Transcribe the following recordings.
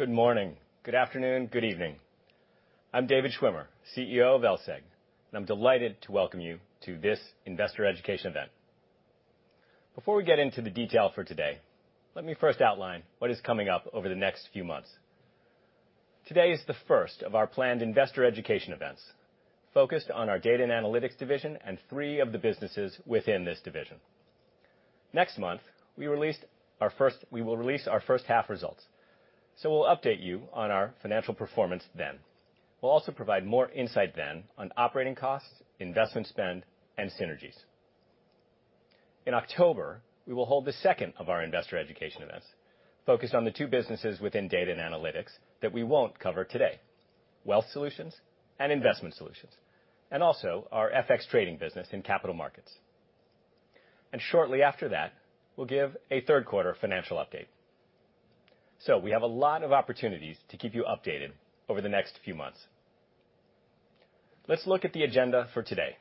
Good morning, good afternoon, good evening. I'm David Schwimmer, CEO of LSEG, and I'm delighted to welcome you to this investor education event. Before we get into the detail for today, let me first outline what is coming up over the next few months. Today is the first of our planned investor education events focused on our Data & Analytics division and three of the businesses within this division. Next month, we will release our first half results, so we'll update you on our financial performance then. We'll also provide more insight then on operating costs, investment spend, and synergies. In October, we will hold the second of our investor education events focused on the two businesses within Data & Analytics that we won't cover today, Wealth Solutions and Investment Solutions, and also our FX trading business in capital markets. Shortly after that, we'll give a third quarter financial update. We have a lot of opportunities to keep you updated over the next few months. Let's look at the agenda for today.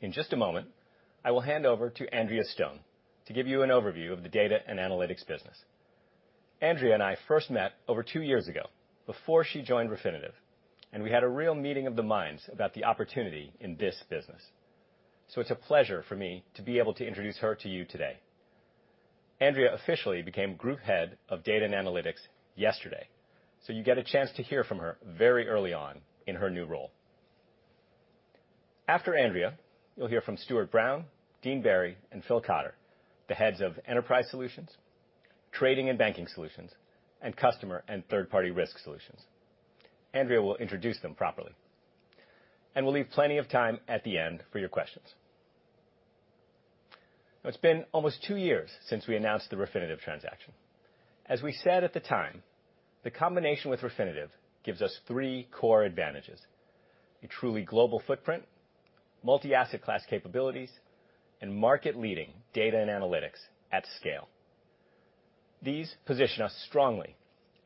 In just a moment, I will hand over to Andrea Stone to give you an overview of the Data & Analytics business. Andrea and I first met over two years ago before she joined Refinitiv, and we had a real meeting of the minds about the opportunity in this business. It's a pleasure for me to be able to introduce her to you today. Andrea officially became Group Head of Data & Analytics yesterday, so you get a chance to hear from her very early on in her new role. After Andrea, you'll hear from Stuart Brown, Dean Berry, and Phil Cotter, the heads of Enterprise Solutions, Trading and Banking Solutions, and Customer and Third-Party Risk Solutions. Andrea will introduce them properly. We'll leave plenty of time at the end for your questions. It's been almost two years since we announced the Refinitiv transaction. As we said at the time, the combination with Refinitiv gives us three core advantages, a truly global footprint, multi-asset class capabilities, and market-leading data and analytics at scale. These position us strongly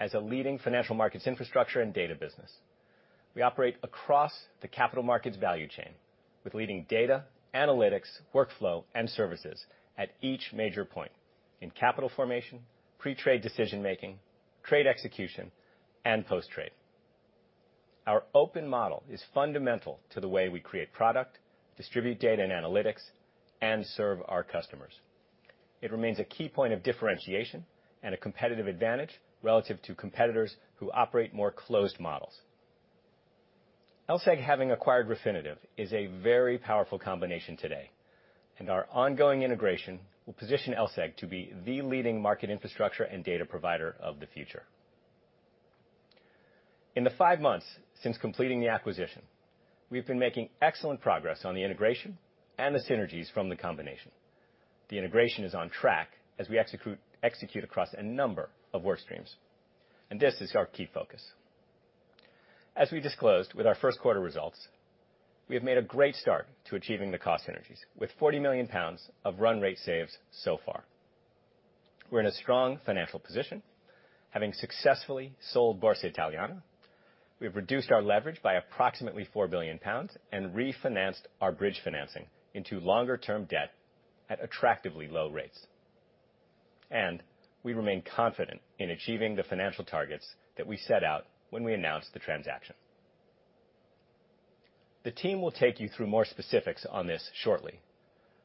as a leading financial markets infrastructure and data business. We operate across the capital markets value chain with leading data, analytics, workflow, and services at each major point in capital formation, pre-trade decision-making, trade execution, and post-trade. Our open model is fundamental to the way we create product, distribute data and analytics, and serve our customers. It remains a key point of differentiation and a competitive advantage relative to competitors who operate more closed models. LSEG having acquired Refinitiv is a very powerful combination today, and our ongoing integration will position LSEG to be the leading market infrastructure and data provider of the future. In the five months since completing the acquisition, we've been making excellent progress on the integration and the synergies from the combination. The integration is on track as we execute across a number of work streams, and this is our key focus. As we disclosed with our first quarter results, we have made a great start to achieving the cost synergies with 40 million pounds of run rate saves so far. We're in a strong financial position, having successfully sold Borsa Italiana. We've reduced our leverage by approximately 4 billion pounds and refinanced our bridge financing into longer-term debt at attractively low rates. We remain confident in achieving the financial targets that we set out when we announced the transaction. The team will take you through more specifics on this shortly,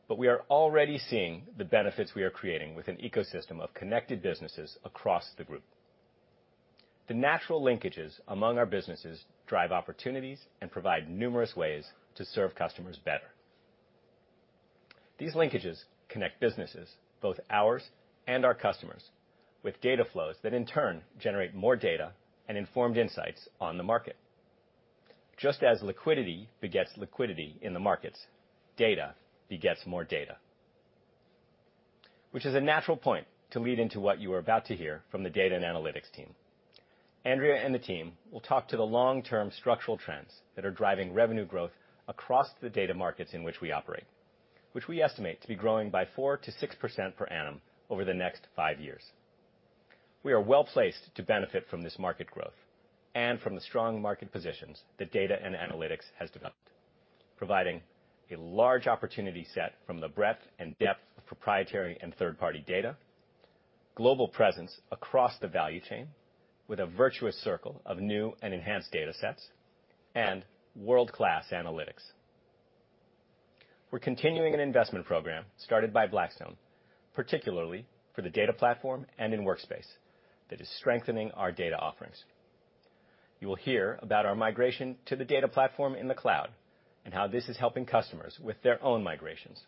but we are already seeing the benefits we are creating with an ecosystem of connected businesses across the group. The natural linkages among our businesses drive opportunities and provide numerous ways to serve customers better. These linkages connect businesses, both ours and our customers, with data flows that in turn generate more data and informed insights on the market. Just as liquidity begets liquidity in the markets, data begets more data. Which is a natural point to lead into what you are about to hear from the Data & Analytics team. Andrea and the team will talk to the long-term structural trends that are driving revenue growth across the data markets in which we operate, which we estimate to be growing by 4%-6% per annum over the next five years. We are well-placed to benefit from this market growth and from the strong market positions that data and analytics has developed, providing a large opportunity set from the breadth and depth of proprietary and third-party data, global presence across the value chain with a virtuous circle of new and enhanced data sets, and world-class analytics. We're continuing an investment program started by Blackstone, particularly for the data platform and in Workspace that is strengthening our data offerings. You will hear about our migration to the data platform in the cloud and how this is helping customers with their own migrations.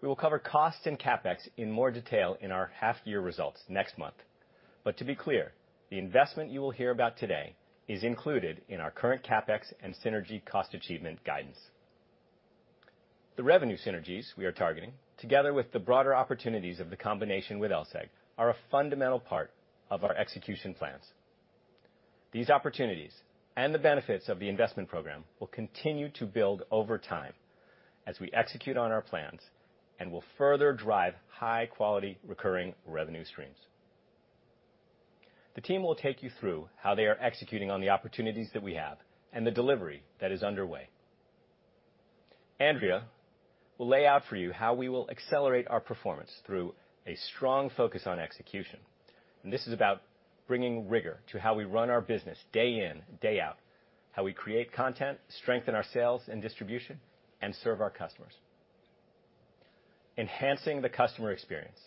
We will cover costs and CapEx in more detail in our half-year results next month. To be clear, the investment you will hear about today is included in our current CapEx and synergy cost achievement guidance. The revenue synergies we are targeting, together with the broader opportunities of the combination with LSEG, are a fundamental part of our execution plans. These opportunities and the benefits of the investment program will continue to build over time as we execute on our plans and will further drive high-quality recurring revenue streams. The team will take you through how they are executing on the opportunities that we have and the delivery that is underway. Andrea will lay out for you how we will accelerate our performance through a strong focus on execution. This is about bringing rigor to how we run our business day in, day out, how we create content, strengthen our sales and distribution, and serve our customers. Enhancing the customer experience,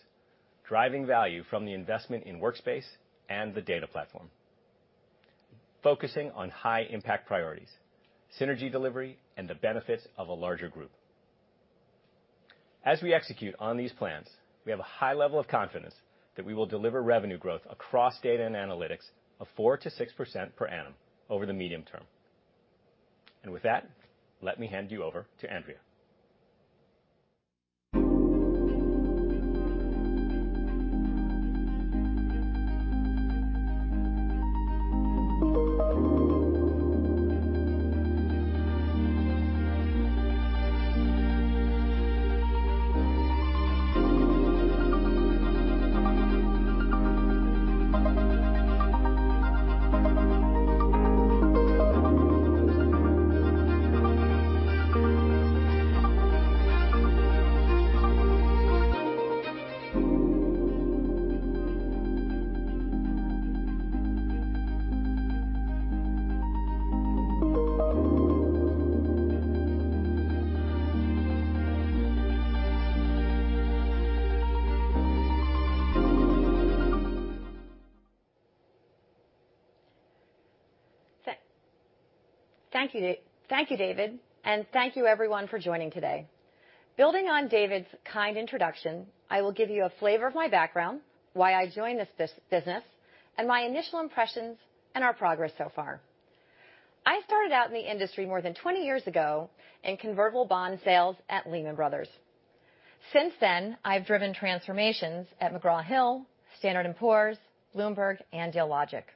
driving value from the investment in Workspace and the data platform. Focusing on high-impact priorities, synergy delivery, and the benefits of a larger group. As we execute on these plans, we have a high level of confidence that we will deliver revenue growth across Data & Analytics of 4%-6% per annum over the medium term. With that, let me hand you over to Andrea. Thank you, David. Thank you, everyone, for joining today. Building on David's kind introduction, I will give you a flavor of my background, why I joined this business, and my initial impressions and our progress so far. I started out in the industry more than 20 years ago in convertible bond sales at Lehman Brothers. Since then, I've driven transformations at McGraw-Hill, Standard & Poor's, Bloomberg, and Dealogic.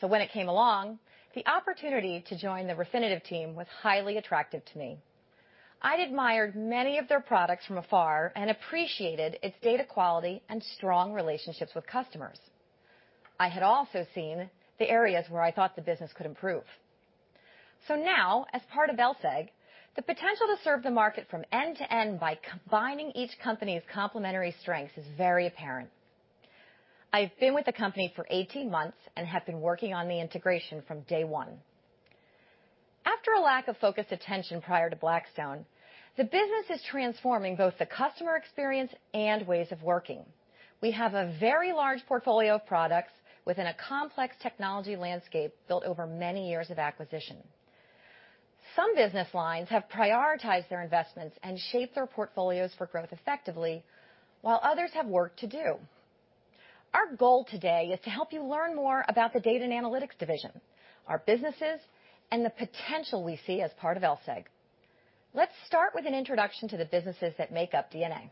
When it came along, the opportunity to join the Refinitiv team was highly attractive to me. I'd admired many of their products from afar and appreciated its data quality and strong relationships with customers. I had also seen the areas where I thought the business could improve. Now, as part of LSEG, the potential to serve the market from end to end by combining each company's complementary strengths is very apparent. I've been with the company for 18 months and have been working on the integration from day one. After a lack of focused attention prior to Blackstone, the business is transforming both the customer experience and ways of working. We have a very large portfolio of products within a complex technology landscape built over many years of acquisition. Some business lines have prioritized their investments and shaped their portfolios for growth effectively, while others have work to do. Our goal today is to help you learn more about the Data & Analytics division, our businesses, and the potential we see as part of LSEG. Let's start with an introduction to the businesses that make up D&A.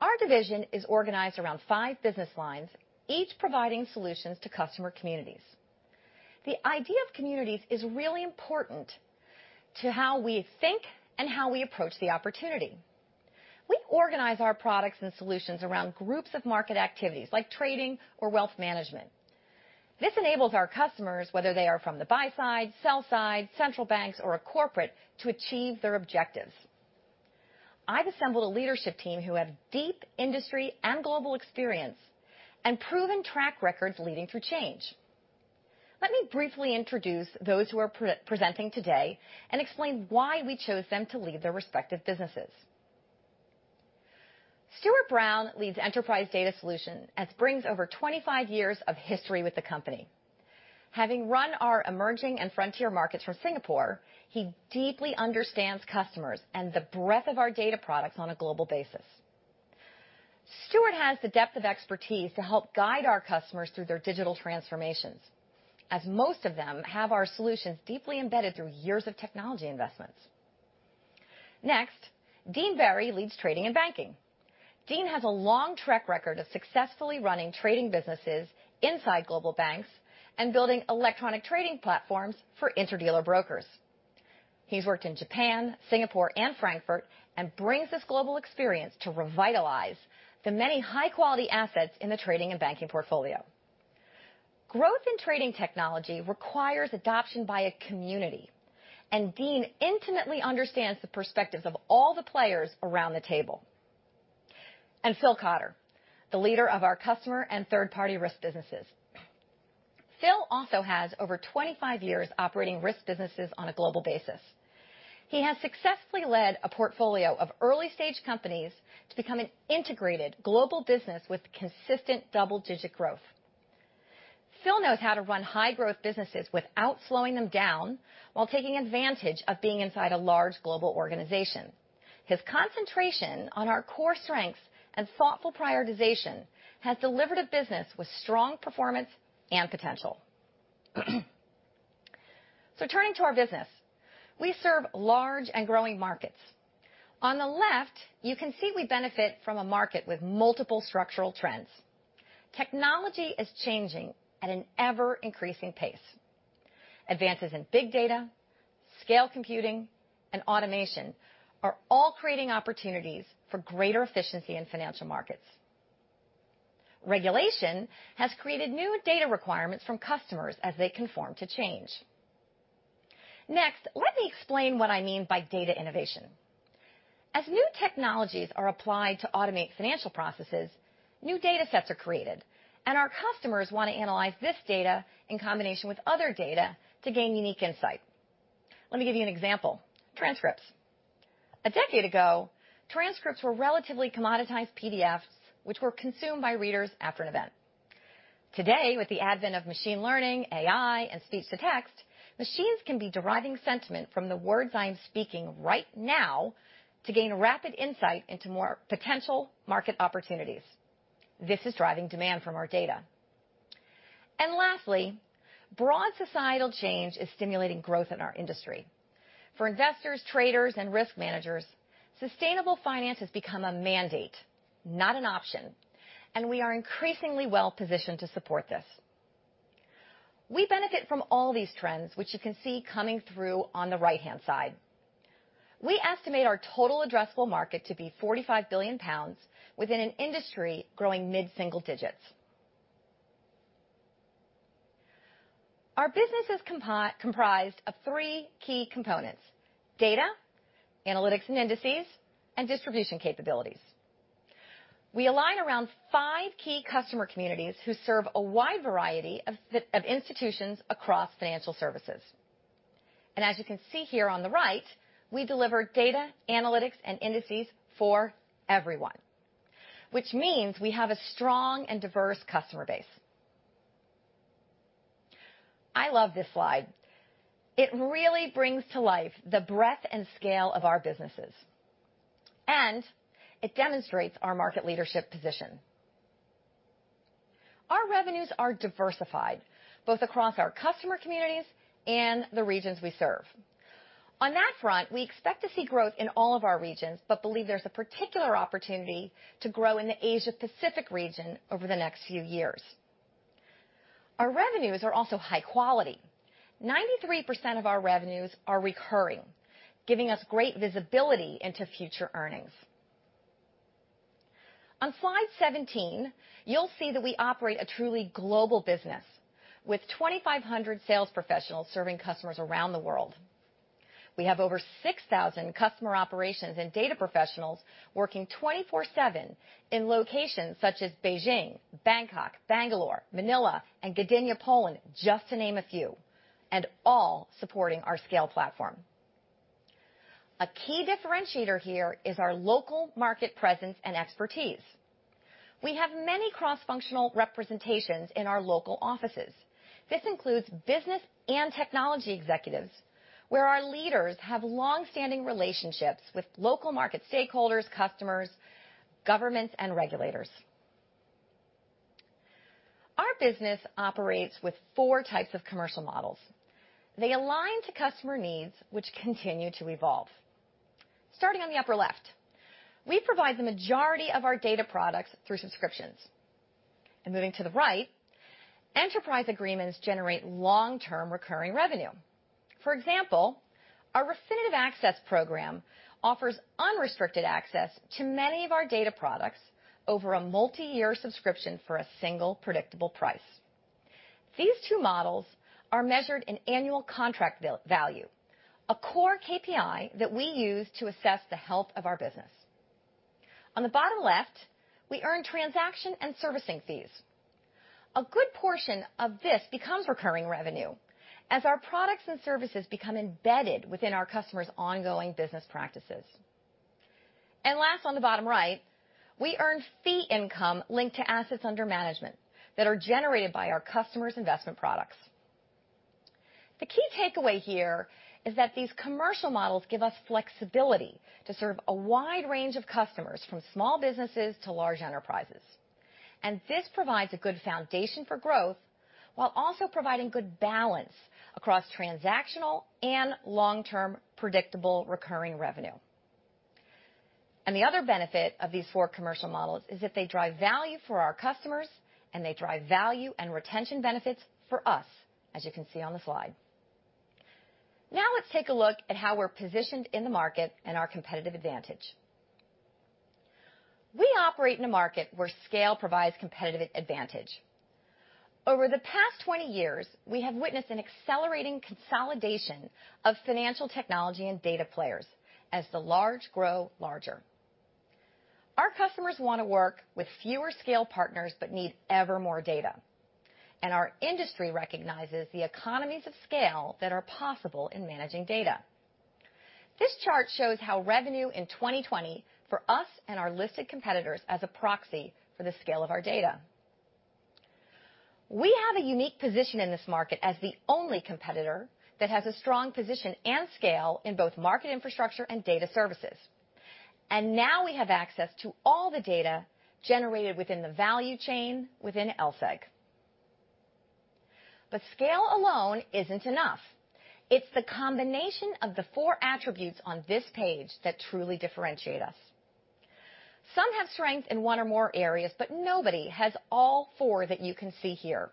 Our division is organized around five business lines, each providing solutions to customer communities. The idea of communities is really important to how we think and how we approach the opportunity. We organize our products and solutions around groups of market activities like trading or wealth management. This enables our customers, whether they are from the buy side, sell side, central banks, or a corporate, to achieve their objectives. I've assembled a leadership team who have deep industry and global experience and proven track records leading through change. Let me briefly introduce those who are presenting today and explain why we chose them to lead their respective businesses. Stuart Brown leads Enterprise Data Solutions, and brings over 25 years of history with the company. Having run our emerging and frontier markets from Singapore, he deeply understands customers and the breadth of our data products on a global basis. Stuart has the depth of expertise to help guide our customers through their digital transformations, as most of them have our solutions deeply embedded through years of technology investments. Next, Dean Berry leads Trading and Banking. Dean has a long track record of successfully running trading businesses inside global banks and building electronic trading platforms for inter-dealer brokers. He's worked in Japan, Singapore, and Frankfurt, and brings this global experience to revitalize the many high-quality assets in the Trading and Banking portfolio. Growth in trading technology requires adoption by a community. Dean intimately understands the perspectives of all the players around the table. Phil Cotter, the leader of our Customer and Third-Party Risk businesses. Phil also has over 25 years operating risk businesses on a global basis. He has successfully led a portfolio of early-stage companies to become an integrated global business with consistent double-digit growth. Phil knows how to run high-growth businesses without slowing them down while taking advantage of being inside a large global organization. His concentration on our core strengths and thoughtful prioritization has delivered a business with strong performance and potential. Turning to our business. We serve large and growing markets. On the left, you can see we benefit from a market with multiple structural trends. Technology is changing at an ever-increasing pace. Advances in big data, scale computing, and automation are all creating opportunities for greater efficiency in financial markets. Regulation has created new data requirements from customers as they conform to change. Let me explain what I mean by data innovation. As new technologies are applied to automate financial processes, new data sets are created, and our customers want to analyze this data in combination with other data to gain unique insight. Let me give you an example. Transcripts. A decade ago, transcripts were relatively commoditized PDFs, which were consumed by readers after an event. Today, with the advent of machine learning, AI, and speech-to-text, machines can be deriving sentiment from the words I'm speaking right now to gain rapid insight into more potential market opportunities. This is driving demand from our data. Lastly, broad societal change is stimulating growth in our industry. For investors, traders, and risk managers, sustainable finance has become a mandate, not an option, and we are increasingly well-positioned to support this. We benefit from all these trends, which you can see coming through on the right-hand side. We estimate our total addressable market to be £45 billion within an industry growing mid-single digits. Our business is comprised of three key components: data, analytics and indices, and distribution capabilities. We align around five key customer communities who serve a wide variety of institutions across financial services. As you can see here on the right, we deliver data, analytics, and indices for everyone, which means we have a strong and diverse customer base. I love this slide. It really brings to life the breadth and scale of our businesses, and it demonstrates our market leadership position. Our revenues are diversified, both across our customer communities and the regions we serve. On that front, we expect to see growth in all of our regions, but believe there's a particular opportunity to grow in the Asia-Pacific region over the next few years. Our revenues are also high quality. 93% of our revenues are recurring, giving us great visibility into future earnings. On slide 17, you'll see that we operate a truly global business, with 2,500 sales professionals serving customers around the world. We have over 6,000 customer operations and data professionals working 24/7 in locations such as Beijing, Bangkok, Bangalore, Manila, and Gdynia, Poland, just to name a few, and all supporting our scale platform. A key differentiator here is our local market presence and expertise. We have many cross-functional representations in our local offices. This includes business and technology executives, where our leaders have longstanding relationships with local market stakeholders, customers, governments, and regulators. Our business operates with four types of commercial models. They align to customer needs, which continue to evolve. Starting on the upper left, we provide the majority of our data products through subscriptions. Moving to the right, enterprise agreements generate long-term recurring revenue. For example, our Refinitiv Access Program offers unrestricted access to many of our data products over a multi-year subscription for a single predictable price. These two models are measured in annual contract value, a core KPI that we use to assess the health of our business. On the bottom left, we earn transaction and servicing fees. A good portion of this becomes recurring revenue as our products and services become embedded within our customers' ongoing business practices. Last, on the bottom right, we earn fee income linked to assets under management that are generated by our customers' investment products. The key takeaway here is that these commercial models give us flexibility to serve a wide range of customers, from small businesses to large enterprises. This provides a good foundation for growth while also providing good balance across transactional and long-term predictable recurring revenue. The other benefit of these four commercial models is that they drive value for our customers, and they drive value and retention benefits for us, as you can see on the slide. Let's take a look at how we're positioned in the market and our competitive advantage. We operate in a market where scale provides competitive advantage. Over the past 20 years, we have witnessed an accelerating consolidation of financial technology and data players as the large grow larger. Our customers want to work with fewer scale partners but need ever more data, and our industry recognizes the economies of scale that are possible in managing data. This chart shows how revenue in 2020 for us and our listed competitors as a proxy for the scale of our data. We have a unique position in this market as the only competitor that has a strong position and scale in both market infrastructure and data services. Now we have access to all the data generated within the value chain within LSEG. Scale alone isn't enough. It's the combination of the four attributes on this page that truly differentiate us. Some have strength in one or more areas, but nobody has all four that you can see here.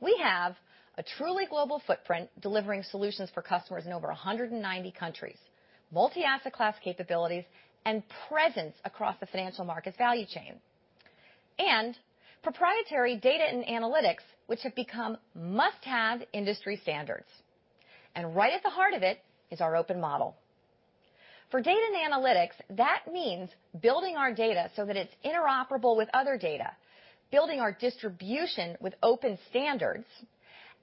We have a truly global footprint delivering solutions for customers in over 190 countries, multi-asset class capabilities, and presence across the financial markets value chain. Proprietary data and analytics, which have become must-have industry standards. Right at the heart of it is our open model. For Data & Analytics, that means building our data so that it's interoperable with other data, building our distribution with open standards,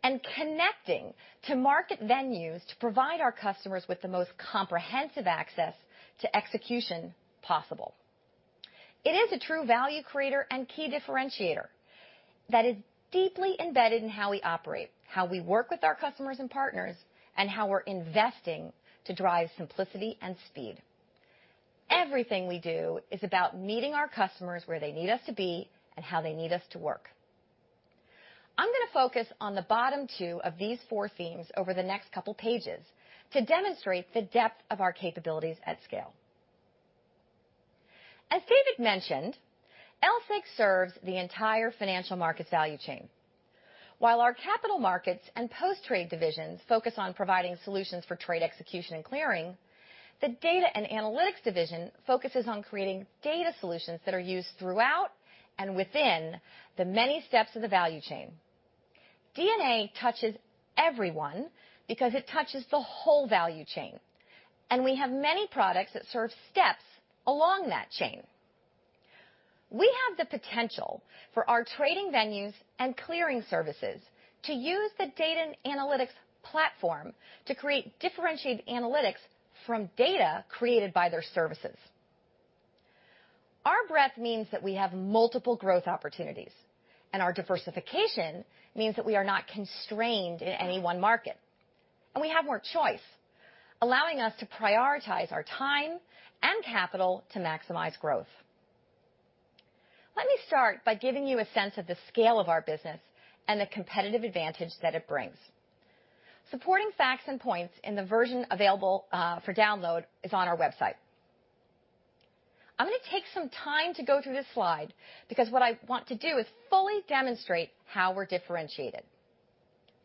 and connecting to market venues to provide our customers with the most comprehensive access to execution possible. It is a true value creator and key differentiator that is deeply embedded in how we operate, how we work with our customers and partners, and how we're investing to drive simplicity and speed. Everything we do is about meeting our customers where they need us to be and how they need us to work. I'm going to focus on the bottom two of these four themes over the next couple pages to demonstrate the depth of our capabilities at scale. As David Schwimmer mentioned, LSEG serves the entire financial markets value chain. While our Capital Markets and Post-trade divisions focus on providing solutions for trade execution and clearing, the Data & Analytics division focuses on creating data solutions that are used throughout and within the many steps of the value chain. D&A touches everyone because it touches the whole value chain, and we have many products that serve steps along that chain. We have the potential for our trading venues and clearing services to use the data and analytics platform to create differentiated analytics from data created by their services. Our breadth means that we have multiple growth opportunities, and our diversification means that we are not constrained in any one market. We have more choice, allowing us to prioritize our time and capital to maximize growth. Let me start by giving you a sense of the scale of our business and the competitive advantage that it brings. Supporting facts and points in the version available for download is on our website. I'm going to take some time to go through this slide because what I want to do is fully demonstrate how we're differentiated.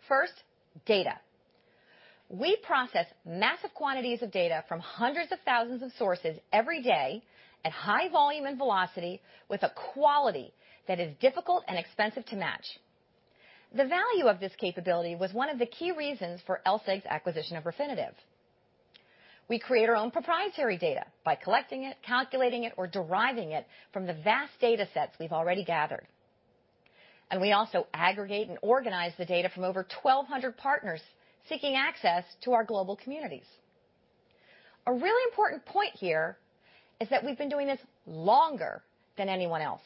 First, data. We process massive quantities of data from hundreds of thousands of sources every day at high volume and velocity with a quality that is difficult and expensive to match. The value of this capability was one of the key reasons for LSEG's acquisition of Refinitiv. We create our own proprietary data by collecting it, calculating it, or deriving it from the vast datasets we've already gathered. We also aggregate and organize the data from over 1,200 partners seeking access to our global communities. A really important point here is that we've been doing this longer than anyone else.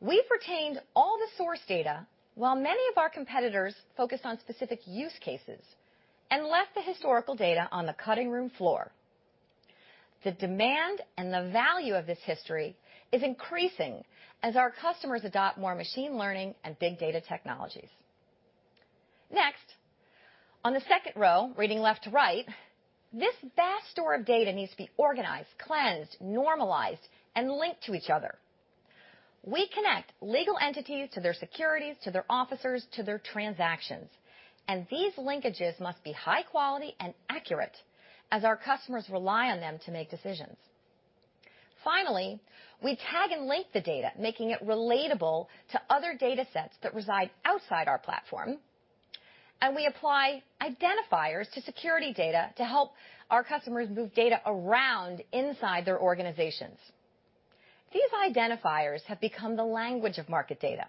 We've retained all the source data while many of our competitors focused on specific use cases and left the historical data on the cutting room floor. The demand and the value of this history is increasing as our customers adopt more machine learning and big data technologies. Next, on the second row, reading left to right, this vast store of data needs to be organized, cleansed, normalized, and linked to each other. We connect legal entities to their securities, to their officers, to their transactions, and these linkages must be high quality and accurate as our customers rely on them to make decisions. Finally, we tag and link the data, making it relatable to other datasets that reside outside our platform, and we apply identifiers to security data to help our customers move data around inside their organizations. These identifiers have become the language of market data.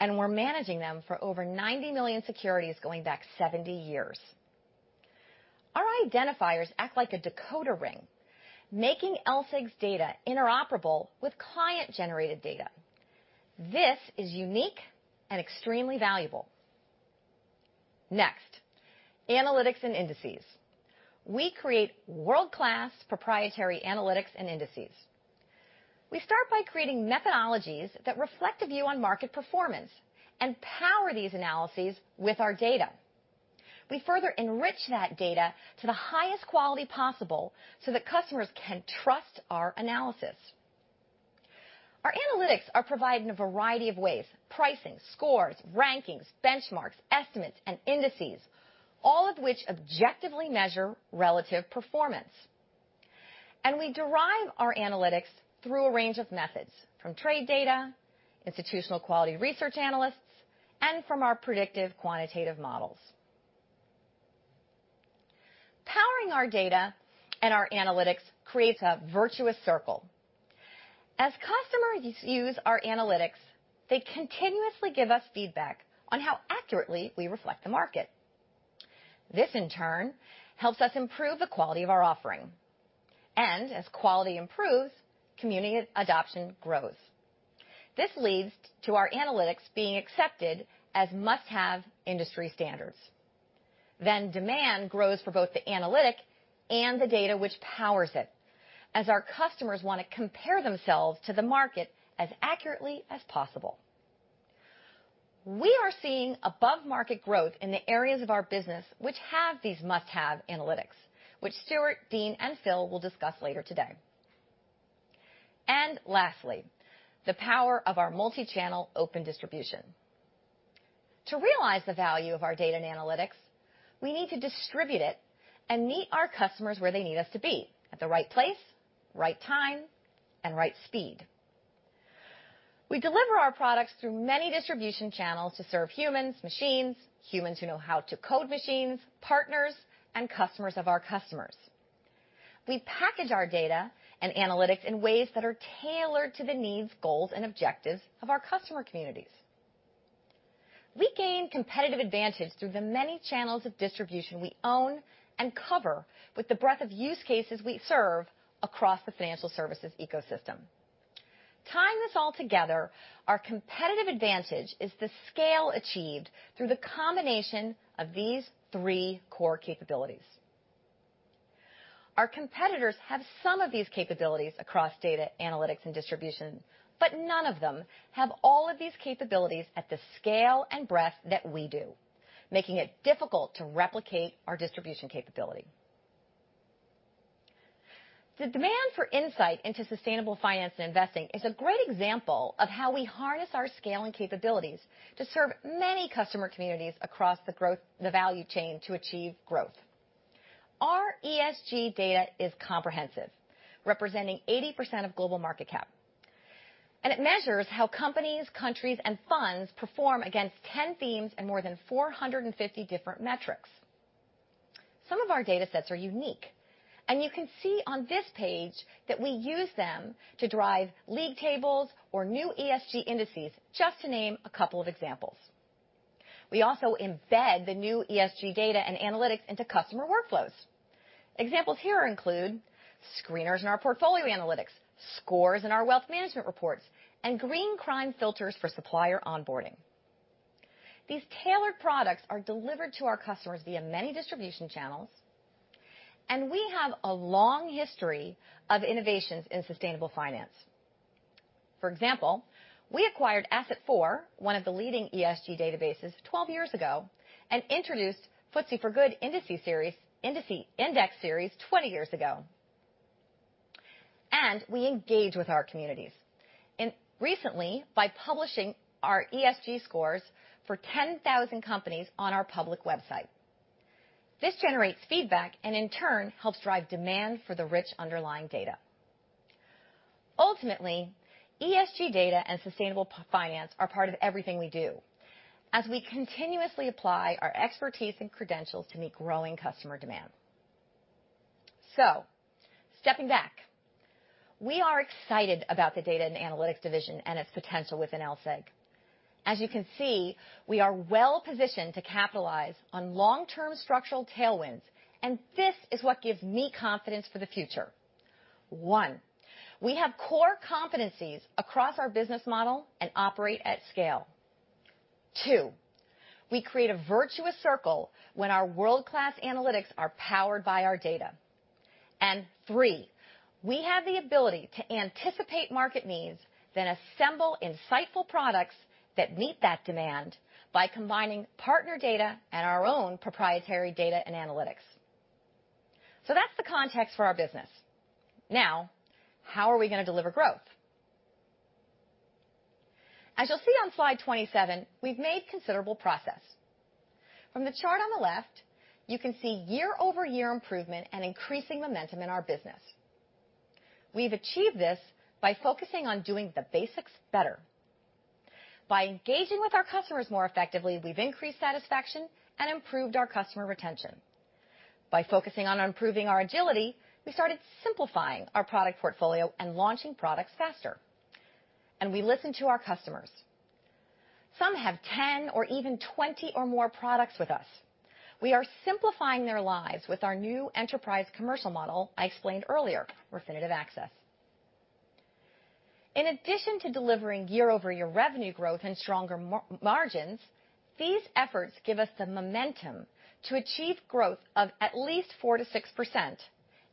We're managing them for over 90 million securities going back 70 years. Our identifiers act like a decoder ring, making LSEG's data interoperable with client-generated data. This is unique and extremely valuable. Next, analytics and indices. We create world-class proprietary analytics and indices. We start by creating methodologies that reflect a view on market performance and power these analyses with our data. We further enrich that data to the highest quality possible so that customers can trust our analysis. Our analytics are provided in a variety of ways: pricing, scores, rankings, benchmarks, estimates, and indices, all of which objectively measure relative performance. We derive our analytics through a range of methods, from trade data, institutional quality research analysts, and from our predictive quantitative models. Powering our data and our analytics creates a virtuous circle. As customers use our analytics, they continuously give us feedback on how accurately we reflect the market. This, in turn, helps us improve the quality of our offering. As quality improves, community adoption grows. This leads to our analytics being accepted as must-have industry standards. Demand grows for both the analytic and the data which powers it, as our customers want to compare themselves to the market as accurately as possible. We are seeing above-market growth in the areas of our business which have these must-have analytics, which Stuart, Dean, and Phil will discuss later today. Lastly, the power of our multi-channel open distribution. To realize the value of our data and analytics, we need to distribute it and meet our customers where they need us to be, at the right place, right time, and right speed. We deliver our products through many distribution channels to serve humans, machines, humans who know how to code machines, partners, and customers of our customers. We package our data and analytics in ways that are tailored to the needs, goals, and objectives of our customer communities. We gain competitive advantages through the many channels of distribution we own and cover with the breadth of use cases we serve across the financial services ecosystem. Tying this all together, our competitive advantage is the scale achieved through the combination of these three core capabilities. Our competitors have some of these capabilities across data analytics and distribution, but none of them have all of these capabilities at the scale and breadth that we do, making it difficult to replicate our distribution capability. The demand for insight into sustainable finance and investing is a great example of how we harness our scale and capabilities to serve many customer communities across the value chain to achieve growth. Our ESG data is comprehensive, representing 80% of global market cap. It measures how companies, countries, and funds perform against 10 themes and more than 450 different metrics. Some of our datasets are unique, you can see on this page that we use them to drive league tables or new ESG indices, just to name a couple of examples. We also embed the new ESG data and analytics into customer workflows. Examples here include screeners in our portfolio analytics, scores in our wealth management reports, and green crime filters for supplier onboarding. These tailored products are delivered to our customers via many distribution channels, and we have a long history of innovations in sustainable finance. For example, we acquired ASSET4, one of the leading ESG databases 12 years ago, and introduced FTSE4Good Index Series 20 years ago. We engage with our communities, and recently by publishing our ESG scores for 10,000 companies on our public website. This generates feedback and in turn helps drive demand for the rich underlying data. Ultimately, ESG data and sustainable finance are part of everything we do as we continuously apply our expertise and credentials to meet growing customer demand. Stepping back, we are excited about the Data & Analytics division and its potential within LSEG. You can see, we are well-positioned to capitalize on long-term structural tailwinds, and this is what gives me confidence for the future. One, we have core competencies across our business model and operate at scale. Two, we create a virtuous circle when our world-class analytics are powered by our data. Three, we have the ability to anticipate market needs, then assemble insightful products that meet that demand by combining partner data and our own proprietary data and analytics. That's the context for our business. How are we going to deliver growth? As you'll see on slide 27, we've made considerable progress. From the chart on the left, you can see year-over-year improvement and increasing momentum in our business. We've achieved this by focusing on doing the basics better. By engaging with our customers more effectively, we've increased satisfaction and improved our customer retention. By focusing on improving our agility, we started simplifying our product portfolio and launching products faster. We listened to our customers. Some have 10 or even 20 or more products with us. We are simplifying their lives with our new enterprise commercial model I explained earlier, Refinitiv Access. In addition to delivering year-over-year revenue growth and stronger margins, these efforts give us the momentum to achieve growth of at least 4%-6%,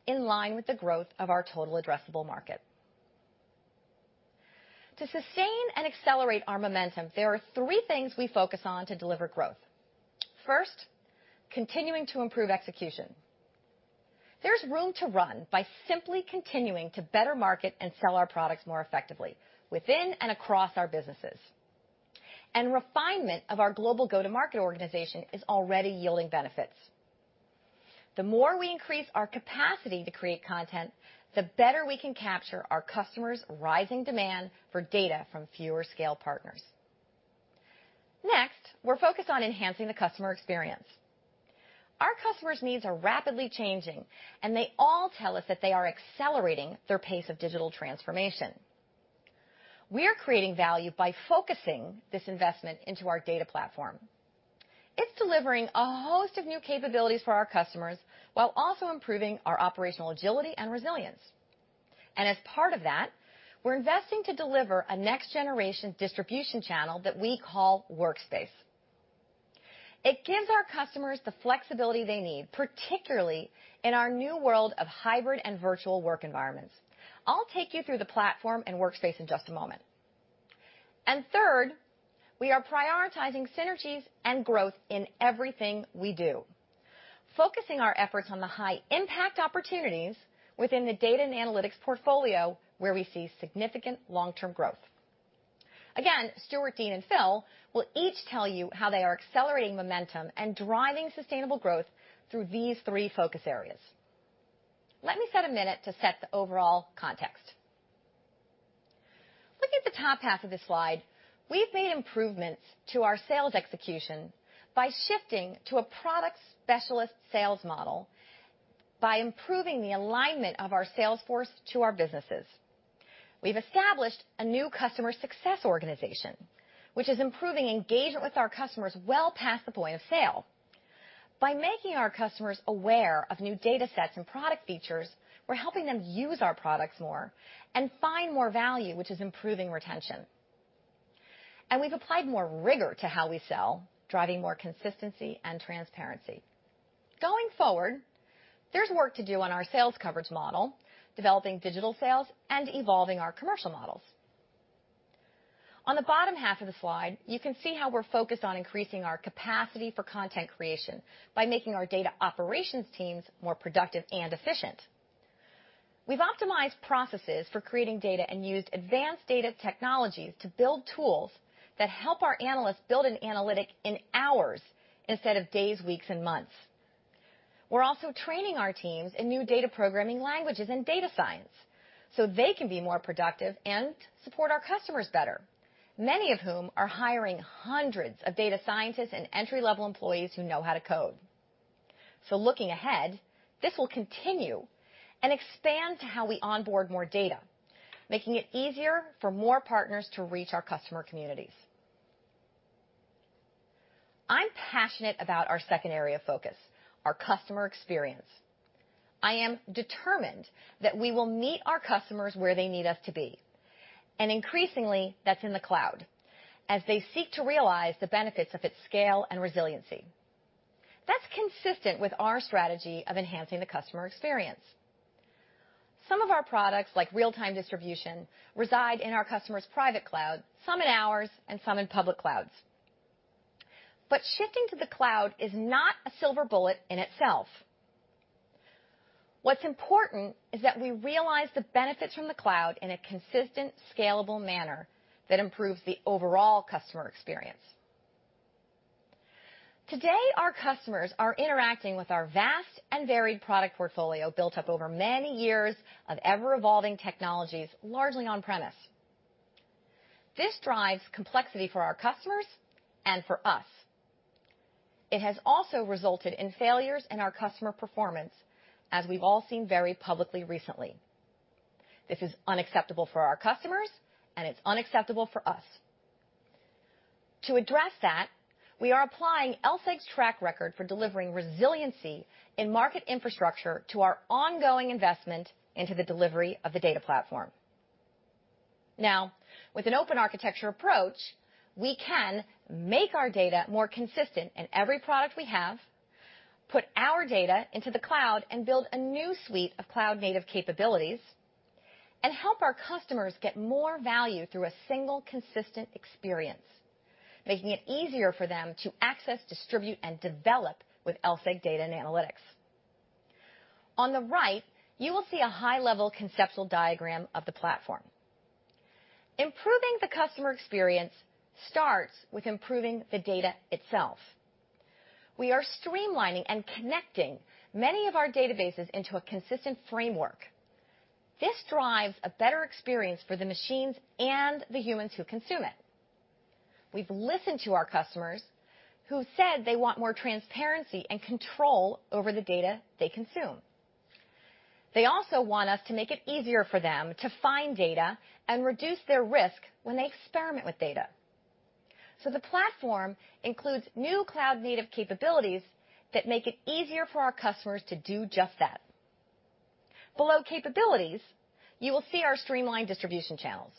in line with the growth of our total addressable market. To sustain and accelerate our momentum, there are three things we focus on to deliver growth. First, continuing to improve execution. There's room to run by simply continuing to better market and sell our products more effectively within and across our businesses. Refinement of our global go-to-market organization is already yielding benefits. The more we increase our capacity to create content, the better we can capture our customers' rising demand for data from fewer scale partners. We're focused on enhancing the customer experience. Our customers' needs are rapidly changing, and they all tell us that they are accelerating their pace of digital transformation. We are creating value by focusing this investment into our data platform. It's delivering a host of new capabilities for our customers while also improving our operational agility and resilience. As part of that, we're investing to deliver a next-generation distribution channel that we call Workspace. It gives our customers the flexibility they need, particularly in our new world of hybrid and virtual work environments. I'll take you through the platform and Workspace in just a moment. Third, we are prioritizing synergies and growth in everything we do, focusing our efforts on the high-impact opportunities within the Data & Analytics portfolio where we see significant long-term growth. Again, Stuart, Dean, and Phil will each tell you how they are accelerating momentum and driving sustainable growth through these three focus areas. Let me spend a minute to set the overall context. Look at the top half of the slide. We've made improvements to our sales execution by shifting to a product specialist sales model by improving the alignment of our sales force to our businesses. We've established a new customer success organization, which is improving engagement with our customers well past the point of sale. By making our customers aware of new data sets and product features, we're helping them use our products more and find more value, which is improving retention. We've applied more rigor to how we sell, driving more consistency and transparency. Going forward, there's work to do on our sales coverage model, developing digital sales, and evolving our commercial models. On the bottom half of the slide, you can see how we're focused on increasing our capacity for content creation by making our data operations teams more productive and efficient. We've optimized processes for creating data and used advanced data technologies to build tools that help our analysts build an analytic in hours instead of days, weeks, and months. We're also training our teams in new data programming languages and data science so they can be more productive and support our customers better, many of whom are hiring hundreds of data scientists and entry-level employees who know how to code. Looking ahead, this will continue and expand to how we onboard more data, making it easier for more partners to reach our customer communities. I'm passionate about our second area of focus, our customer experience. I am determined that we will meet our customers where they need us to be. Increasingly, that's in the cloud, as they seek to realize the benefits of its scale and resiliency. That's consistent with our strategy of enhancing the customer experience. Some of our products, like real-time distribution, reside in our customers' private cloud, some in ours, and some in public clouds. Shifting to the cloud is not a silver bullet in itself. What's important is that we realize the benefits from the cloud in a consistent, scalable manner that improves the overall customer experience. Today, our customers are interacting with our vast and varied product portfolio built up over many years of ever-evolving technologies, largely on-premise. This drives complexity for our customers and for us. It has also resulted in failures in our customer performance, as we've all seen very publicly recently. This is unacceptable for our customers, and it's unacceptable for us. To address that, we are applying LSEG's track record for delivering resiliency in market infrastructure to our ongoing investment into the delivery of the data platform. With an open architecture approach, we can make our data more consistent in every product we have, put our data into the cloud, and build a new suite of cloud-native capabilities, and help our customers get more value through a single, consistent experience, making it easier for them to access, distribute, and develop with LSEG data and analytics. On the right, you will see a high-level conceptual diagram of the platform. Improving the customer experience starts with improving the data itself. We are streamlining and connecting many of our databases into a consistent framework. This drives a better experience for the machines and the humans who consume it. We've listened to our customers who said they want more transparency and control over the data they consume. They also want us to make it easier for them to find data and reduce their risk when they experiment with data. The platform includes new cloud-native capabilities that make it easier for our customers to do just that. Below capabilities, you will see our streamlined distribution channels.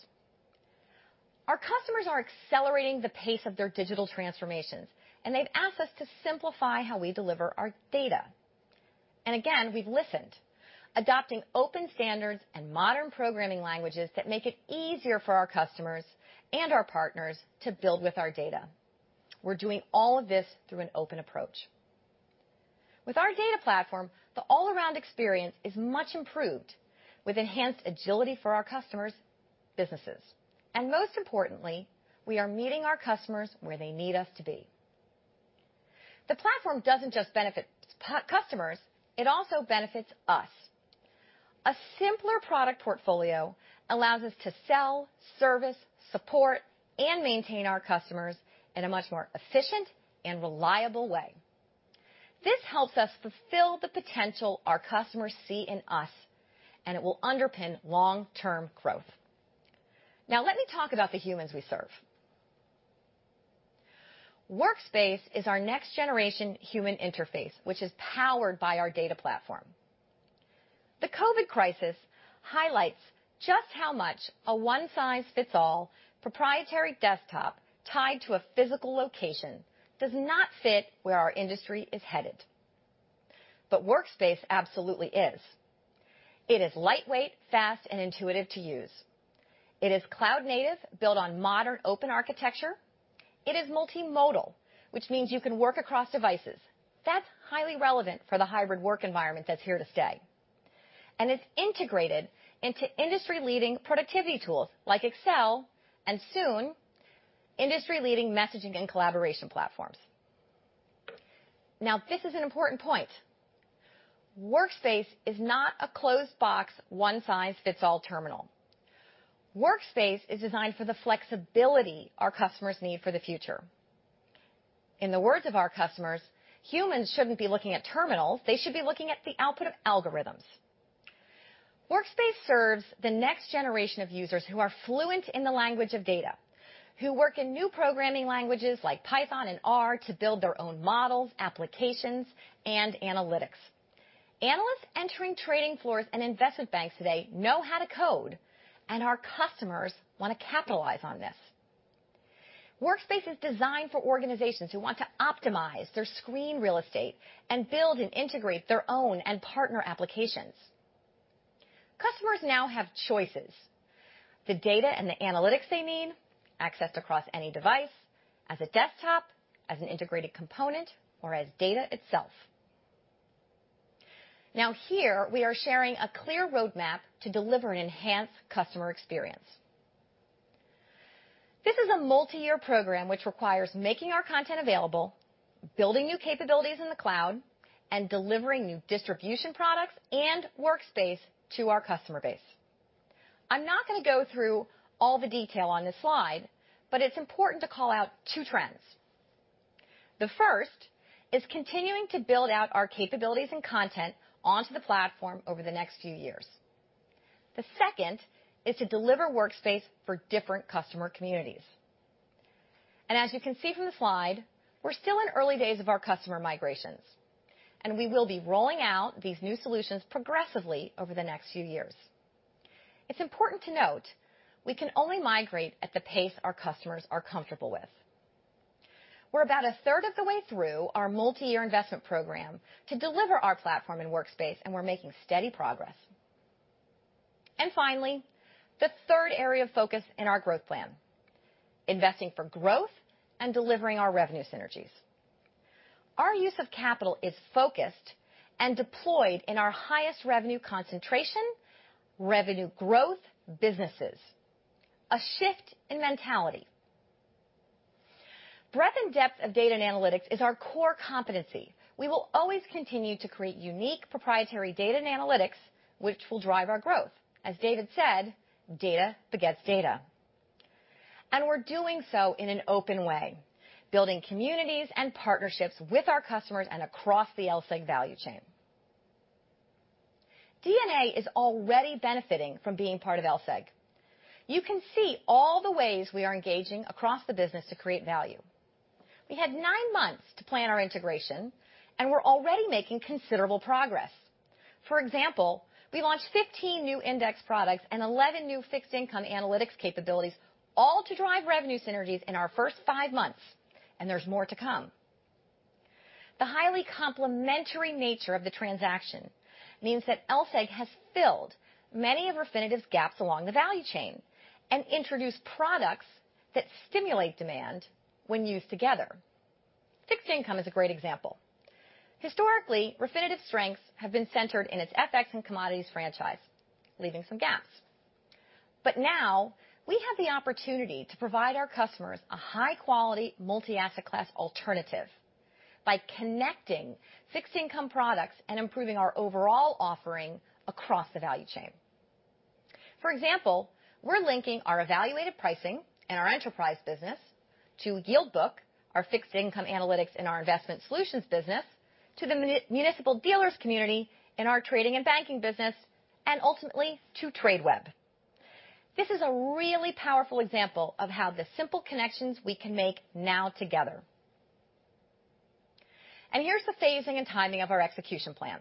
Our customers are accelerating the pace of their digital transformations, and they've asked us to simplify how we deliver our data. Again, we've listened, adopting open standards and modern programming languages that make it easier for our customers and our partners to build with our data. We're doing all of this through an open approach. With our data platform, the all-around experience is much improved with enhanced agility for our customers' businesses. Most importantly, we are meeting our customers where they need us to be. The platform doesn't just benefit customers, it also benefits us. A simpler product portfolio allows us to sell, service, support, and maintain our customers in a much more efficient and reliable way. This helps us fulfill the potential our customers see in us, and it will underpin long-term growth. Let me talk about the humans we serve. Workspace is our next-generation human interface, which is powered by our data platform. The COVID crisis highlights just how much a one-size-fits-all proprietary desktop tied to a physical location does not fit where our industry is headed. Workspace absolutely is. It is lightweight, fast, and intuitive to use. It is cloud-native, built on modern open architecture. It is multimodal, which means you can work across devices. That's highly relevant for the hybrid work environment that's here to stay. It's integrated into industry-leading productivity tools like Excel and soon, industry-leading messaging and collaboration platforms. This is an important point. Workspace is not a closed box, one-size-fits-all terminal. Workspace is designed for the flexibility our customers need for the future. In the words of our customers, humans shouldn't be looking at terminals, they should be looking at the output of algorithms. Workspace serves the next generation of users who are fluent in the language of data, who work in new programming languages like Python and R to build their own models, applications, and analytics. Analysts entering trading floors and investment banks today know how to code, and our customers want to capitalize on this. Workspace is designed for organizations who want to optimize their screen real estate and build and integrate their own and partner applications. Customers now have choices. The data and the analytics they need, accessed across any device, as a desktop, as an integrated component, or as data itself. Now here we are sharing a clear roadmap to deliver an enhanced customer experience. This is a multi-year program which requires making our content available, building new capabilities in the cloud, and delivering new distribution products and Workspace to our customer base. I'm not going to go through all the detail on this slide, but it's important to call out two trends. The first is continuing to build out our capabilities and content onto the platform over the next few years. The second is to deliver Workspace for different customer communities. As you can see from the slide, we're still in early days of our customer migrations, and we will be rolling out these new solutions progressively over the next few years. It's important to note we can only migrate at the pace our customers are comfortable with. We're about a third of the way through our multi-year investment program to deliver our platform in Workspace, and we're making steady progress. Finally, the third area of focus in our growth plan, investing for growth and delivering our revenue synergies. Our use of capital is focused and deployed in our highest revenue concentration, revenue growth businesses. A shift in mentality. Breadth and depth of data and analytics is our core competency. We will always continue to create unique proprietary data and analytics, which will drive our growth. As David said, "Data begets data." We're doing so in an open way, building communities and partnerships with our customers and across the LSEG value chain. D&A is already benefiting from being part of LSEG. You can see all the ways we are engaging across the business to create value. We had 9 months to plan our integration, and we're already making considerable progress. For example, we launched 15 new index products and 11 new fixed income analytics capabilities all to drive revenue synergies in our first five months, and there is more to come. The highly complementary nature of the transaction means that LSEG has filled many of Refinitiv's gaps along the value chain and introduced products that stimulate demand when used together. Fixed income is a great example. Historically, Refinitiv's strengths have been centered in its FX and commodities franchise, leaving some gaps. But now we have the opportunity to provide our customers a high-quality multi-asset class alternative by connecting fixed income products and improving our overall offering across the value chain. For example, we are linking our evaluated pricing in our Enterprise Solutions business to Yield Book, our fixed income analytics in our Investment Solutions business, to the municipal dealers community in our Trading and Banking Solutions business, and ultimately to Tradeweb. This is a really powerful example of the simple connections we can make now together. Here is the phasing and timing of our execution plan.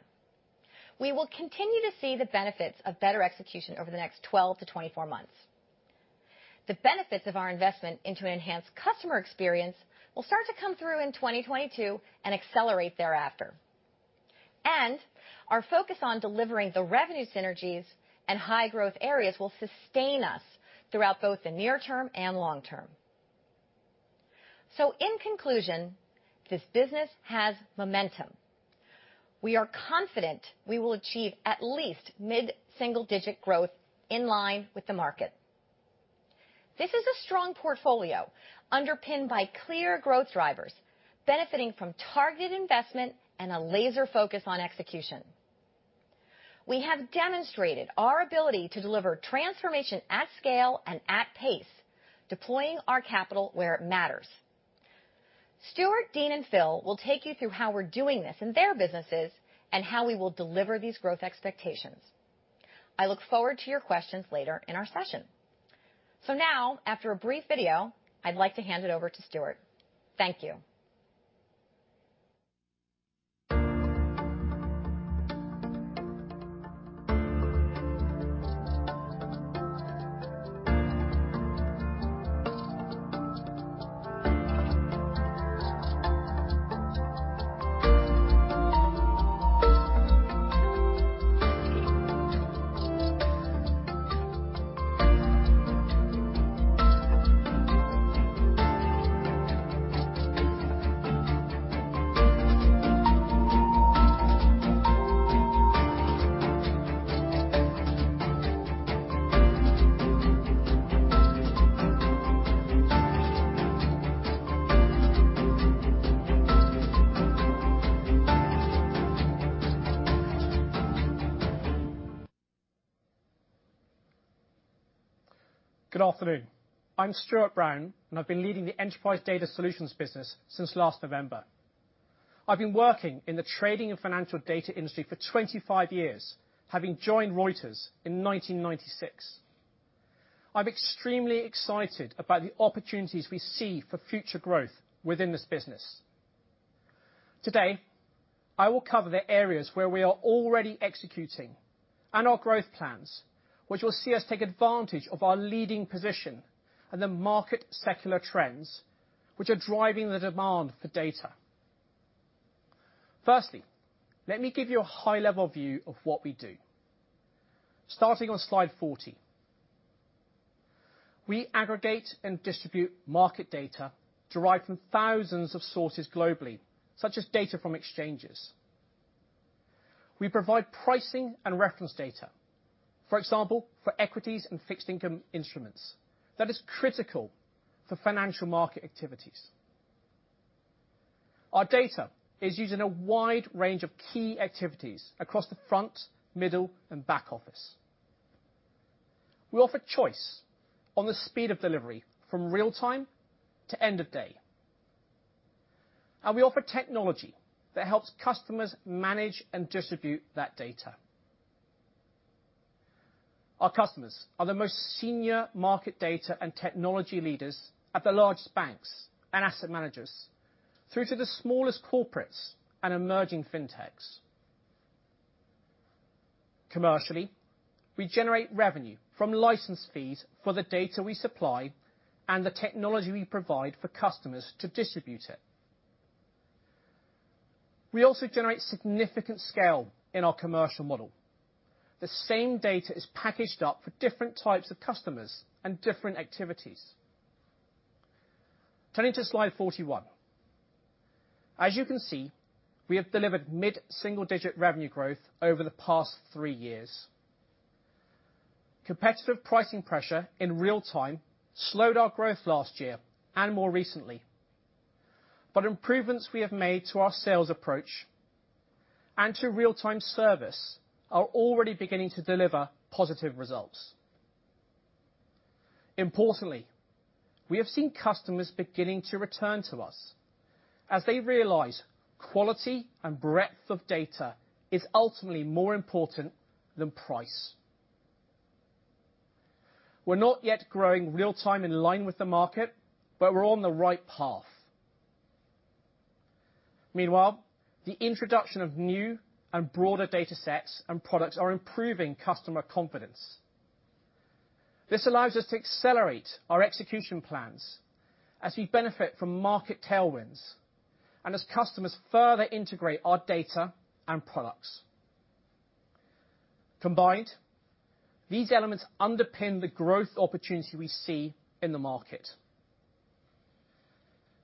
We will continue to see the benefits of better execution over the next 12 to 24 months. The benefits of our investment into enhanced customer experience will start to come through in 2022 and accelerate thereafter. Our focus on delivering the revenue synergies and high-growth areas will sustain us throughout both the near term and long term. In conclusion, this business has momentum. We are confident we will achieve at least mid-single digit growth in line with the market. This is a strong portfolio underpinned by clear growth drivers benefiting from targeted investment and a laser focus on execution. We have demonstrated our ability to deliver transformation at scale and at pace, deploying our capital where it matters. Stuart, Dean, and Phil will take you through how we're doing this in their businesses and how we will deliver these growth expectations. I look forward to your questions later in our session. Now, after a brief video, I'd like to hand it over to Stuart. Thank you. Good afternoon. I'm Stuart Brown. I've been leading the Enterprise Data Solutions business since last November. I've been working in the trading and financial data industry for 25 years, having joined Reuters in 1996. I'm extremely excited about the opportunities we see for future growth within this business. Today, I will cover the areas where we are already executing and our growth plans, which will see us take advantage of our leading position in the market secular trends, which are driving the demand for data. Firstly, let me give you a high-level view of what we do. Starting on slide 14. We aggregate and distribute market data derived from thousands of sources globally, such as data from exchanges. We provide pricing and reference data, for example, for equities and fixed income instruments that is critical for financial market activities. Our data is used in a wide range of key activities across the front, middle, and back office. We offer choice on the speed of delivery from real-time to end-of-day, and we offer technology that helps customers manage and distribute that data. Our customers are the most senior market data and technology leaders at the largest banks and asset managers through to the smallest corporates and emerging fintechs. Commercially, we generate revenue from license fees for the data we supply and the technology we provide for customers to distribute it. We also generate significant scale in our commercial model. The same data is packaged up for different types of customers and different activities. Turning to slide 41. As you can see, we have delivered mid-single-digit revenue growth over the past three years. Competitive pricing pressure in real-time slowed our growth last year and more recently. Improvements we have made to our sales approach and to real-time service are already beginning to deliver positive results. Importantly, we have seen customers beginning to return to us as they realize quality and breadth of data is ultimately more important than price. We're not yet growing real-time in line with the market, but we're on the right path. Meanwhile, the introduction of new and broader data sets and products are improving customer confidence. This allows us to accelerate our execution plans as we benefit from market tailwinds and as customers further integrate our data and products. Combined, these elements underpin the growth opportunity we see in the market.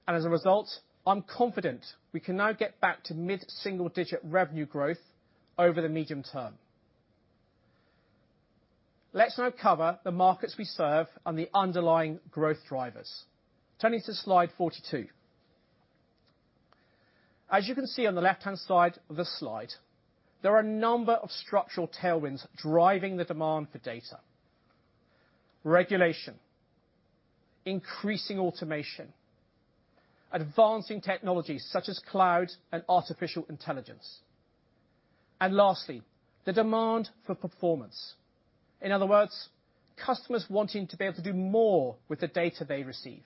As a result, I'm confident we can now get back to mid-single-digit revenue growth over the medium term. Let's now cover the markets we serve and the underlying growth drivers. Turning to slide 42. As you can see on the left-hand side of the slide, there are a number of structural tailwinds driving the demand for data. Regulation, increasing automation, advancing technologies such as cloud and artificial intelligence, and lastly, the demand for performance. In other words, customers wanting to be able to do more with the data they receive.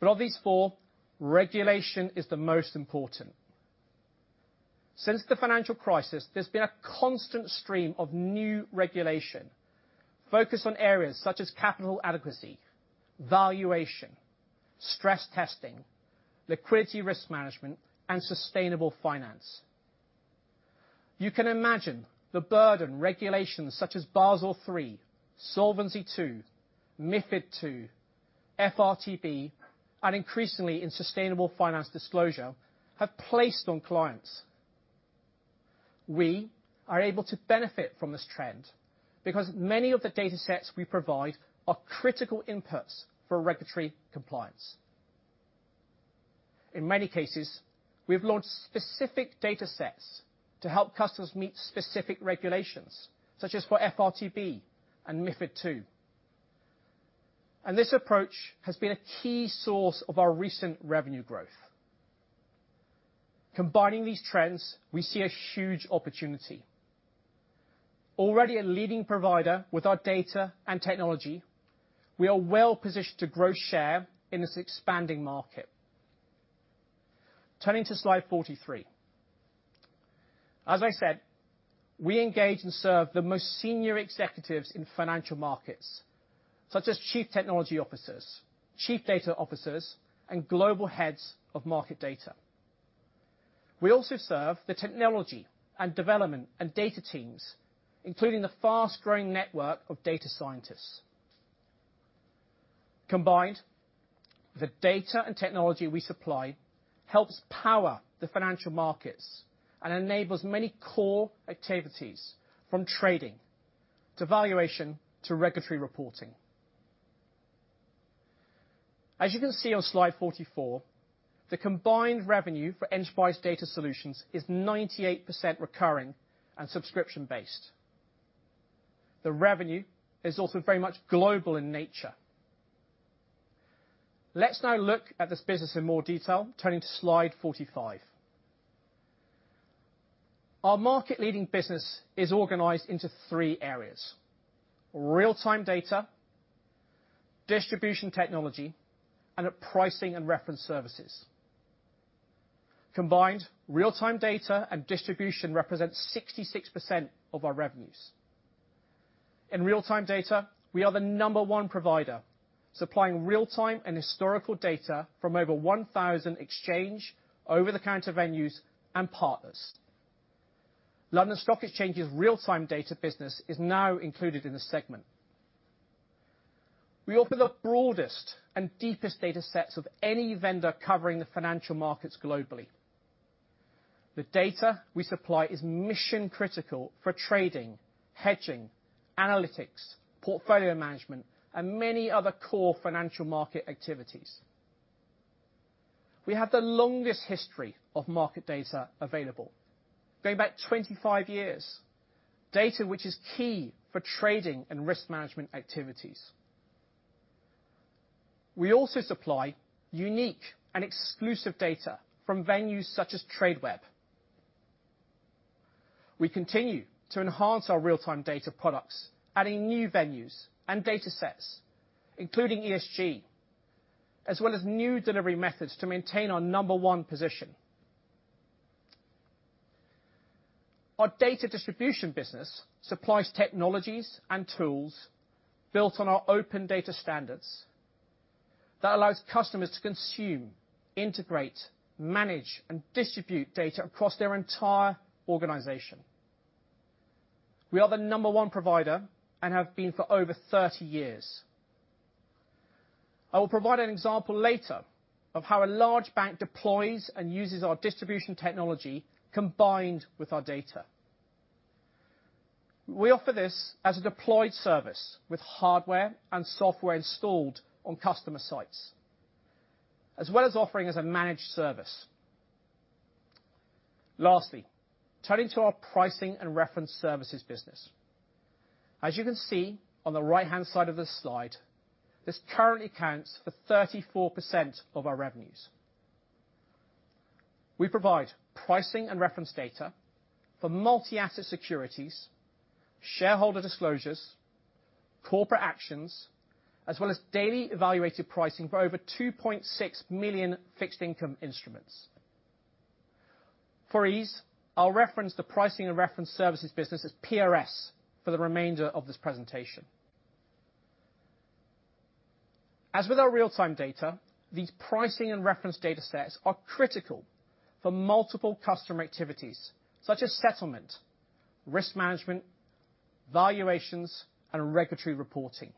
Of these four, regulation is the most important. Since the financial crisis, there's been a constant stream of new regulation focused on areas such as capital adequacy, valuation, stress testing, liquidity risk management, and sustainable finance. You can imagine the burden regulations such as Basel III, Solvency II, MiFID II, FRTB, and increasingly in sustainable finance disclosure have placed on clients. We are able to benefit from this trend because many of the datasets we provide are critical inputs for regulatory compliance. In many cases, we've launched specific datasets to help customers meet specific regulations, such as for FRTB and MiFID II, and this approach has been a key source of our recent revenue growth. Combining these trends, we see a huge opportunity. Already a leading provider with our data and technology, we are well-positioned to grow share in this expanding market. Turning to slide 43. As I said, we engage and serve the most senior executives in financial markets, such as Chief Technology Officers, Chief Data Officers, and Global Heads of Market Data. We also serve the technology and development and data teams, including the fast-growing network of data scientists. Combined, the data and technology we supply helps power the financial markets and enables many core activities from trading to valuation to regulatory reporting. As you can see on slide 44, the combined revenue for Enterprise Data Solutions is 98% recurring and subscription-based. The revenue is also very much global in nature. Let's now look at this business in more detail, turning to slide 45. Our market-leading business is organized into three areas: real-time data, distribution technology, and our pricing and reference services. Combined, real-time data and distribution represent 66% of our revenues. In real-time data, we are the number one provider, supplying real-time and historical data from over 1,000 exchange, over-the-counter venues, and partners. London Stock Exchange's real-time data business is now included in the segment. We offer the broadest and deepest data sets of any vendor covering the financial markets globally. The data we supply is mission-critical for trading, hedging, analytics, portfolio management, and many other core financial market activities. We have the longest history of market data available, going back 25 years, data which is key for trading and risk management activities. We also supply unique and exclusive data from venues such as Tradeweb. We continue to enhance our real-time data products, adding new venues and data sets, including ESG, as well as new delivery methods to maintain our number one position. Our data distribution business supplies technologies and tools built on our open data standards that allows customers to consume, integrate, manage, and distribute data across their entire organization. We are the number one provider and have been for over 30 years. I will provide an example later of how a large bank deploys and uses our distribution technology combined with our data. We offer this as a deployed service with hardware and software installed on customer sites, as well as offering as a managed service. Turning to our pricing and reference services business. As you can see on the right-hand side of this slide, this currently accounts for 34% of our revenues. We provide pricing and reference data for multi-asset securities, shareholder disclosures, corporate actions, as well as daily evaluated pricing for over 2.6 million fixed income instruments. For ease, I'll reference the pricing and reference services business as PRS for the remainder of this presentation. As with our real-time data, these pricing and reference datasets are critical for multiple customer activities such as settlement, risk management, valuations, and regulatory reporting.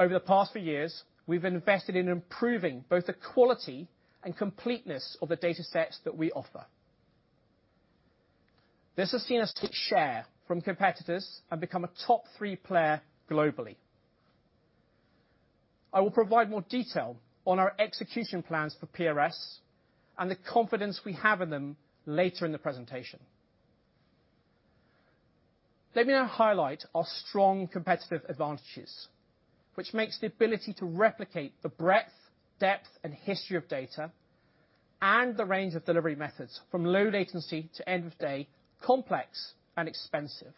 Over the past few years, we've invested in improving both the quality and completeness of the datasets that we offer. This has seen us take share from competitors and become a top three player globally. I will provide more detail on our execution plans for PRS and the confidence we have in them later in the presentation. Let me now highlight our strong competitive advantages, which makes the ability to replicate the breadth, depth, and history of data and the range of delivery methods from low latency to end-of-day complex and expensive.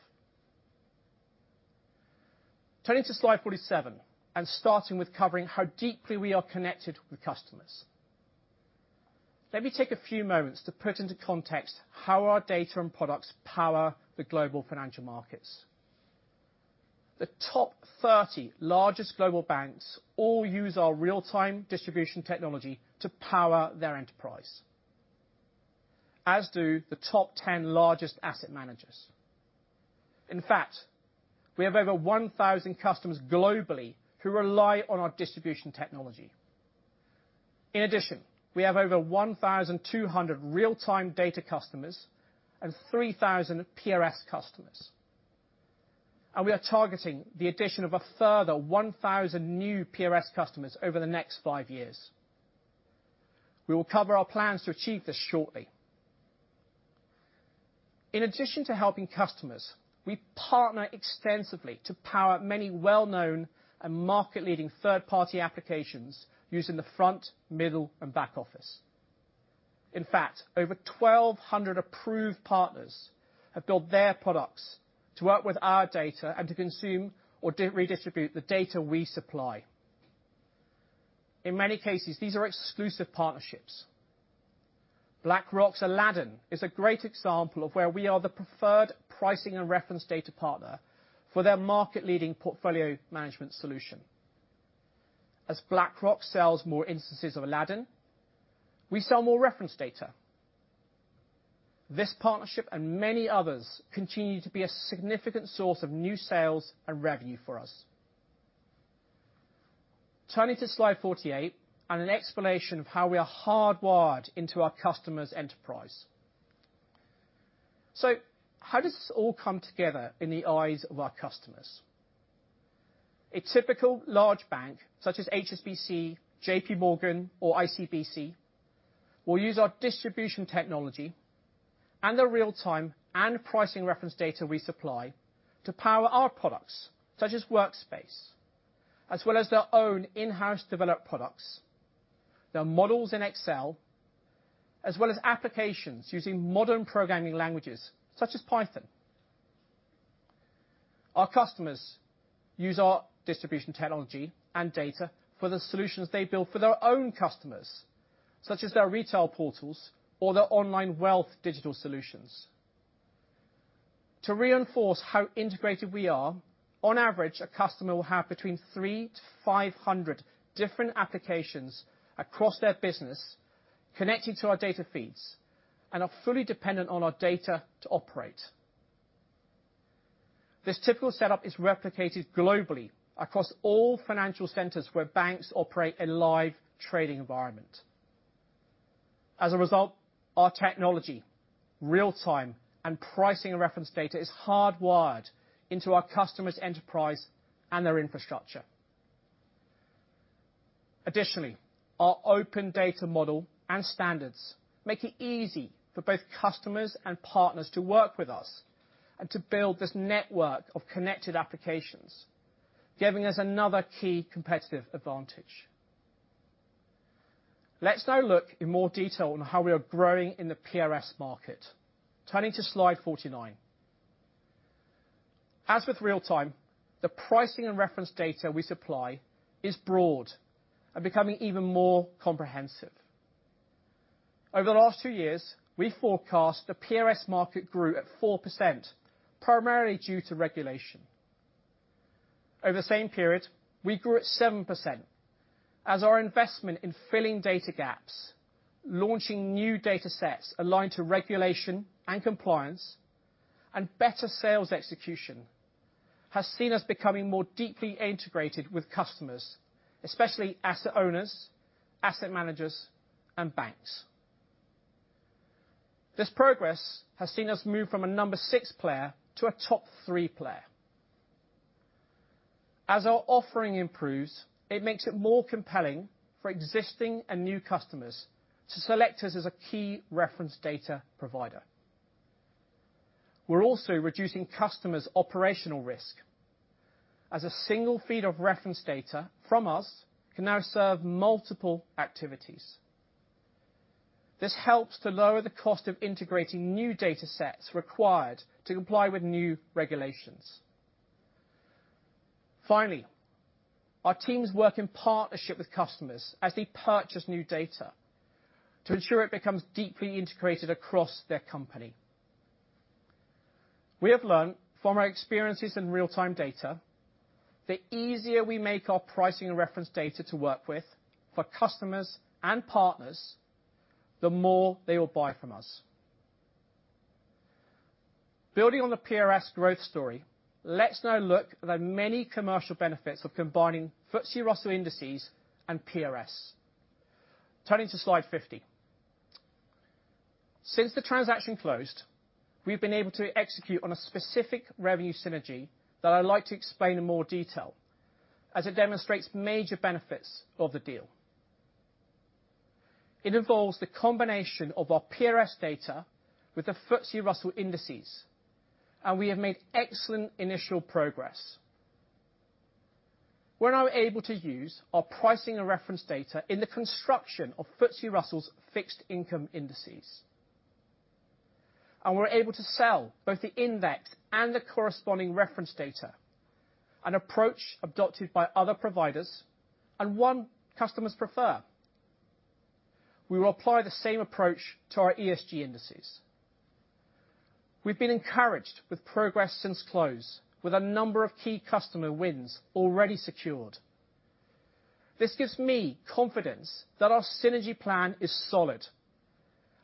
Turning to slide 47 and starting with covering how deeply we are connected with customers. Let me take a few moments to put into context how our data and products power the global financial markets. The top 30 largest global banks all use our real-time distribution technology to power their enterprise, as do the top 10 largest asset managers. In fact, we have over 1,000 customers globally who rely on our distribution technology. In addition, we have over 1,200 real-time data customers and 3,000 PRS customers, and we are targeting the addition of a further 1,000 new PRS customers over the next five years. We will cover our plans to achieve this shortly. In addition to helping customers, we partner extensively to power many well-known and market-leading third-party applications using the front, middle, and back office. In fact, over 1,200 approved partners have built their products to work with our data and to consume or redistribute the data we supply. In many cases, these are exclusive partnerships. BlackRock's Aladdin is a great example of where we are the preferred pricing and reference data partner for their market-leading portfolio management solution. As BlackRock sells more instances of Aladdin, we sell more reference data. This partnership and many others continue to be a significant source of new sales and revenue for us. Turning to Slide 48, an explanation of how we are hardwired into our customer's enterprise. How does this all come together in the eyes of our customers? A typical large bank, such as HSBC, JPMorgan, or ICBC, will use our distribution technology and the real-time and pricing reference data we supply to power our products, such as Workspace, as well as their own in-house developed products, their models in Excel, as well as applications using modern programming languages such as Python. Our customers use our distribution technology and data for the solutions they build for their own customers, such as their retail portals or their online wealth digital solutions. To reinforce how integrated we are, on average, a customer will have between 3-500 different applications across their business connecting to our data feeds, and are fully dependent on our data to operate. This typical setup is replicated globally across all financial centers where banks operate a live trading environment. As a result, our technology, real-time, and pricing and reference data is hardwired into our customers' enterprise and their infrastructure. Our open data model and standards make it easy for both customers and partners to work with us and to build this network of connected applications, giving us another key competitive advantage. Let's now look in more detail on how we are growing in the PRS market. Turning to Slide 49. As with real-time, the pricing and reference data we supply is broad and becoming even more comprehensive. Over the last two years, we forecast the PRS market grew at 4%, primarily due to regulation. Over the same period, we grew at 7%, as our investment in filling data gaps, launching new data sets aligned to regulation and compliance, and better sales execution, has seen us becoming more deeply integrated with customers, especially asset owners, asset managers, and banks. This progress has seen us move from a number six player to a top three player. As our offering improves, it makes it more compelling for existing and new customers to select us as a key reference data provider. We're also reducing customers' operational risk, as a single feed of reference data from us can now serve multiple activities. This helps to lower the cost of integrating new data sets required to comply with new regulations. Finally, our teams work in partnership with customers as they purchase new data to ensure it becomes deeply integrated across their company. We have learned from our experiences in real-time data, the easier we make our pricing and reference data to work with for customers and partners, the more they will buy from us. Building on the PRS growth story, let's now look at the many commercial benefits of combining FTSE Russell indices and PRS. Turning to Slide 50. Since the transaction closed, we've been able to execute on a specific revenue synergy that I'd like to explain in more detail, as it demonstrates major benefits of the deal. It involves the combination of our PRS data with the FTSE Russell indices, and we have made excellent initial progress. We're now able to use our pricing and reference data in the construction of FTSE Russell's fixed income indices. We're able to sell both the index and the corresponding reference data, an approach adopted by other providers, and one customers prefer. We will apply the same approach to our ESG indices. We've been encouraged with progress since close, with a number of key customer wins already secured. This gives me confidence that our synergy plan is solid,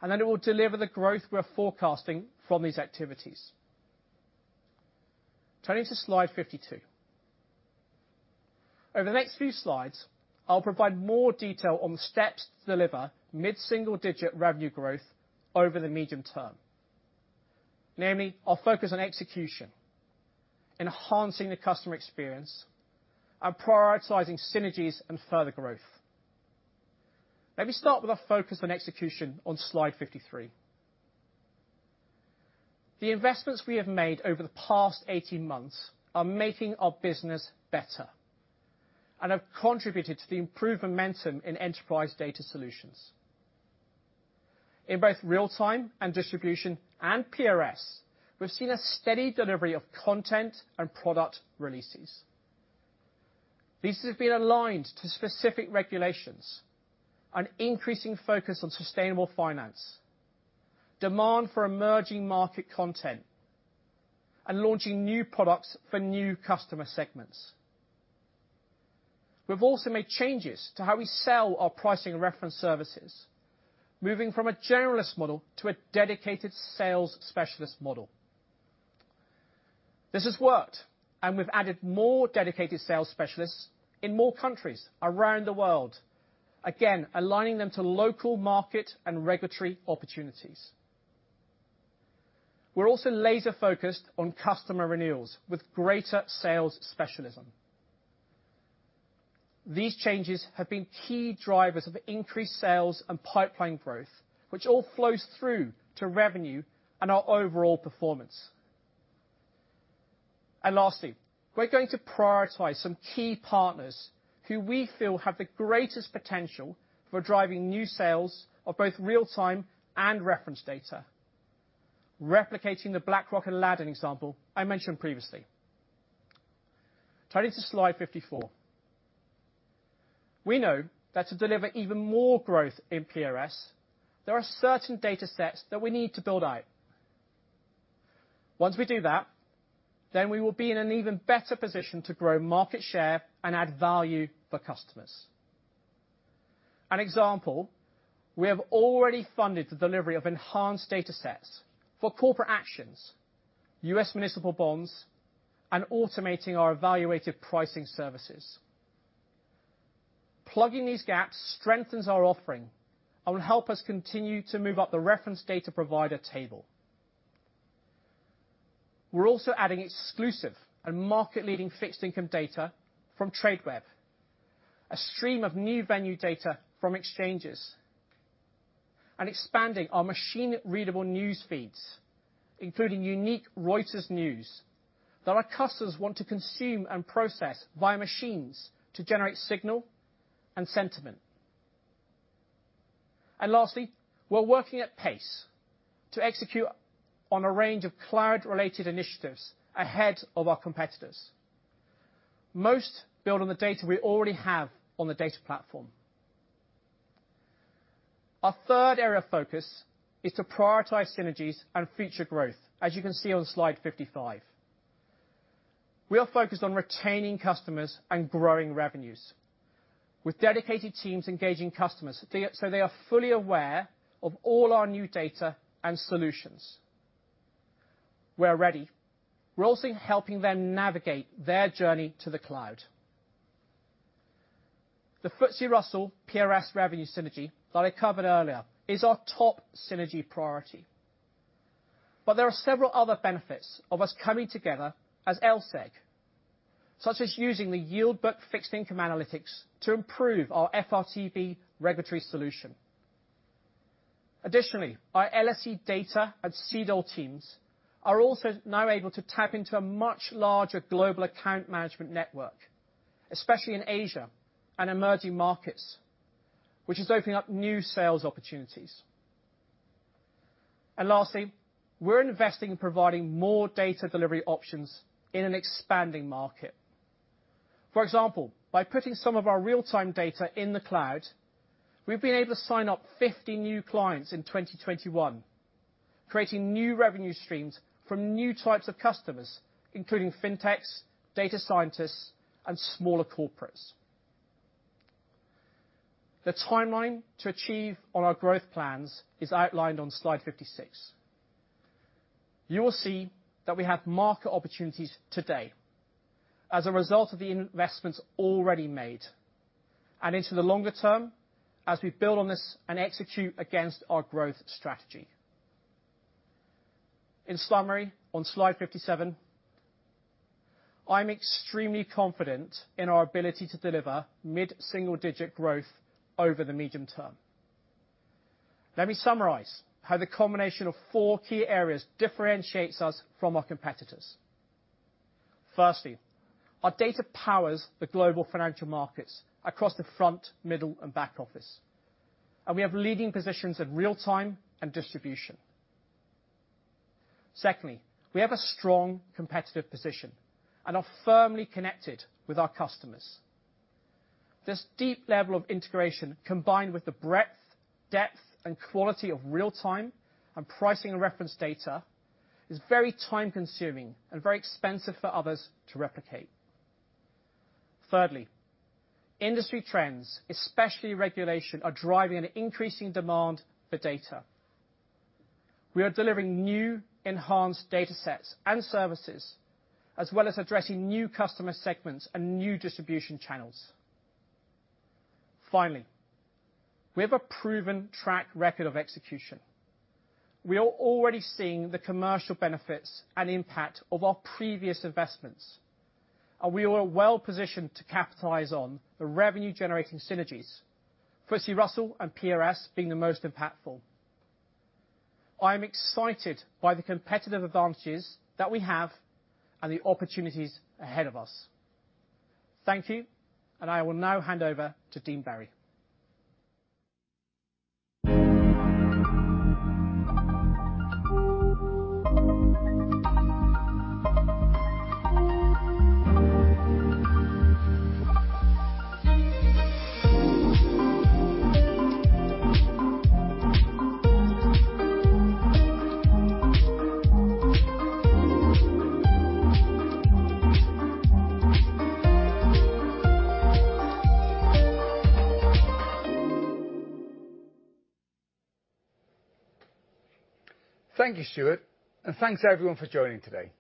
and that it will deliver the growth we're forecasting from these activities. Turning to Slide 52. Over the next few slides, I'll provide more detail on the steps to deliver mid-single-digit revenue growth over the medium-term. Namely, our focus on execution, enhancing the customer experience, and prioritizing synergies and further growth. Let me start with our focus on execution on Slide 53. The investments we have made over the past 18 months are making our business better and have contributed to the improved momentum in Enterprise Data Solutions. In both real-time and distribution and PRS, we've seen a steady delivery of content and product releases. This has been aligned to specific regulations, an increasing focus on sustainable finance, demand for emerging market content, and launching new products for new customer segments. We've also made changes to how we sell our pricing and reference services, moving from a generalist model to a dedicated sales specialist model. This has worked, and we've added more dedicated sales specialists in more countries around the world, again, aligning them to local market and regulatory opportunities. We're also laser-focused on customer renewals with greater sales specialism. These changes have been key drivers of increased sales and pipeline growth, which all flows through to revenue and our overall performance. Lastly, we're going to prioritize some key partners who we feel have the greatest potential for driving new sales of both real-time and reference data, replicating the BlackRock Aladdin example I mentioned previously. Turning to slide 54. We know that to deliver even more growth in PRS, there are certain datasets that we need to build out. Once we do that, then we will be in an even better position to grow market share and add value for customers. An example, we have already funded the delivery of enhanced datasets for corporate actions, U.S. municipal bonds, and automating our evaluated pricing services. Plugging these gaps strengthens our offering and will help us continue to move up the reference data provider table. We're also adding exclusive and market-leading fixed income data from Tradeweb, a stream of new venue data from exchanges, and expanding our machine-readable news feeds, including unique Reuters News that our customers want to consume and process via machines to generate signal and sentiment. Lastly, we're working at pace to execute on a range of cloud-related initiatives ahead of our competitors. Most build on the data we already have on the data platform. Our third area of focus is to prioritize synergies and future growth, as you can see on slide 55. We are focused on retaining customers and growing revenues with dedicated teams engaging customers so they are fully aware of all our new data and solutions. Where ready, we're also helping them navigate their journey to the cloud. The FTSE Russell PRS revenue synergy that I covered earlier is our top synergy priority. There are several other benefits of us coming together as LSEG, such as using the Yield Book fixed income analytics to improve our FRTB regulatory solution. Additionally, our LSEG Data and CDO teams are also now able to tap into a much larger global account management network, especially in Asia and emerging markets, which is opening up new sales opportunities. Lastly, we're investing in providing more data delivery options in an expanding market. For example, by putting some of our real-time data in the cloud, we've been able to sign up 50 new clients in 2021, creating new revenue streams from new types of customers, including fintechs, data scientists, and smaller corporates. The timeline to achieve on our growth plans is outlined on slide 56. You will see that we have market opportunities today as a result of the investments already made and into the longer term, as we build on this and execute against our growth strategy. In summary, on slide 57, I'm extremely confident in our ability to deliver mid-single-digit growth over the medium term. Let me summarize how the combination of four key areas differentiates us from our competitors. Firstly, our data powers the global financial markets across the front, middle, and back office, and we have leading positions in real-time and distribution. Secondly, we have a strong competitive position and are firmly connected with our customers. This deep level of integration, combined with the breadth, depth, and quality of real-time and pricing reference data, is very time-consuming and very expensive for others to replicate. Thirdly, industry trends, especially regulation, are driving an increasing demand for data. We are delivering new enhanced datasets and services, as well as addressing new customer segments and new distribution channels. Finally, we have a proven track record of execution. We are already seeing the commercial benefits and impact of our previous investments. We are well-positioned to capitalize on the revenue-generating synergies, FTSE Russell and PRS being the most impactful. I am excited by the competitive advantages that we have and the opportunities ahead of us. Thank you, and I will now hand over to Dean Berry. Thank you, Stuart. Thanks to everyone for joining today.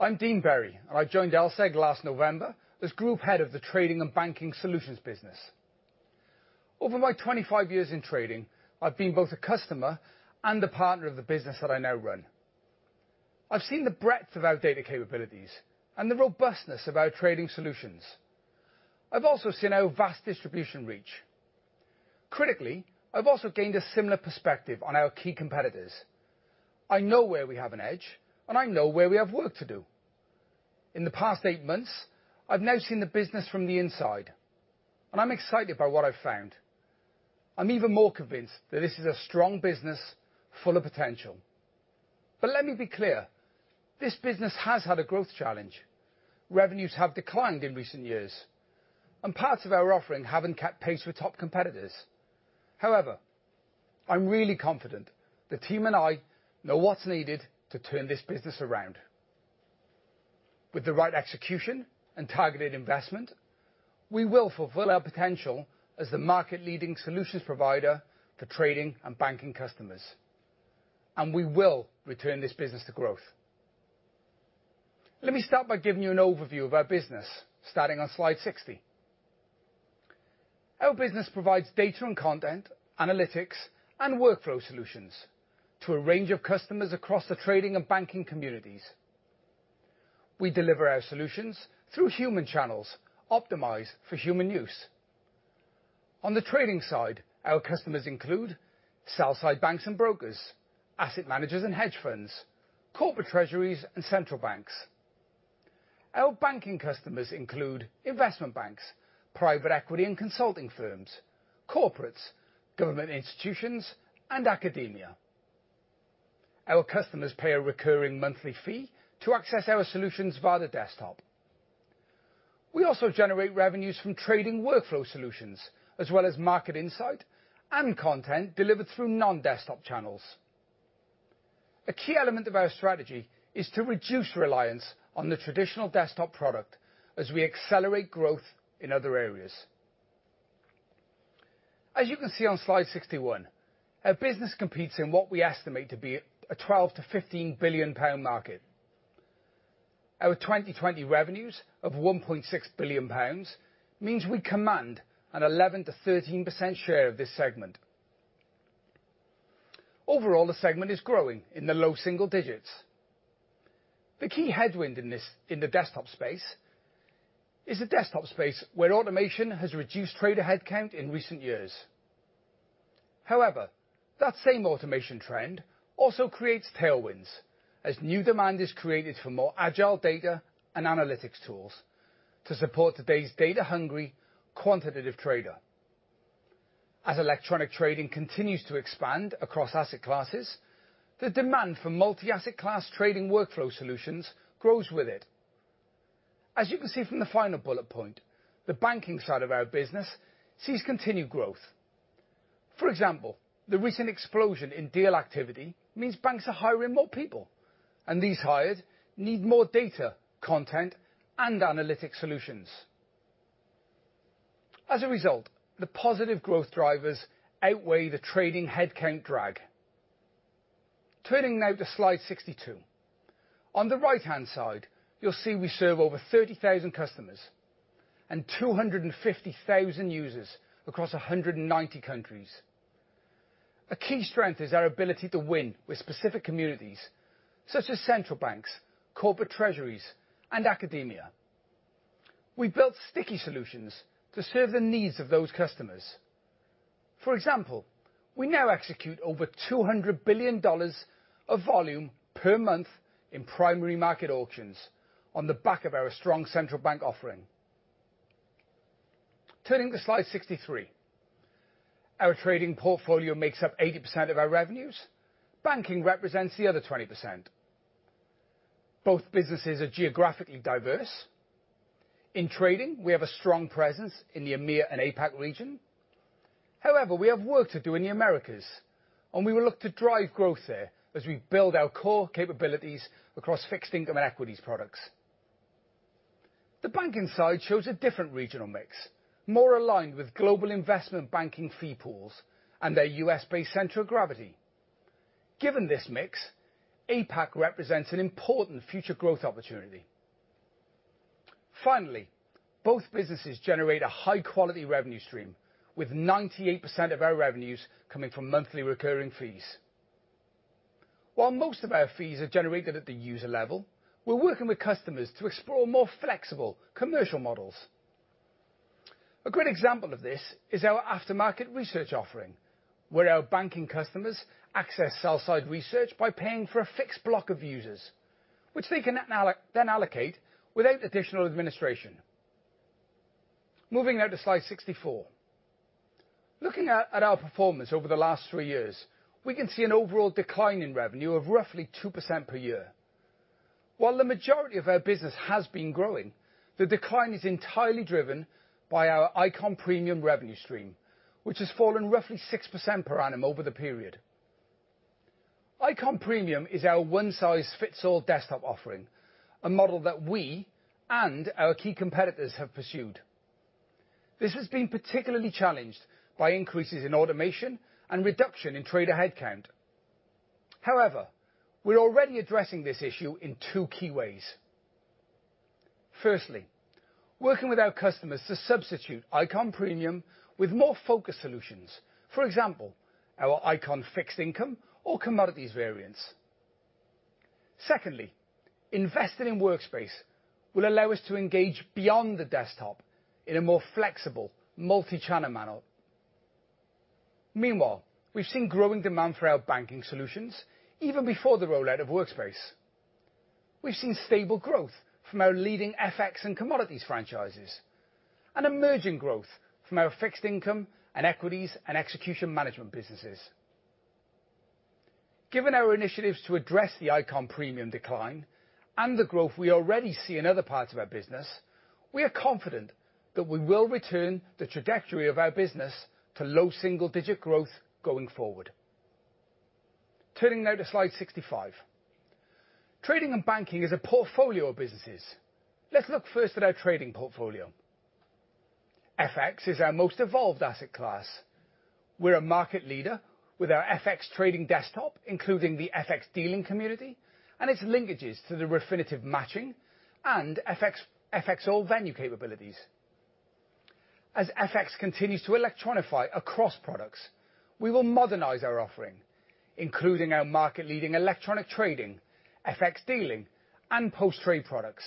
I'm Dean Berry, and I joined LSEG last November as Group Head of the Trading and Banking Solutions business. Over my 25 years in trading, I've been both a customer and a partner of the business that I now run. I've seen the breadth of our data capabilities and the robustness of our trading solutions. I've also seen our vast distribution reach. Critically, I've also gained a similar perspective on our key competitors. I know where we have an edge, and I know where we have work to do. In the past eight months, I've now seen the business from the inside, and I'm excited by what I've found. I'm even more convinced that this is a strong business full of potential. Let me be clear, this business has had a growth challenge. Revenues have declined in recent years, and parts of our offering haven't kept pace with top competitors. However, I'm really confident the team and I know what's needed to turn this business around. With the right execution and targeted investment, we will fulfill our potential as the market-leading solutions provider for trading and banking customers, and we will return this business to growth. Let me start by giving you an overview of our business, starting on slide 60. Our business provides data and content, analytics, and workflow solutions to a range of customers across the trading and banking communities. We deliver our solutions through human channels optimized for human use. On the trading side, our customers include sell side banks and brokers, asset managers and hedge funds, corporate treasuries and central banks. Our banking customers include investment banks, private equity and consulting firms, corporates, government institutions, and academia. Our customers pay a recurring monthly fee to access our solutions via the desktop. We also generate revenues from trading workflow solutions, as well as market insight and content delivered through non-desktop channels. A key element of our strategy is to reduce reliance on the traditional desktop product as we accelerate growth in other areas. As you can see on slide 61, our business competes in what we estimate to be a 12 billion-15 billion pound market. Our 2020 revenues of 1.6 billion pounds means we command an 11%-13% share of this segment. Overall, the segment is growing in the low single digits. The key headwind in the desktop space is a desktop space where automation has reduced trader headcount in recent years. However, that same automation trend also creates tailwinds as new demand is created for more agile data and analytics tools to support today's data-hungry quantitative trader. As electronic trading continues to expand across asset classes, the demand for multi-asset class trading workflow solutions grows with it. As you can see from the final bullet point, the banking side of our business sees continued growth. For example, the recent explosion in deal activity means banks are hiring more people, and these hires need more data, content, and analytic solutions. As a result, the positive growth drivers outweigh the trading headcount drag. Turning now to slide 62. On the right-hand side, you'll see we serve over 30,000 customers and 250,000 users across 190 countries. A key strength is our ability to win with specific communities, such as central banks, corporate treasuries, and academia. We built sticky solutions to serve the needs of those customers. For example, we now execute over GBP 200 billion of volume per month in primary market auctions on the back of our strong central bank offering. Turning to slide 63. Our trading portfolio makes up 80% of our revenues. Banking represents the other 20%. Both businesses are geographically diverse. In trading, we have a strong presence in the EMEA and APAC region. However, we have work to do in the Americas, and we will look to drive growth there as we build our core capabilities across fixed income and equities products. The banking side shows a different regional mix, more aligned with global investment banking fee pools and their U.S.-based center of gravity. Given this mix, APAC represents an important future growth opportunity. Finally, both businesses generate a high-quality revenue stream, with 98% of our revenues coming from monthly recurring fees. While most of our fees are generated at the user level, we're working with customers to explore more flexible commercial models. A great example of this is our aftermarket research offering, where our banking customers access sell-side research by paying for a fixed block of users, which they can then allocate without additional administration. Moving now to slide 64. Looking at our performance over the last three years, we can see an overall decline in revenue of roughly 2% per year. While the majority of our business has been growing, the decline is entirely driven by our Eikon Premium revenue stream, which has fallen roughly 6% per annum over the period. Eikon Premium is our one-size-fits-all desktop offering, a model that we and our key competitors have pursued. This has been particularly challenged by increases in automation and reduction in trader headcount. However, we're already addressing this issue in two key ways. Firstly, working with our customers to substitute Eikon Premium with more focused solutions. For example, our Eikon fixed income or commodities variants. Secondly, investing in Workspace will allow us to engage beyond the desktop in a more flexible multi-channel manner. Meanwhile, we've seen growing demand for our banking solutions, even before the rollout of Workspace. We've seen stable growth from our leading FX and commodities franchises, and emerging growth from our fixed income, and equities, and execution management businesses. Given our initiatives to address the Eikon Premium decline, and the growth we already see in other parts of our business, we are confident that we will return the trajectory of our business to low double-digit growth going forward. Turning now to slide 65. Trading and banking is a portfolio of businesses. Let's look first at our trading portfolio. FX is our most evolved asset class. We're a market leader with our FX trading desktop, including the FX dealing community, and its linkages to the Refinitiv Matching and FXall venue capabilities. As FX continues to electronify across products, we will modernize our offering, including our market-leading electronic trading, FX dealing, and post-trade products.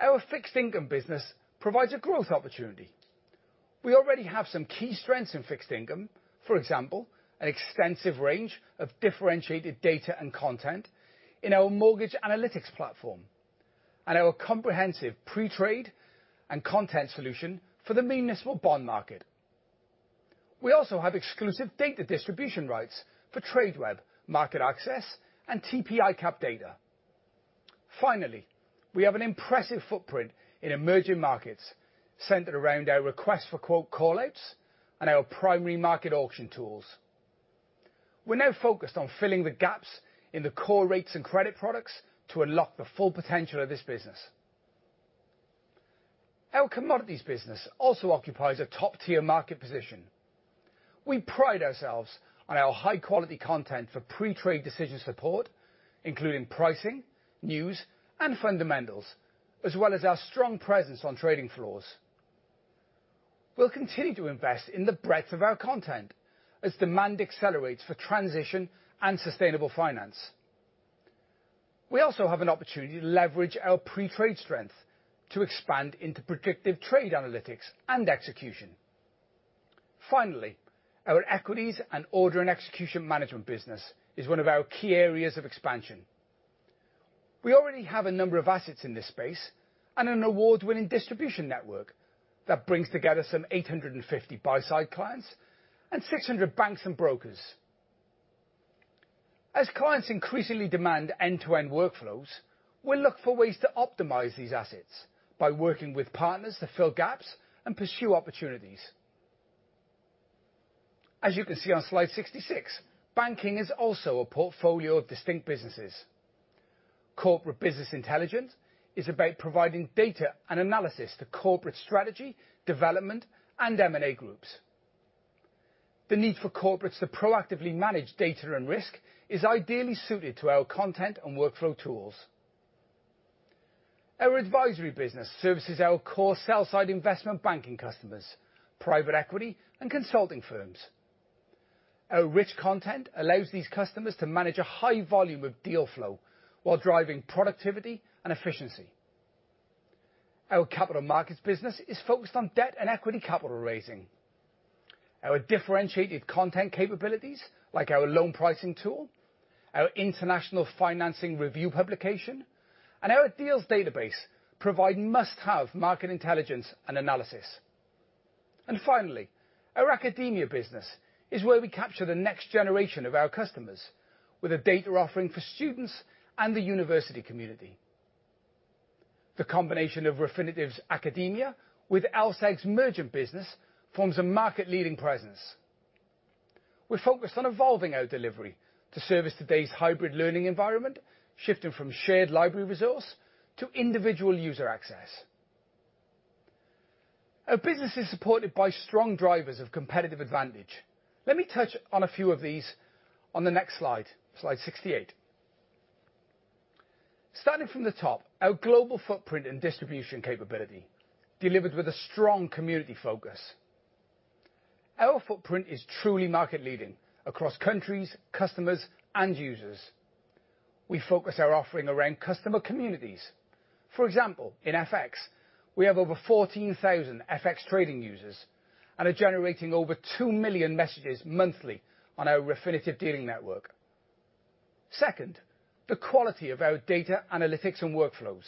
Our fixed income business provides a growth opportunity. We already have some key strengths in fixed income. For example, an extensive range of differentiated data and content in our mortgage analytics platform, and our comprehensive pre-trade and content solution for the municipal bond market. We also have exclusive data distribution rights for Tradeweb, MarketAxess, and TP ICAP data. Finally, we have an impressive footprint in emerging markets centered around our request for quote call-outs and our primary market auction tools. We're now focused on filling the gaps in the core rates and credit products to unlock the full potential of this business. Our commodities business also occupies a top-tier market position. We pride ourselves on our high-quality content for pre-trade decision support, including pricing, news, and fundamentals, as well as our strong presence on trading floors. We'll continue to invest in the breadth of our content as demand accelerates for transition and sustainable finance. We also have an opportunity to leverage our pre-trade strength to expand into predictive trade analytics and execution. Finally, our equities and order and execution management business is one of our key areas of expansion. We already have a number of assets in this space, and an award-winning distribution network that brings together some 850 buy-side clients and 600 banks and brokers. As clients increasingly demand end-to-end workflows, we'll look for ways to optimize these assets by working with partners to fill gaps and pursue opportunities. As you can see on slide 66, banking is also a portfolio of distinct businesses. Corporate business intelligence is about providing data and analysis to corporate strategy, development, and M&A groups. The need for corporates to proactively manage data and risk is ideally suited to our content and workflow tools. Our advisory business services our core sell-side investment banking customers, private equity, and consulting firms. Our rich content allows these customers to manage a high volume of deal flow while driving productivity and efficiency. Our capital markets business is focused on debt and equity capital raising. Our differentiated content capabilities, like our loan pricing tool, our International Financing Review publication, and our deals database provide must-have market intelligence and analysis. Finally, our academia business is where we capture the next generation of our customers with a data offering for students and the university community. The combination of Refinitiv's Academia with LSEG's Mergent business forms a market-leading presence. We're focused on evolving our delivery to service today's hybrid learning environment, shifting from shared library resource to individual user access. Our business is supported by strong drivers of competitive advantage. Let me touch on a few of these on the next slide 68. Starting from the top, our global footprint and distribution capability, delivered with a strong community focus. Our footprint is truly market-leading across countries, customers, and users. We focus our offering around customer communities. For example, in FX, we have over 14,000 FX trading users, and are generating over 2 million messages monthly on our Refinitiv dealing network. Second, the quality of our data analytics and workflows.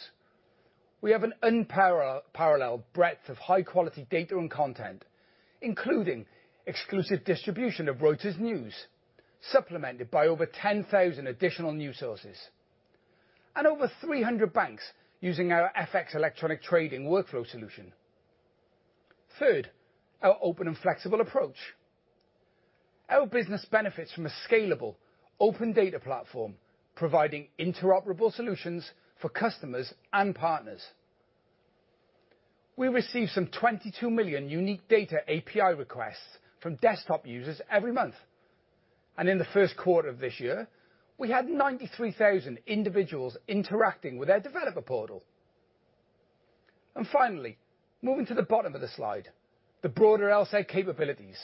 We have an unparalleled breadth of high-quality data and content, including exclusive distribution of Reuters News, supplemented by over 10,000 additional news sources, and over 300 banks using our FX electronic trading workflow solution. Third, our open and flexible approach. Our business benefits from a scalable, open data platform, providing interoperable solutions for customers and partners. We receive some 22 million unique data API requests from desktop users every month, and in the first quarter of this year, we had 93,000 individuals interacting with our developer portal. Finally, moving to the bottom of the slide, the broader LSEG capabilities.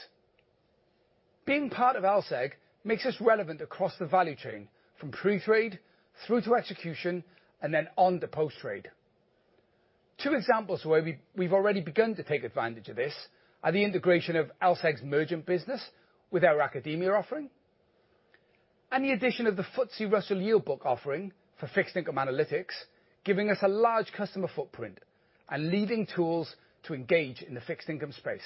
Being part of LSEG makes us relevant across the value chain, from pre-trade through to execution, and then on to post-trade. Two examples where we've already begun to take advantage of this are the integration of LSEG's Mergent business with our academia offering, and the addition of the FTSE Russell Yield Book offering for fixed income analytics, giving us a large customer footprint, and leading tools to engage in the fixed income space.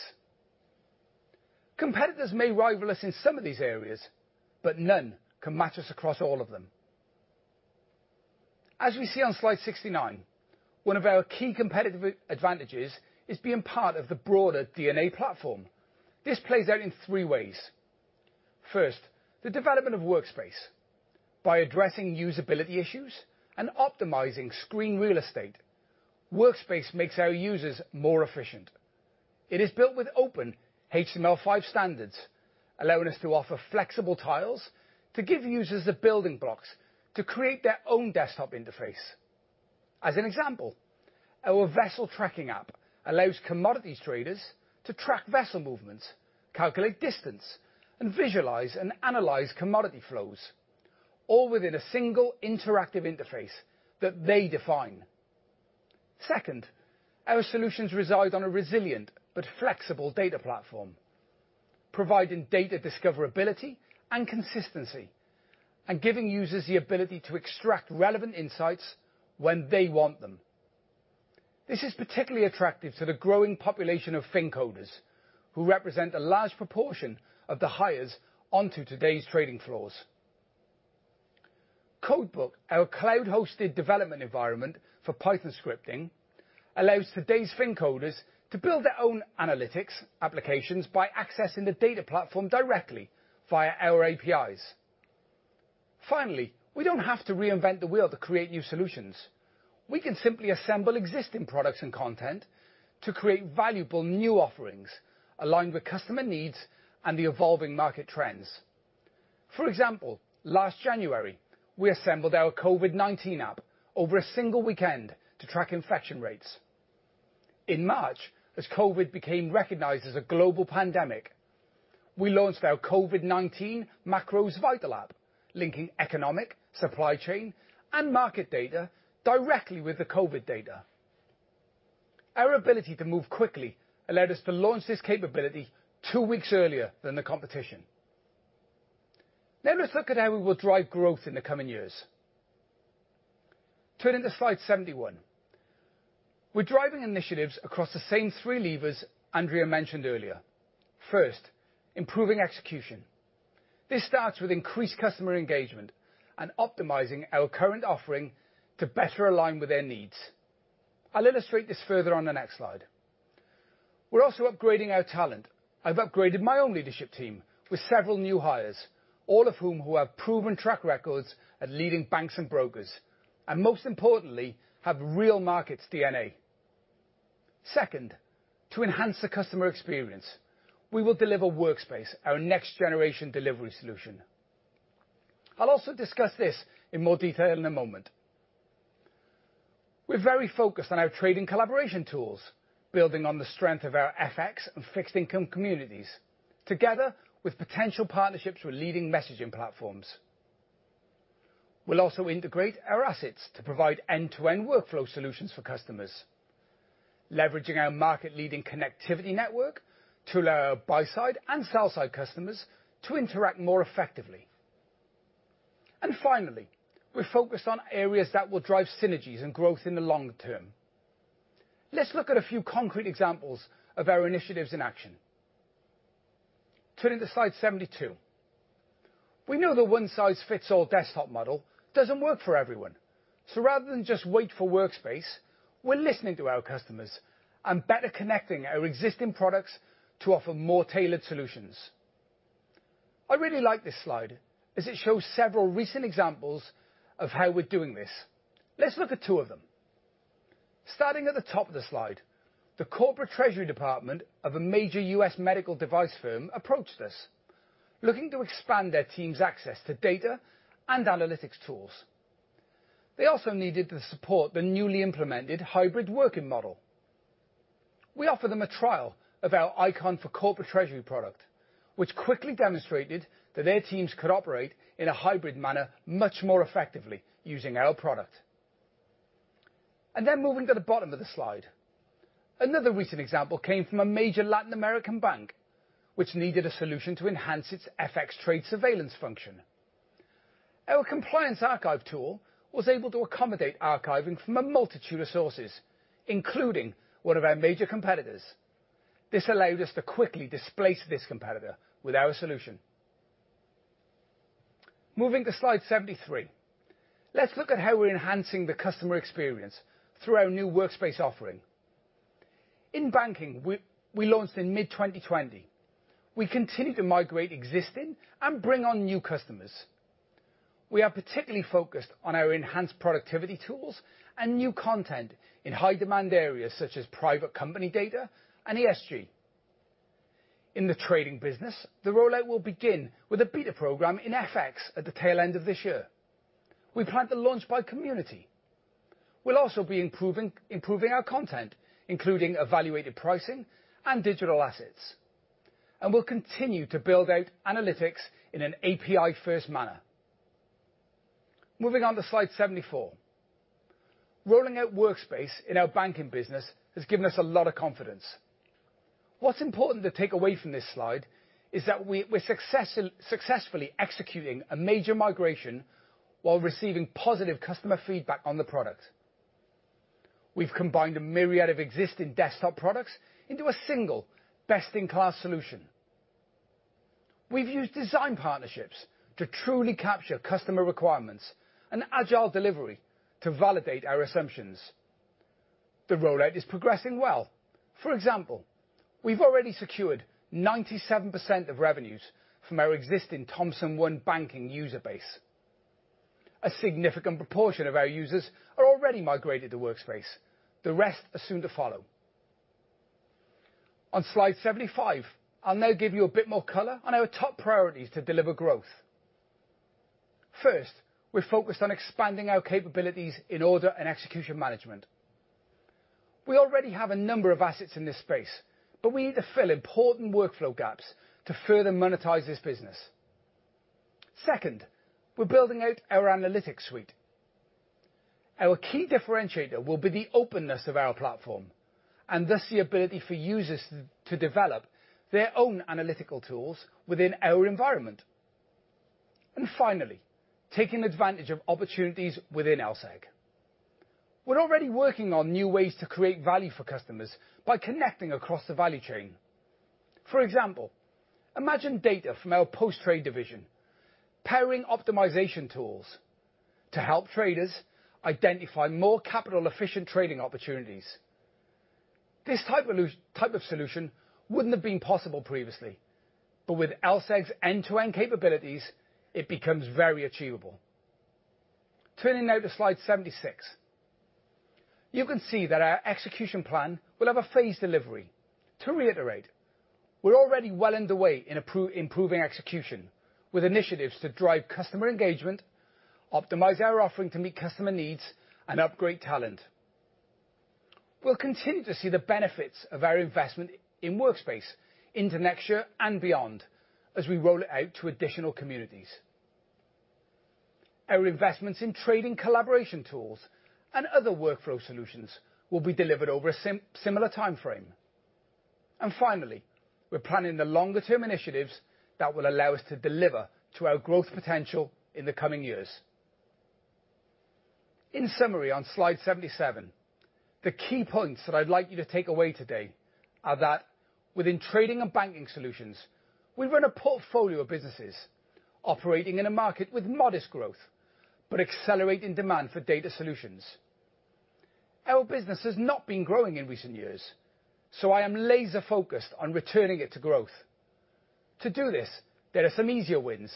Competitors may rival us in some of these areas, but none can match us across all of them. As we see on slide 69, one of our key competitive advantages is being part of the broader D&A platform. This plays out in three ways. First, the development of Workspace. By addressing usability issues and optimizing screen real estate, Workspace makes our users more efficient. It is built with open HTML5 standards, allowing us to offer flexible tiles to give users the building blocks to create their own desktop interface. As an example, our vessel tracking app allows commodities traders to track vessel movements, calculate distance, and visualize and analyze commodity flows, all within a single interactive interface that they define. Second, our solutions reside on a resilient but flexible data platform, providing data discoverability and consistency, and giving users the ability to extract relevant insights when they want them. This is particularly attractive to the growing population of fincoders, who represent a large proportion of the hires onto today's trading floors. CodeBook, our cloud-hosted development environment for Python scripting, allows today's fincoders to build their own analytics applications by accessing the data platform directly via our APIs. We don't have to reinvent the wheel to create new solutions. We can simply assemble existing products and content to create valuable new offerings, aligned with customer needs and the evolving market trends. For example, last January, we assembled our COVID-19 app over a single weekend to track infection rates. In March, as COVID became recognized as a global pandemic, we launched our COVID-19 Macro Vitals app, linking economic, supply chain, and market data directly with the COVID data. Our ability to move quickly allowed us to launch this capability two weeks earlier than the competition. Now let's look at how we will drive growth in the coming years. Turning to slide 71. We're driving initiatives across the same three levers Andrea mentioned earlier. First, improving execution. This starts with increased customer engagement and optimizing our current offering to better align with their needs. I'll illustrate this further on the next slide. We're also upgrading our talent. I've upgraded my own leadership team with several new hires, all of whom who have proven track records at leading banks and brokers, and most importantly, have real markets DNA. Second, to enhance the customer experience, we will deliver Workspace, our next-generation delivery solution. I'll also discuss this in more detail in a moment. We're very focused on our trading collaboration tools, building on the strength of our FX and fixed income communities, together with potential partnerships with leading messaging platforms. We'll also integrate our assets to provide end-to-end workflow solutions for customers, leveraging our market-leading connectivity network to allow our buy-side and sell-side customers to interact more effectively. Finally, we're focused on areas that will drive synergies and growth in the long term. Let's look at a few concrete examples of our initiatives in action. Turning to slide 72. We know the one-size-fits-all desktop model doesn't work for everyone. Rather than just wait for Workspace, we're listening to our customers and better connecting our existing products to offer more tailored solutions. I really like this slide, as it shows several recent examples of how we're doing this. Let's look at two of them. Starting at the top of the slide, the corporate treasury department of a major U.S. medical device firm approached us, looking to expand their team's access to data and analytics tools. They also needed to support the newly implemented hybrid working model. We offered them a trial of our Eikon for Corporate Treasury product, which quickly demonstrated that their teams could operate in a hybrid manner much more effectively using our product. Moving to the bottom of the slide. Another recent example came from a major Latin American bank, which needed a solution to enhance its FX trade surveillance function. Our Compliance Archive was able to accommodate archiving from a multitude of sources, including one of our major competitors. This allowed us to quickly displace this competitor with our solution. Moving to slide 73. Let's look at how we're enhancing the customer experience through our new Workspace. In banking, we launched in mid-2020. We continue to migrate existing and bring on new customers. We are particularly focused on our enhanced productivity tools and new content in high-demand areas such as private company data and ESG. In the trading business, the rollout will begin with a beta program in FX at the tail end of this year. We plan to launch by community. We'll also be improving our content, including evaluated pricing and digital assets. We'll continue to build out analytics in an API-first manner. Moving on to slide 74. Rolling out Workspace in our banking business has given us a lot of confidence. What's important to take away from this slide is that we're successfully executing a major migration while receiving positive customer feedback on the product. We've combined a myriad of existing desktop products into a single best-in-class solution. We've used design partnerships to truly capture customer requirements, and agile delivery to validate our assumptions. The rollout is progressing well. For example, we've already secured 97% of revenues from our existing Thomson ONE banking user base. A significant proportion of our users are already migrated to Workspace. The rest are soon to follow. On slide 75, I'll now give you a bit more color on our top priorities to deliver growth. First, we're focused on expanding our capabilities in order and execution management. We already have a number of assets in this space, but we need to fill important workflow gaps to further monetize this business. Second, we're building out our analytics suite. Our key differentiator will be the openness of our platform, and thus the ability for users to develop their own analytical tools within our environment. Finally, taking advantage of opportunities within LSEG. We're already working on new ways to create value for customers by connecting across the value chain. For example, imagine data from our post-trade division pairing optimization tools to help traders identify more capital-efficient trading opportunities. This type of solution wouldn't have been possible previously, but with LSEG's end-to-end capabilities, it becomes very achievable. Turning now to slide 76. You can see that our execution plan will have a phased delivery. To reiterate, we're already well underway in improving execution, with initiatives to drive customer engagement, optimize our offering to meet customer needs, and upgrade talent. We'll continue to see the benefits of our investment in Workspace into next year and beyond as we roll it out to additional communities. Our investments in trading collaboration tools and other workflow solutions will be delivered over a similar timeframe. Finally, we're planning the longer-term initiatives that will allow us to deliver to our growth potential in the coming years. In summary, on slide 77, the key points that I'd like you to take away today are that within Trading and Banking Solutions, we run a portfolio of businesses operating in a market with modest growth but accelerating demand for data solutions. Our business has not been growing in recent years. I am laser-focused on returning it to growth. To do this, there are some easier wins,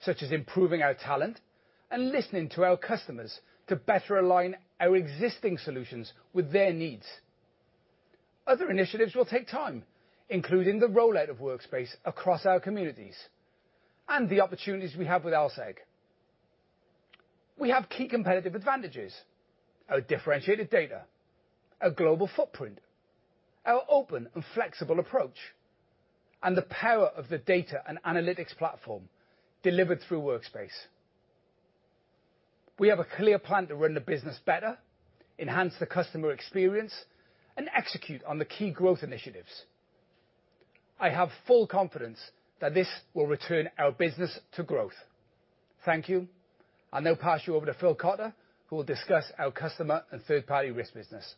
such as improving our talent and listening to our customers to better align our existing solutions with their needs. Other initiatives will take time, including the rollout of Workspace across our communities and the opportunities we have with LSEG. We have key competitive advantages. Our differentiated data, our global footprint, our open and flexible approach, and the power of the data and analytics platform delivered through Workspace. We have a clear plan to run the business better, enhance the customer experience, and execute on the key growth initiatives. I have full confidence that this will return our business to growth. Thank you. I'll now pass you over to Phil Cotter, who will discuss our Customer and Third-Party Risk Solutions.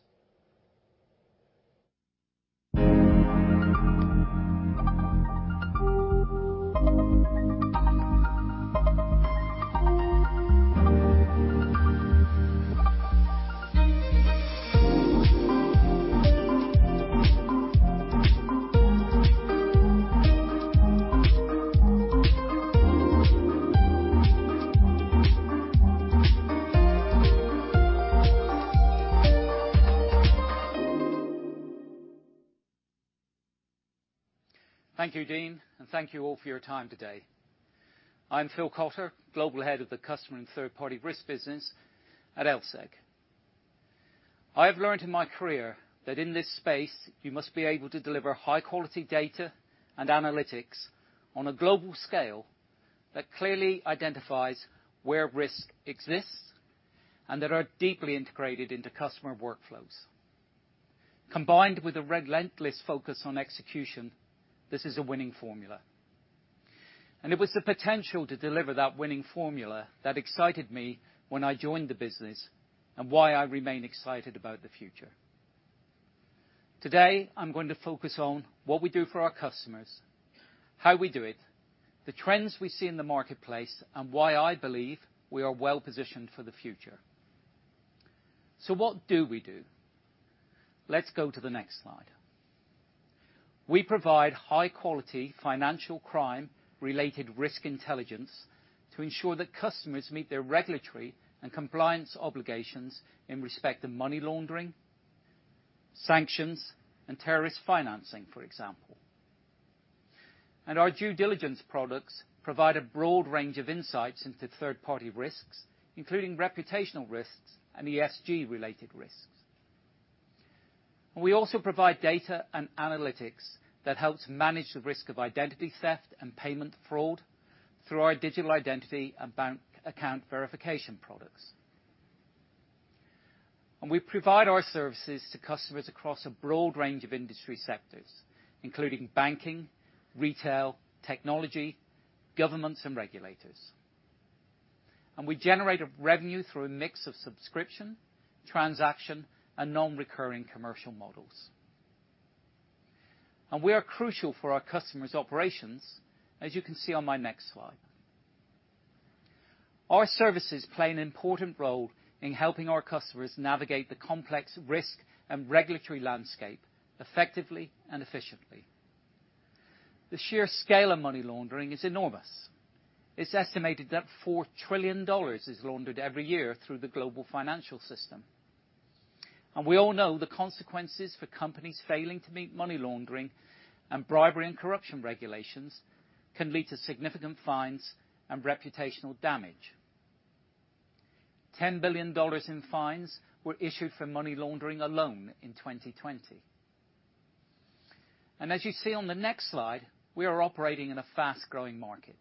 Thank you, Dean, and thank you all for your time today. I'm Phil Cotter, Global Head of the Customer & Third-Party Risk Solutions at LSEG. I have learned in my career that in this space, you must be able to deliver high-quality data and analytics on a global scale that clearly identifies where risk exists and that are deeply integrated into customer workflows. Combined with a relentless focus on execution, this is a winning formula. It was the potential to deliver that winning formula that excited me when I joined the business and why I remain excited about the future. Today, I'm going to focus on what we do for our customers, how we do it, the trends we see in the marketplace, and why I believe we are well-positioned for the future. What do we do? Let's go to the next slide. We provide high-quality financial crime-related risk intelligence to ensure that customers meet their regulatory and compliance obligations in respect of money laundering, sanctions, and terrorist financing, for example. Our due diligence products provide a broad range of insights into third-party risks, including reputational risks and ESG-related risks. We also provide data and analytics that helps manage the risk of identity theft and payment fraud through our digital identity and bank account verification products. We provide our services to customers across a broad range of industry sectors, including banking, retail, technology, governments, and regulators. We generate revenue through a mix of subscription, transaction, and non-recurring commercial models. We are crucial for our customers' operations, as you can see on my next slide. Our services play an important role in helping our customers navigate the complex risk and regulatory landscape effectively and efficiently. The sheer scale of money laundering is enormous. It's estimated that $4 trillion is laundered every year through the global financial system. We all know the consequences for companies failing to meet money laundering and bribery and corruption regulations can lead to significant fines and reputational damage. $10 billion in fines were issued for money laundering alone in 2020. As you see on the next slide, we are operating in a fast-growing market.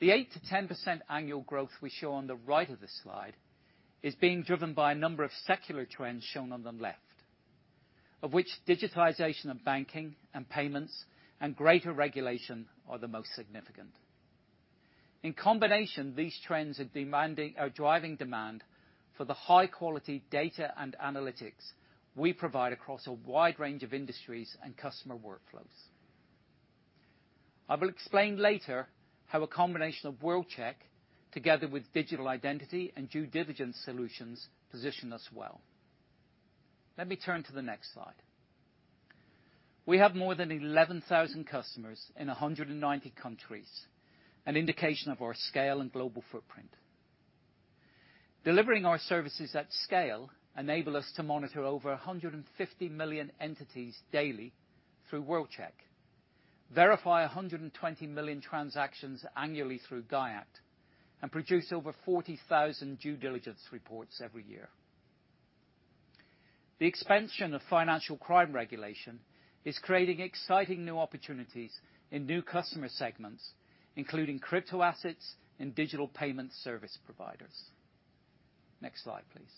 The 8%-10% annual growth we show on the right of this slide is being driven by a number of secular trends shown on the left, of which digitization of banking and payments and greater regulation are the most significant. In combination, these trends are driving demand for the high-quality data and analytics we provide across a wide range of industries and customer workflows. I will explain later how a combination of World-Check together with digital identity and due diligence solutions position us well. Let me turn to the next slide. We have more than 11,000 customers in 190 countries, an indication of our scale and global footprint. Delivering our services at scale enable us to monitor over 150 million entities daily through World-Check, verify 120 million transactions annually through DI&F, and produce over 40,000 due diligence reports every year. The expansion of financial crime regulation is creating exciting new opportunities in new customer segments, including crypto assets and digital payment service providers. Next slide, please.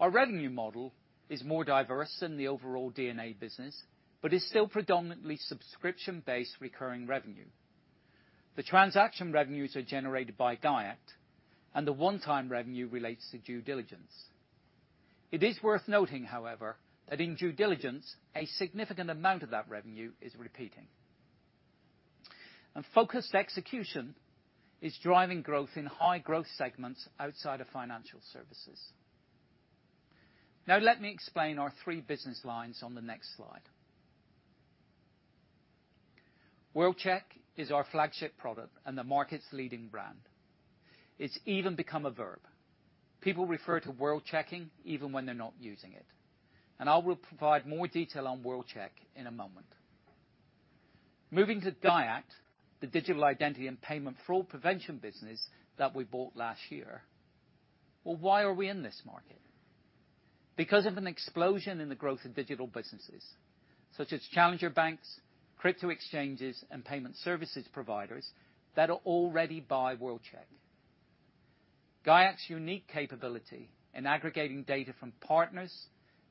Our revenue model is more diverse than the overall D&A business, but is still predominantly subscription-based recurring revenue. The transaction revenues are generated by DI&F, and the one-time revenue relates to due diligence. It is worth noting, however, that in due diligence, a significant amount of that revenue is repeating. Focused execution is driving growth in high-growth segments outside of financial services. Let me explain our three business lines on the next slide. World-Check is our flagship product and the market's leading brand. It's even become a verb. People refer to world-checking even when they're not using it. I will provide more detail on World-Check in a moment. Moving to DI&F, the Digital Identity and Payment Fraud Prevention business that we bought last year. Well, why are we in this market? Because of an explosion in the growth of digital businesses, such as challenger banks, crypto exchanges, and payment services providers that already buy World-Check. DI&F's unique capability in aggregating data from partners,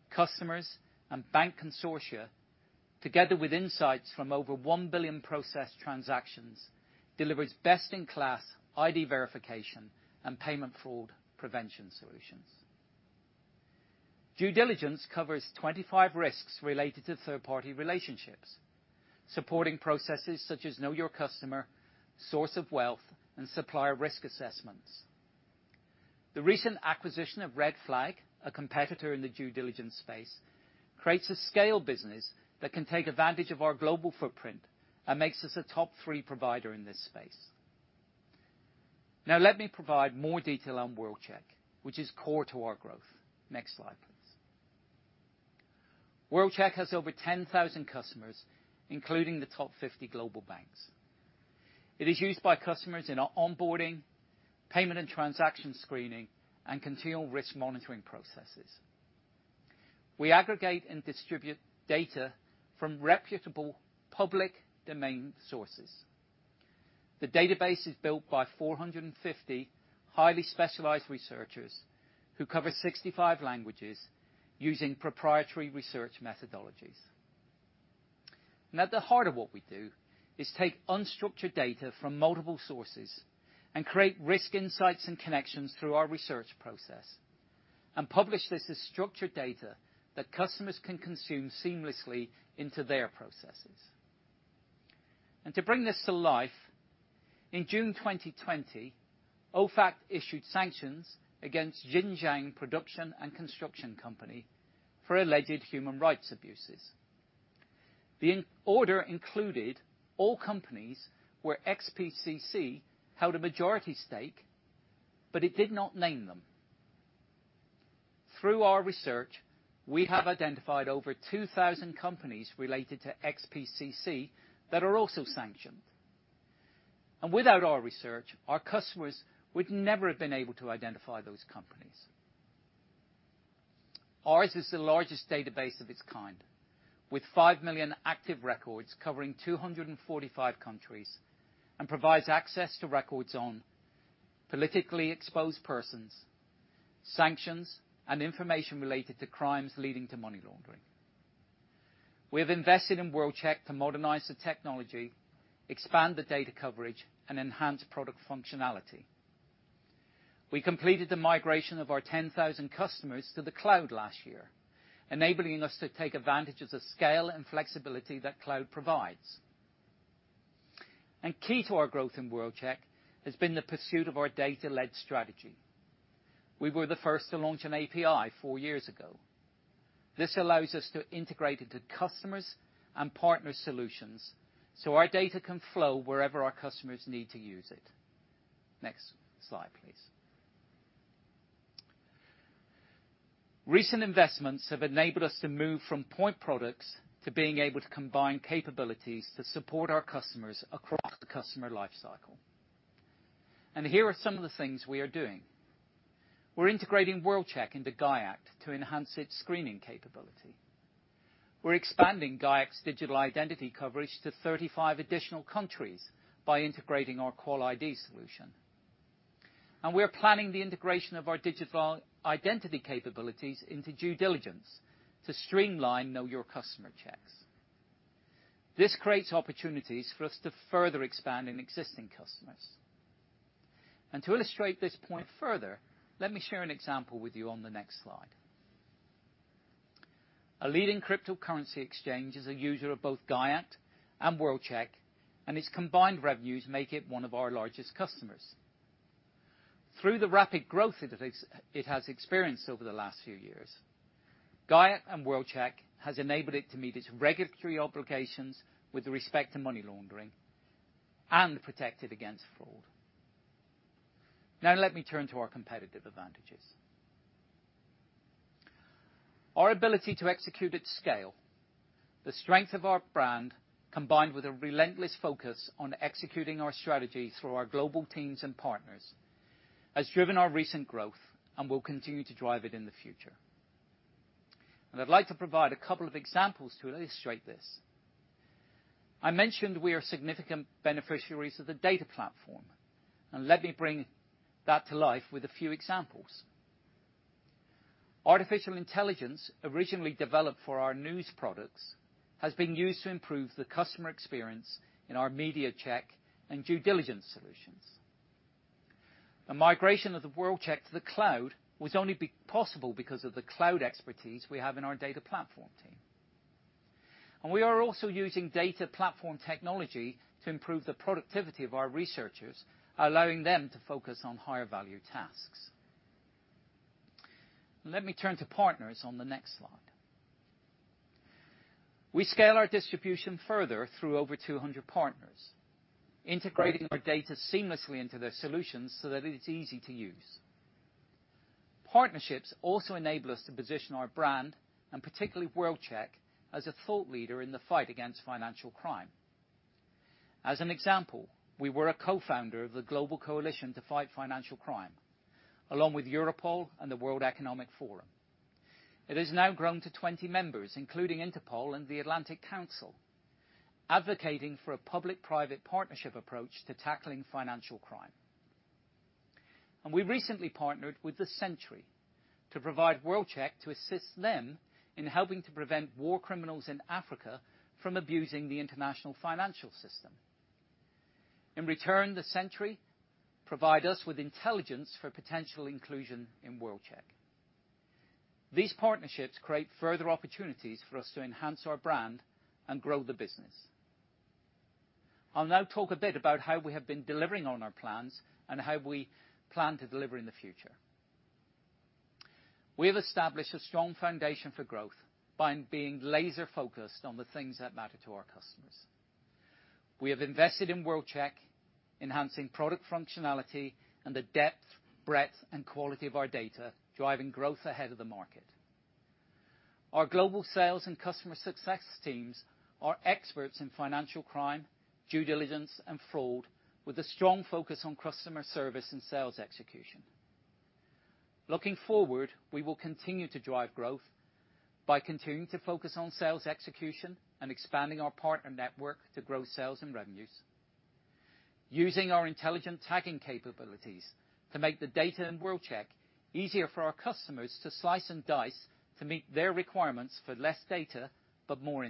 customers, and bank consortia together with insights from over 1 billion processed transactions, delivers best-in-class ID verification and payment fraud prevention solutions. Due diligence covers 25 risks related to third-party relationships, supporting processes such as know your customer, source of wealth, and supplier risk assessments. The recent acquisition of Red Flag, a competitor in the due diligence space, creates a scale business that can take advantage of our global footprint and makes us a top three provider in this space. Now let me provide more detail on World-Check, which is core to our growth. Next slide, please. World-Check has over 10,000 customers, including the top 50 global banks. It is used by customers in our onboarding, payment and transaction screening, and continual risk monitoring processes. We aggregate and distribute data from reputable public domain sources. The database is built by 450 highly specialized researchers who cover 65 languages using proprietary research methodologies. At the heart of what we do is take unstructured data from multiple sources and create risk insights and connections through our research process and publish this as structured data that customers can consume seamlessly into their processes. To bring this to life, in June 2020, OFAC issued sanctions against Xinjiang Production and Construction Corps for alleged human rights abuses. The order included all companies where XPCC held a majority stake, but it did not name them. Through our research, we have identified over 2,000 companies related to XPCC that are also sanctioned. Without our research, our customers would never have been able to identify those companies. Ours is the largest database of its kind, with 5 million active records covering 245 countries, and provides access to records on politically exposed persons, sanctions, and information related to crimes leading to money laundering. We have invested in World-Check to modernize the technology, expand the data coverage, and enhance product functionality. We completed the migration of our 10,000 customers to the cloud last year, enabling us to take advantage of the scale and flexibility that cloud provides. Key to our growth in World-Check has been the pursuit of our data-led strategy. We were the first to launch an API four years ago. This allows us to integrate into customers' and partners' solutions, so our data can flow wherever our customers need to use it. Next slide, please. Recent investments have enabled us to move from point products to being able to combine capabilities to support our customers across the customer lifecycle. Here are some of the things we are doing. We're integrating World-Check into GIACT to enhance its screening capability. We're expanding GIACT's digital identity coverage to 35 additional countries by integrating our Qual-ID solution. We're planning the integration of our digital identity capabilities into due diligence to streamline know your customer checks. This creates opportunities for us to further expand in existing customers. To illustrate this point further, let me share an example with you on the next slide. A leading cryptocurrency exchange is a user of both GIACT and World-Check, and its combined revenues make it one of our largest customers. Through the rapid growth it has experienced over the last few years, GIACT and World-Check has enabled it to meet its regulatory obligations with respect to money laundering and protect it against fraud. Now let me turn to our competitive advantages. Our ability to execute at scale, the strength of our brand, combined with a relentless focus on executing our strategy through our global teams and partners, has driven our recent growth and will continue to drive it in the future. I'd like to provide a couple of examples to illustrate this. I mentioned we are significant beneficiaries of the data platform, and let me bring that to life with a few examples. Artificial intelligence, originally developed for our news products, has been used to improve the customer experience in our Media Check and due diligence solutions. The migration of the World-Check to the cloud was only possible because of the cloud expertise we have in our data platform team. We are also using data platform technology to improve the productivity of our researchers, allowing them to focus on higher-value tasks. Let me turn to partners on the next slide. We scale our distribution further through over 200 partners, integrating our data seamlessly into their solutions so that it's easy to use. Partnerships also enable us to position our brand, and particularly World-Check, as a thought leader in the fight against financial crime. As an example, we were a co-founder of the Global Coalition to Fight Financial Crime, along with Europol and the World Economic Forum. It has now grown to 20 members, including Interpol and the Atlantic Council, advocating for a public-private partnership approach to tackling financial crime. We recently partnered with The Sentry to provide World-Check to assist them in helping to prevent war criminals in Africa from abusing the international financial system. In return, The Sentry provide us with intelligence for potential inclusion in World-Check. These partnerships create further opportunities for us to enhance our brand and grow the business. I'll now talk a bit about how we have been delivering on our plans, and how we plan to deliver in the future. We have established a strong foundation for growth by being laser-focused on the things that matter to our customers. We have invested in World-Check, enhancing product functionality and the depth, breadth, and quality of our data, driving growth ahead of the market. Our global sales and customer success teams are experts in financial crime, due diligence, and fraud, with a strong focus on customer service and sales execution. Looking forward, we will continue to drive growth by continuing to focus on sales execution and expanding our partner network to grow sales and revenues. Using our intelligent tagging capabilities to make the data in World-Check easier for our customers to slice and dice to meet their requirements for less data, but more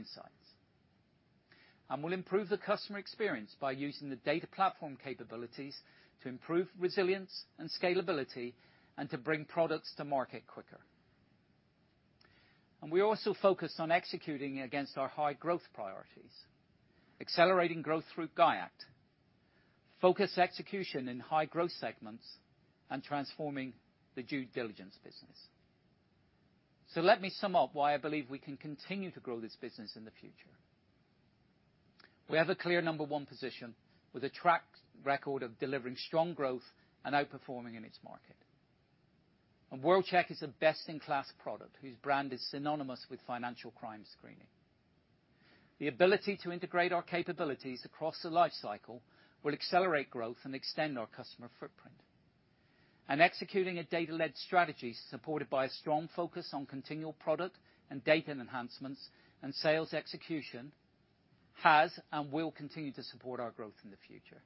insights. We'll improve the customer experience by using the data platform capabilities to improve resilience and scalability, and to bring products to market quicker. We also focus on executing against our high growth priorities, accelerating growth through GIACT, focus execution in high-growth segments, and transforming the due diligence business. Let me sum up why I believe we can continue to grow this business in the future. We have a clear number one position, with a track record of delivering strong growth and outperforming in its market. World-Check is a best-in-class product whose brand is synonymous with financial crime screening. The ability to integrate our capabilities across the life cycle will accelerate growth and extend our customer footprint. Executing a data-led strategy supported by a strong focus on continual product and data enhancements and sales execution has and will continue to support our growth in the future.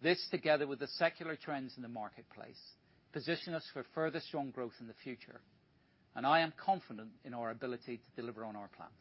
This, together with the secular trends in the marketplace, position us for further strong growth in the future, and I am confident in our ability to deliver on our plans.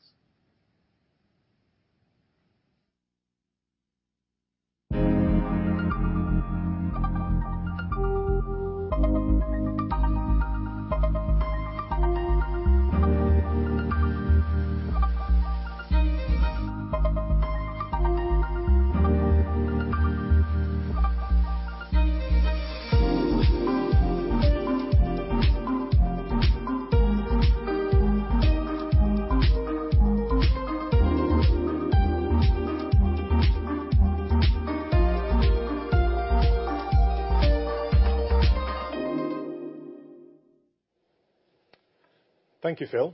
Thank you, Phil.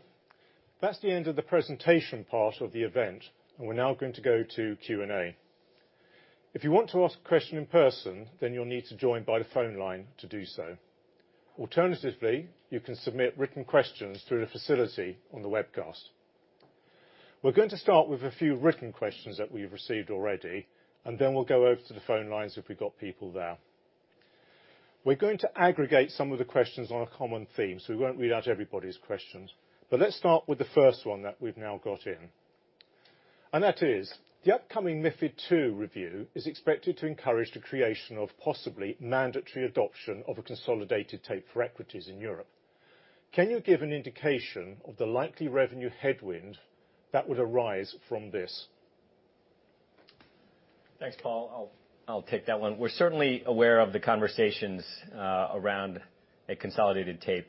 That's the end of the presentation part of the event. We're now going to go to Q&A. If you want to ask a question in person, you'll need to join by the phone line to do so. Alternatively, you can submit written questions through the facility on the webcast. We're going to start with a few written questions that we've received already. We'll go over to the phone lines if we've got people there. We're going to aggregate some of the questions on a common theme. We won't read out everybody's questions. Let's start with the first one that we've now got in. That is: The upcoming MiFID II review is expected to encourage the creation of possibly mandatory adoption of a consolidated tape for equities in Europe. Can you give an indication of the likely revenue headwind that would arise from this? Thanks, Paul. I'll take that one. We're certainly aware of the conversations around a consolidated tape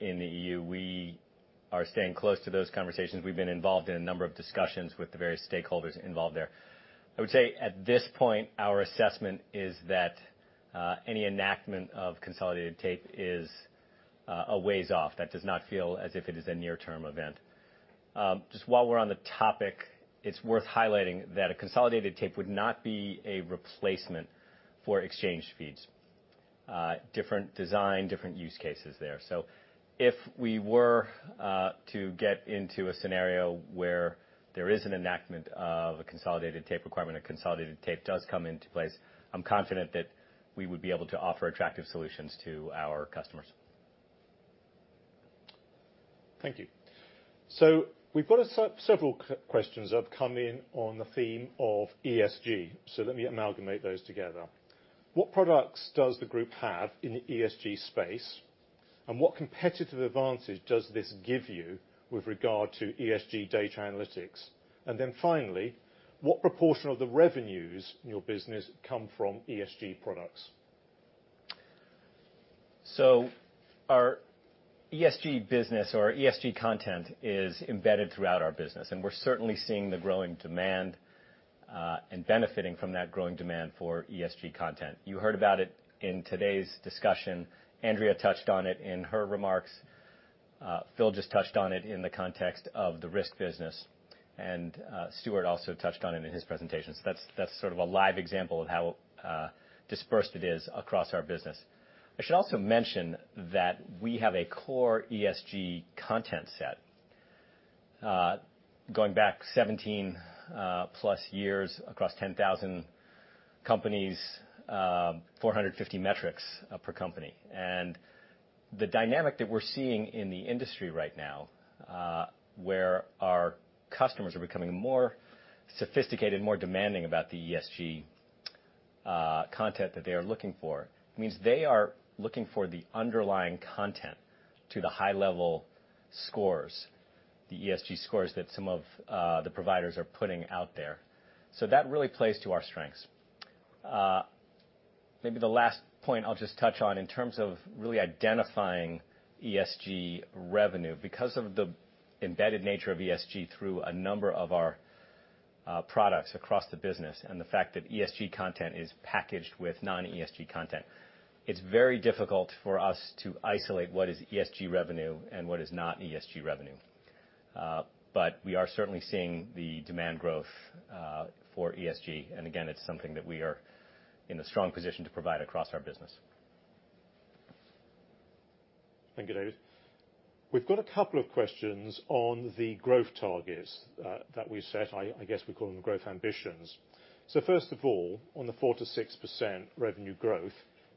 in the EU. We are staying close to those conversations. We've been involved in a number of discussions with the various stakeholders involved there. I would say at this point, our assessment is that any enactment of consolidated tape is a ways off. That does not feel as if it is a near-term event. While we're on the topic, it's worth highlighting that a consolidated tape would not be a replacement for exchange feeds. Different design, different use cases there. If we were to get into a scenario where there is an enactment of a consolidated tape requirement, a consolidated tape does come into place, I'm confident that we would be able to offer attractive solutions to our customers. Thank you. We've got several questions that have come in on the theme of ESG. Let me amalgamate those together. What products does the group have in the ESG space? What competitive advantage does this give you with regard to ESG data analytics? Finally, what proportion of the revenues in your business come from ESG products? Our ESG business or our ESG content is embedded throughout our business, and we're certainly seeing the growing demand, and benefiting from that growing demand for ESG content. You heard about it in today's discussion. Andrea Stone touched on it in her remarks. Phil Cotter just touched on it in the context of the risk business. Stuart Brown also touched on it in his presentation. That's sort of a live example of how dispersed it is across our business. I should also mention that we have a core ESG content set, going back 17+ years across 10,000 companies, 450 metrics per company. The dynamic that we're seeing in the industry right now, where our customers are becoming more sophisticated, more demanding about the ESG content that they are looking for. It means they are looking for the underlying content to the high-level scores, the ESG scores that some of the providers are putting out there. That really plays to our strengths. Maybe the last point I'll just touch on in terms of really identifying ESG revenue. Because of the embedded nature of ESG through a number of our products across the business and the fact that ESG content is packaged with non-ESG content, it's very difficult for us to isolate what is ESG revenue and what is not ESG revenue. We are certainly seeing the demand growth for ESG. Again, it's something that we are in a strong position to provide across our business. Thank you, David. We've got a couple of questions on the growth targets that we set. I guess we call them growth ambitions. First of all, on the 4%-6% revenue growth,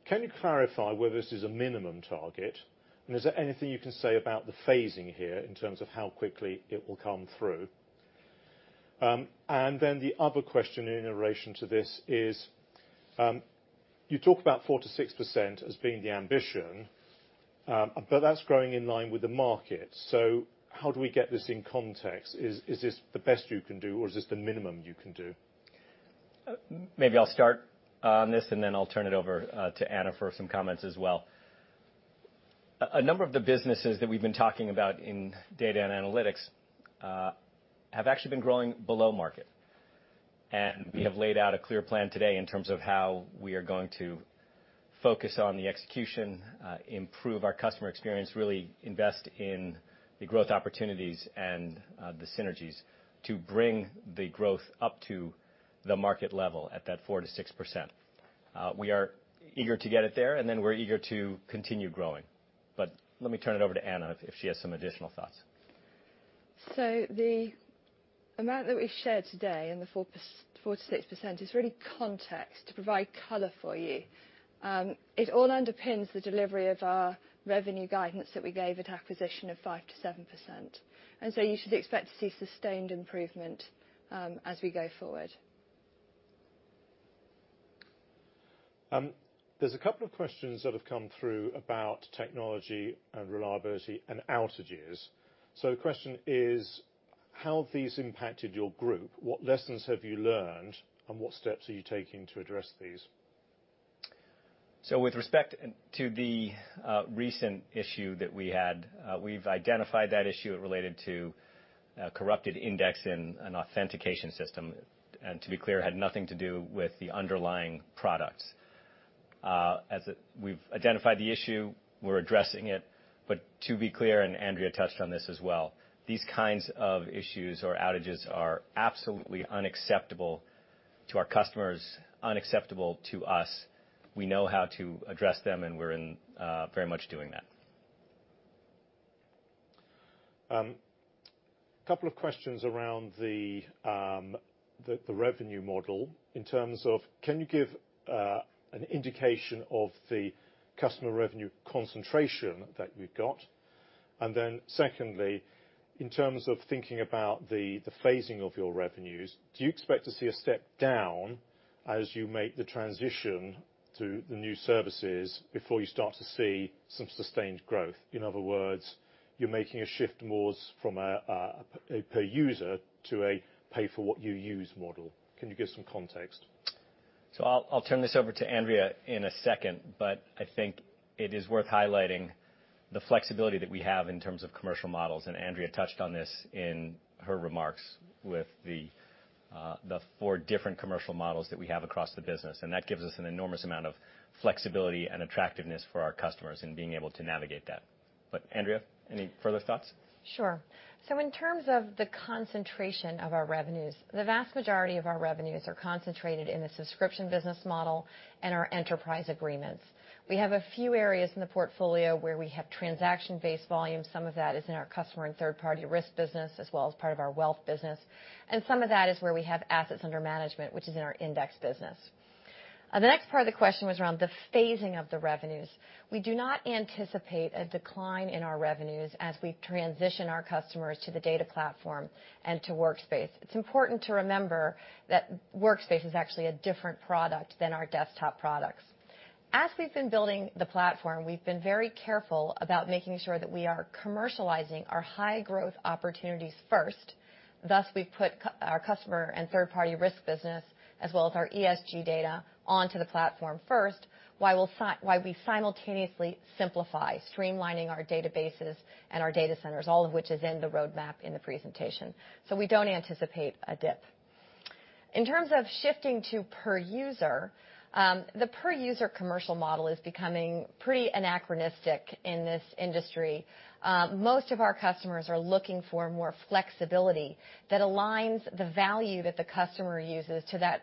can you clarify whether this is a minimum target? Is there anything you can say about the phasing here in terms of how quickly it will come through? The other question in iteration to this is, you talk about 4%-6% as being the ambition, but that's growing in line with the market. How do we get this in context? Is this the best you can do or is this the minimum you can do? Maybe I'll start on this, then I'll turn it over to Anna for some comments as well. A number of the businesses that we've been talking about in Data & Analytics have actually been growing below market. We have laid out a clear plan today in terms of how we are going to focus on the execution, improve our customer experience, really invest in the growth opportunities and the synergies to bring the growth up to the market level at that 4%-6%. We are eager to get it there, then we're eager to continue growing. Let me turn it over to Anna if she has some additional thoughts. The amount that we've shared today in the 4%-6% is really context to provide color for you. It all underpins the delivery of our revenue guidance that we gave at acquisition of 5%-7%. You should expect to see sustained improvement as we go forward. There's a couple of questions that have come through about technology and reliability and outages. The question is, how have these impacted your group? What lessons have you learned, and what steps are you taking to address these? With respect to the recent issue that we had, we’ve identified that issue related to a corrupted index and authentication system, and to be clear, had nothing to do with the underlying products. We’ve identified the issue. We’re addressing it. To be clear, and Andrea touched on this as well, these kinds of issues or outages are absolutely unacceptable to our customers, unacceptable to us. We know how to address them, and we’re very much doing that. A couple of questions around the revenue model in terms of, can you give an indication of the customer revenue concentration that you've got? Secondly, in terms of thinking about the phasing of your revenues, do you expect to see a step down as you make the transition to the new services before you start to see some sustained growth? In other words, you're making a shift more from a per user to a pay for what you use model. Can you give some context? I'll turn this over to Andrea in a second, but I think it is worth highlighting the flexibility that we have in terms of commercial models. Andrea touched on this in her remarks with the 4 different commercial models that we have across the business. That gives us an enormous amount of flexibility and attractiveness for our customers in being able to navigate that. Andrea, any further thoughts? Sure. In terms of the concentration of our revenues, the vast majority of our revenues are concentrated in the subscription business model and our enterprise agreements. We have a few areas in the portfolio where we have transaction-based volume. Some of that is in our Customer and Third-Party Risk business, as well as part of our wealth business. Some of that is where we have assets under management, which is our index business. The next part of the question was around the phasing of the revenues. We do not anticipate a decline in our revenues as we transition our customers to the data platform and to Workspace. It's important to remember that Workspace is actually a different product than our desktop products. As we've been building the platform, we've been very careful about making sure that we are commercializing our high-growth opportunities first. Thus, we've put our Customer and Third-Party Risk Solutions, as well as our ESG data, onto the platform first, while we simultaneously simplify, streamlining our databases and our data centers, all of which is in the roadmap in the presentation. We don't anticipate a dip. In terms of shifting to per user, the per user commercial model is becoming pretty anachronistic in this industry. Most of our customers are looking for more flexibility that aligns the value that the customer uses to that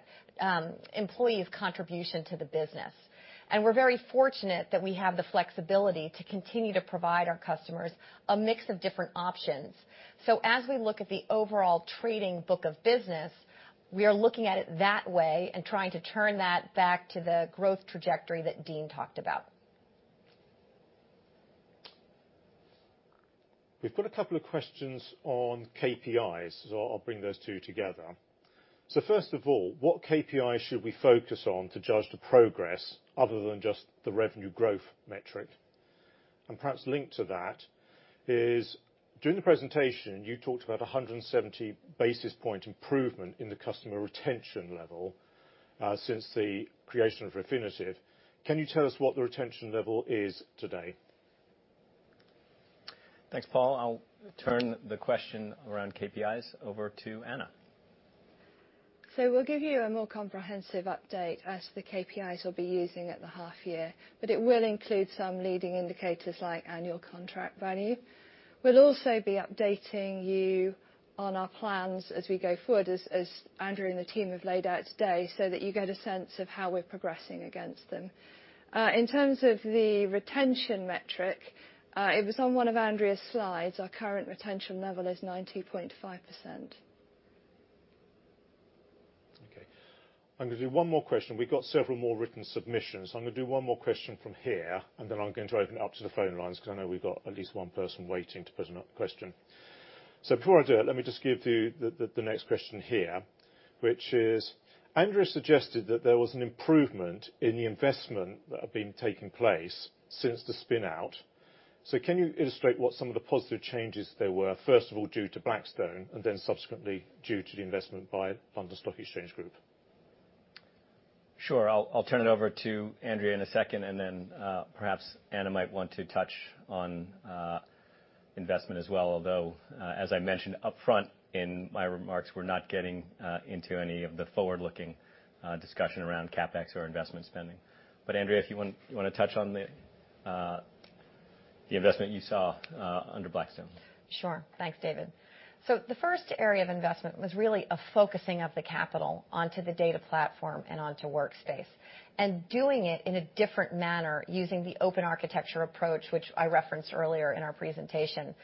employee's contribution to the business. We're very fortunate that we have the flexibility to continue to provide our customers a mix of different options. As we look at the overall trading book of business, we are looking at it that way and trying to turn that back to the growth trajectory that Dean talked about. We've got a couple of questions on KPIs, so I'll bring those two together. First of all, what KPIs should we focus on to judge the progress other than just the revenue growth metric? Perhaps linked to that is, during the presentation, you talked about 170 basis point improvement in the customer retention level since the creation of Refinitiv. Can you tell us what the retention level is today? Thanks, Paul. I'll turn the question around KPIs over to Anna. We'll give you a more comprehensive update as to the KPIs we'll be using at the half year, but it will include some leading indicators like annual contract value. We'll also be updating you on our plans as we go forward, as Andrea and the team have laid out today, so that you get a sense of how we're progressing against them. In terms of the retention metric, it was on one of Andrea's slides. Our current retention level is 90.5%. Okay. I'm going to do one more question. We've got several more written submissions. I'm going to do one more question from here, and then I'm going to open up to the phone lines because I know we've got at least one person waiting to put another question. Before I do it, let me just give you the next question here, which is, Andrea suggested that there was an improvement in the investment that had been taking place since the spin-out. Can you illustrate what some of the positive changes there were, first of all, due to Blackstone, and then subsequently due to the investment by London Stock Exchange Group? Sure. I'll turn it over to Andrea in a second, and then perhaps Anna might want to touch on investment as well. As I mentioned upfront in my remarks, we're not getting into any of the forward-looking discussion around CapEx or investment spending. Andrea, if you want to touch on the investment you saw under Blackstone. Sure. Thanks, David. The first area of investment was really a focusing of the capital onto the data platform and onto Workspace, and doing it in a different manner using the open architecture approach, which I referenced earlier in our presentation.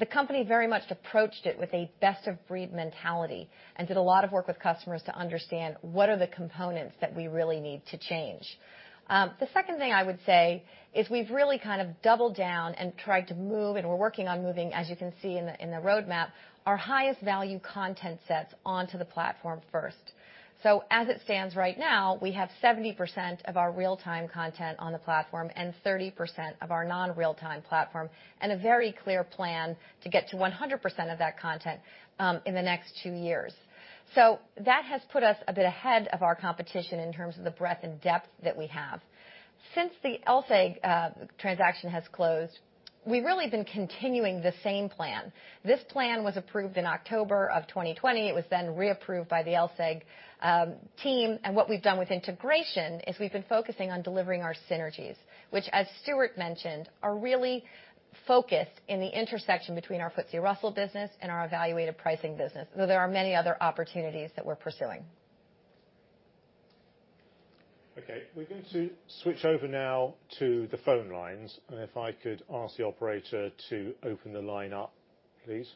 The company very much approached it with a best of breed mentality and did a lot of work with customers to understand what are the components that we really need to change. The second thing I would say is we've really kind of doubled down and tried to move, and we're working on moving, as you can see in the roadmap, our highest value content sets onto the platform first. As it stands right now, we have 70% of our real-time content on the platform and 30% of our non-real-time platform, and a very clear plan to get to 100% of that content in the next two years. That has put us a bit ahead of our competition in terms of the breadth and depth that we have. Since the LSEG transaction has closed, we've really been continuing the same plan. This plan was approved in October of 2020. It was reapproved by the LSEG team. What we've done with integration is we've been focusing on delivering our synergies, which, as Stuart mentioned, are really focused in the intersection between our FTSE Russell business and our Evaluated Pricing business, though there are many other opportunities that we're pursuing. Okay. We're going to switch over now to the phone lines, and if I could ask the operator to open the line up, please.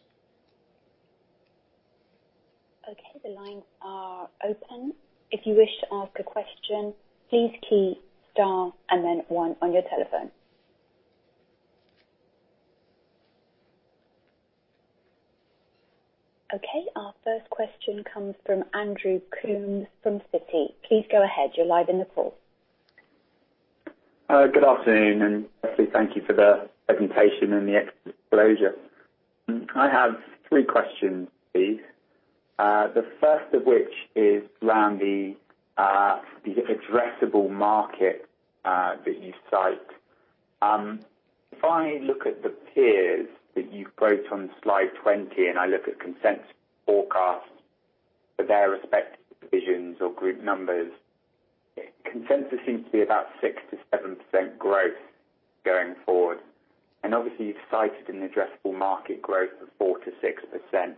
Our first question comes from Andrew Coombs from Citi. Please go ahead. You're live in the call. Good afternoon. Firstly, thank you for the presentation and the exposure. I have three questions, please. The first of which is around the addressable market that you cite. If I look at the peers that you've quoted on slide 20 and I look at consensus forecasts for their respective divisions or group numbers, consensus seems to be about 6%-7% growth going forward. Obviously, you've cited an addressable market growth of 4%-6%.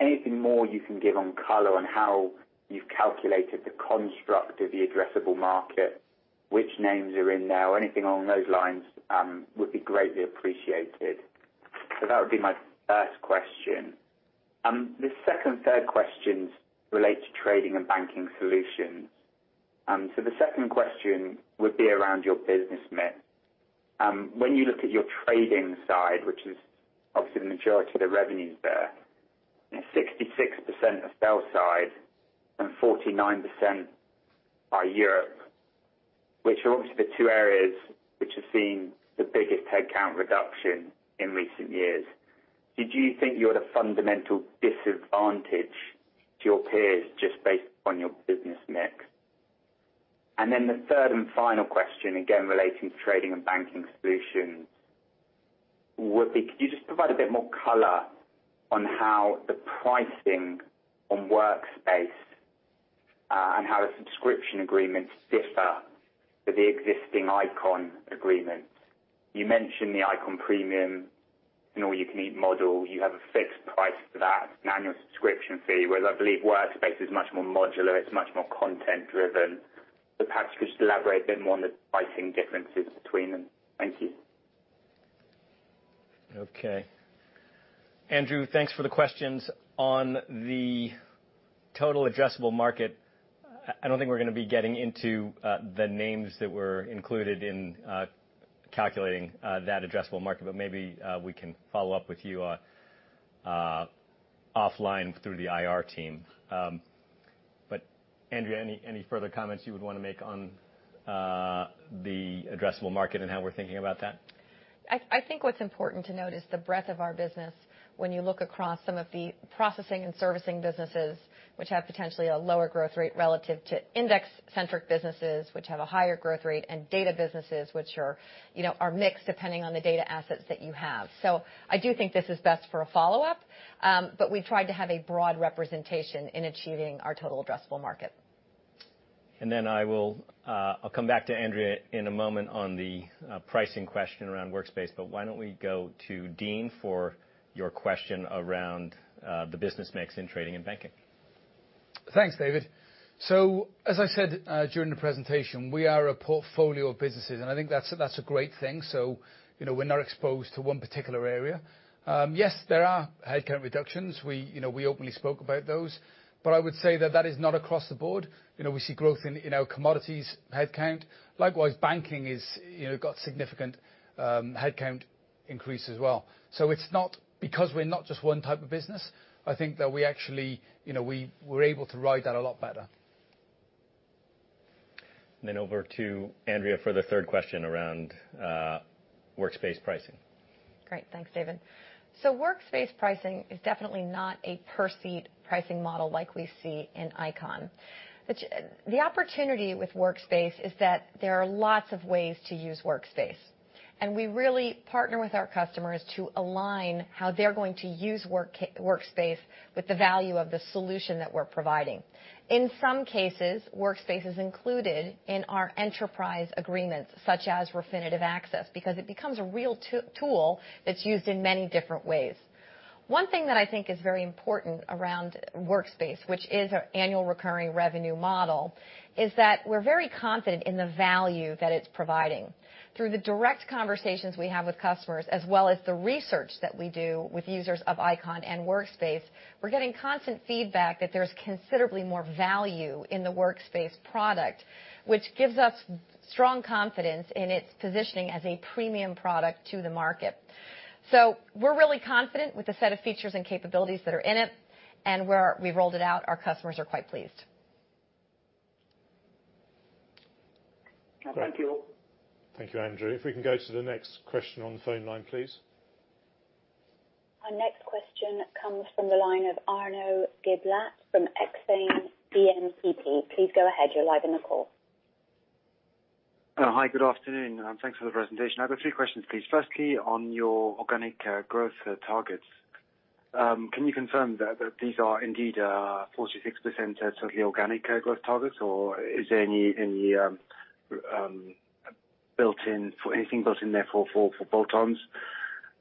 Anything more you can give on color on how you've calculated the construct of the addressable market, which names are in there or anything along those lines would be greatly appreciated. That would be my first question. The second and third questions relate to Trading and Banking Solutions. The second question would be around your business mix. When you look at your trading side, which is obviously the majority of the revenue is there, 66% are sell side and 49% are Europe, which are obviously the two areas which have seen the biggest headcount reduction in recent years. Did you think you had a fundamental disadvantage to your peers just based upon your business mix? The third and final question, again, relating to Trading and Banking Solutions, would be, could you just provide a bit more color on how the pricing on Workspace, and how the subscription agreements differ for the existing Eikon agreements? You mentioned the Eikon Premium and all-you-can-eat model. You have a fixed price for that, an annual subscription fee, whereas I believe Workspace is much more modular, it's much more content driven. Perhaps you could just elaborate a bit more on the pricing differences between them. Thank you. Okay, Andrew, thanks for the questions. On the total addressable market, I don't think we're going to be getting into the names that were included in calculating that addressable market. Maybe we can follow up with you offline through the IR team. Andrea, any further comments you would want to make on the addressable market and how we're thinking about that? I think what's important to note is the breadth of our business. When you look across some of the processing and servicing businesses, which have potentially a lower growth rate relative to index-centric businesses which have a higher growth rate, and data businesses which are mixed depending on the data assets that you have. I do think this is best for a follow-up, but we tried to have a broad representation in achieving our total addressable market. I'll come back to Andrea in a moment on the pricing question around Workspace. Why don't we go to Dean for your question around the business mix in trading and banking. Thanks, David. As I said during the presentation, we are a portfolio of businesses, and I think that's a great thing. We're not exposed to one particular area. Yes, there are headcount reductions. We openly spoke about those. I would say that is not across the board. We see growth in commodities headcount. Likewise, banking got significant headcount increase as well. Because we're not just one type of business, I think that we actually were able to ride that a lot better. Then over to Andrea for the third question around Workspace pricing. Great. Thanks, David. Workspace pricing is definitely not a per-seat pricing model like we see in Eikon. The opportunity with Workspace is that there are lots of ways to use Workspace, and we really partner with our customers to align how they're going to use Workspace with the value of the solution that we're providing. In some cases, Workspace is included in our enterprise agreements, such as Refinitiv Access, because it becomes a real tool that's used in many different ways. One thing that I think is very important around Workspace, which is our annual recurring revenue model, is that we're very confident in the value that it's providing. Through the direct conversations we have with customers, as well as the research that we do with users of Eikon and Workspace, we're getting constant feedback that there's considerably more value in the Workspace product, which gives us strong confidence in its positioning as a premium product to the market. We're really confident with the set of features and capabilities that are in it, and where we've rolled it out, our customers are quite pleased. Thank you. Thank you, Andrew. If we can go to the next question on the phone line, please. Our next question comes from the line of Arnaud Giblat from Exane BNP Paribas. Please go ahead. You are live on the call. Hi. Good afternoon, thanks for the presentation. I've got two questions, please. Firstly, on your organic growth targets, can you confirm that these are indeed 4%-6% totally organic growth targets, or is there anything built in there for bolt-ons?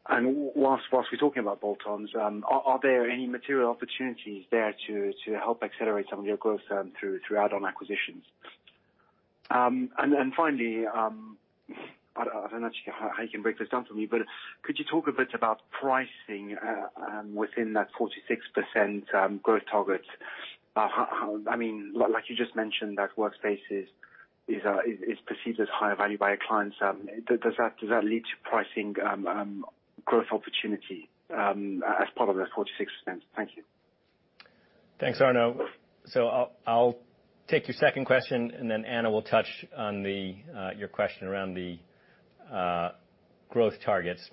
Whilst we're talking about bolt-ons, are there any material opportunities there to help accelerate some of your growth through add-on acquisitions? Finally, I don't know how you can break this down for me, but could you talk a bit about pricing within that 4%-6% growth target? Like you just mentioned, that Workspace is perceived as higher value by clients. Does that lead to pricing growth opportunity as part of that 4%-6%? Thank you. Thanks, Arnaud. I'll take your second question, and then Anna will touch on your question around the growth targets.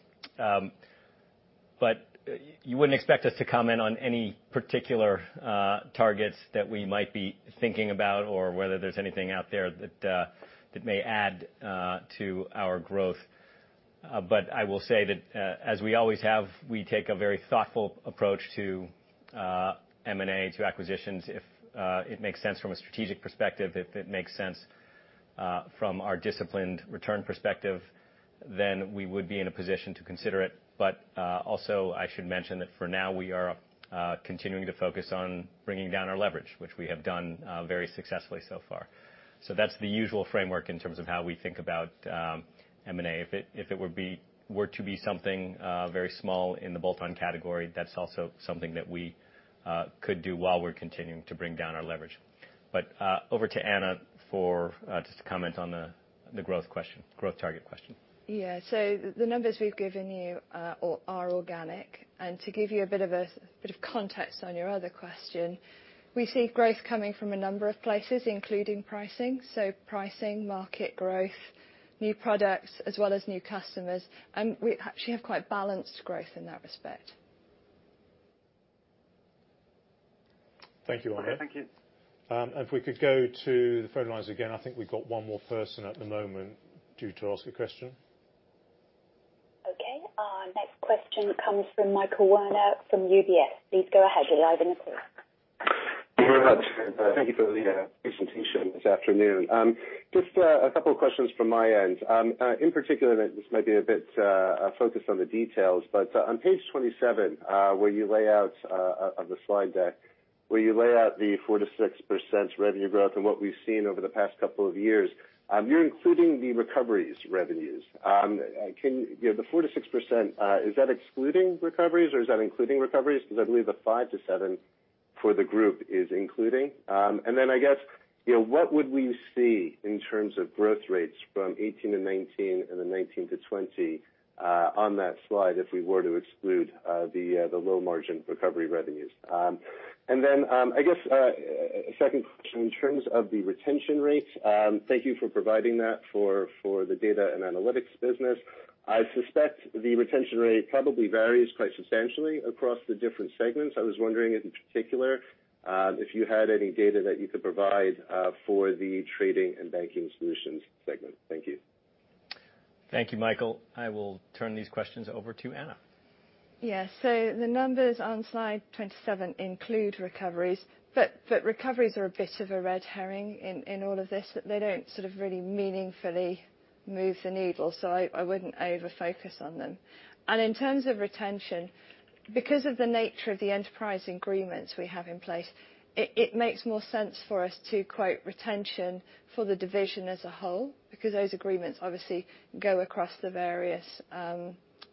You wouldn't expect us to comment on any particular targets that we might be thinking about or whether there's anything out there that may add to our growth. I will say that as we always have, we take a very thoughtful approach to M&A, to acquisitions. If it makes sense from a strategic perspective, if it makes sense from our disciplined return perspective, we would be in a position to consider it. Also, I should mention that for now we are continuing to focus on bringing down our leverage, which we have done very successfully so far. That's the usual framework in terms of how we think about M&A. If it were to be something very small in the bolt-on category, that's also something that we could do while we're continuing to bring down our leverage. Over to Anna to comment on the growth target question. Yeah. The numbers we've given you are organic. To give you a bit of context on your other question, we see growth coming from a number of places, including pricing. Pricing, market growth, new products, as well as new customers, and we actually have quite balanced growth in that respect. Thank you, Arnaud. Thank you. If we could go to the phone lines again. I think we've got one more person at the moment due to ask a question. Okay. Our next question comes from Michael Werner from UBS. Please go ahead. You're live on the call. Thank you for the presentation this afternoon. Just a couple of questions from my end. In particular, this may be a bit focused on the details, but on page 27, where you lay out the 4%-6% revenue growth and what we've seen over the past couple of years, you're including the recoveries revenues. The 4%-6%, is that excluding recoveries or is that including recoveries? I believe the 5%-7% for the group is including. I guess, what would we see in terms of growth rates from 2018-2019 and then 2019-2020 on that slide if we were to exclude the low-margin recovery revenues? I guess a second question in terms of the retention rate. Thank you for providing that for the Data & Analytics business. I suspect the retention rate probably varies quite substantially across the different segments. I was wondering in particular, if you had any data that you could provide for the Trading and Banking Solutions segment. Thank you. Thank you, Michael. I will turn these questions over to Anna. The numbers on slide 27 include recoveries, but recoveries are a bit of a red herring in all of this. They don't sort of really meaningfully move the needle. I wouldn't over-focus on them. In terms of retention, because of the nature of the enterprise agreements we have in place, it makes more sense for us to quote retention for the division as a whole, because those agreements obviously go across the various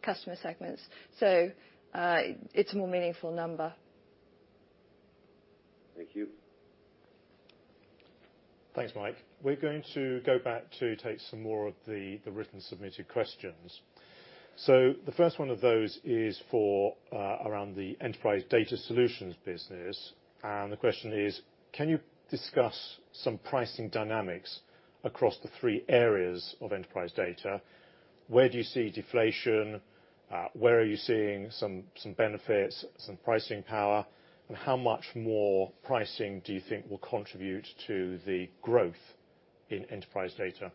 customer segments. It's a more meaningful number. Thank you. Thanks, Mike. We're going to go back to take some more of the written submitted questions. The first one of those is around the Enterprise Data Solutions business. The question is, can you discuss some pricing dynamics across the three areas of enterprise data? Where do you see deflation? Where are you seeing some benefits, some pricing power, and how much more pricing do you think will contribute to the growth in enterprise data?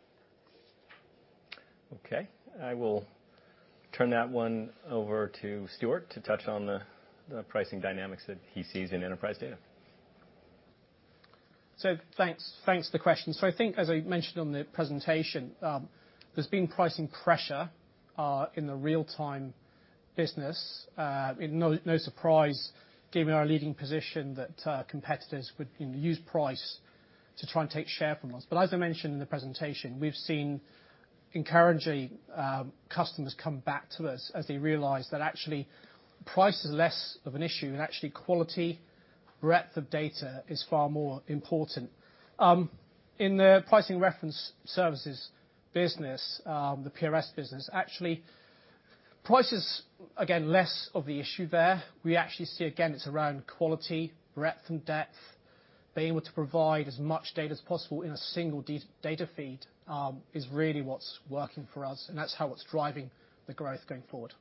Okay. I will turn that one over to Stuart to touch on the pricing dynamics that he sees in Enterprise Data. Thanks for the question. I think as I mentioned on the presentation, there's been pricing pressure in the real-time business. No surprise, given our leading position, that competitors would use price to try and take share from us. As I mentioned in the presentation, we've seen encouraging customers come back to us as they realize that actually price is less of an issue and actually quality, breadth of data is far more important. In the pricing reference services business, the PRS business, actually, price is, again, less of the issue there. We actually see, again, it's around quality, breadth, and depth. Being able to provide as much data as possible in a single data feed is really what's working for us, and that's what's driving the growth going forward.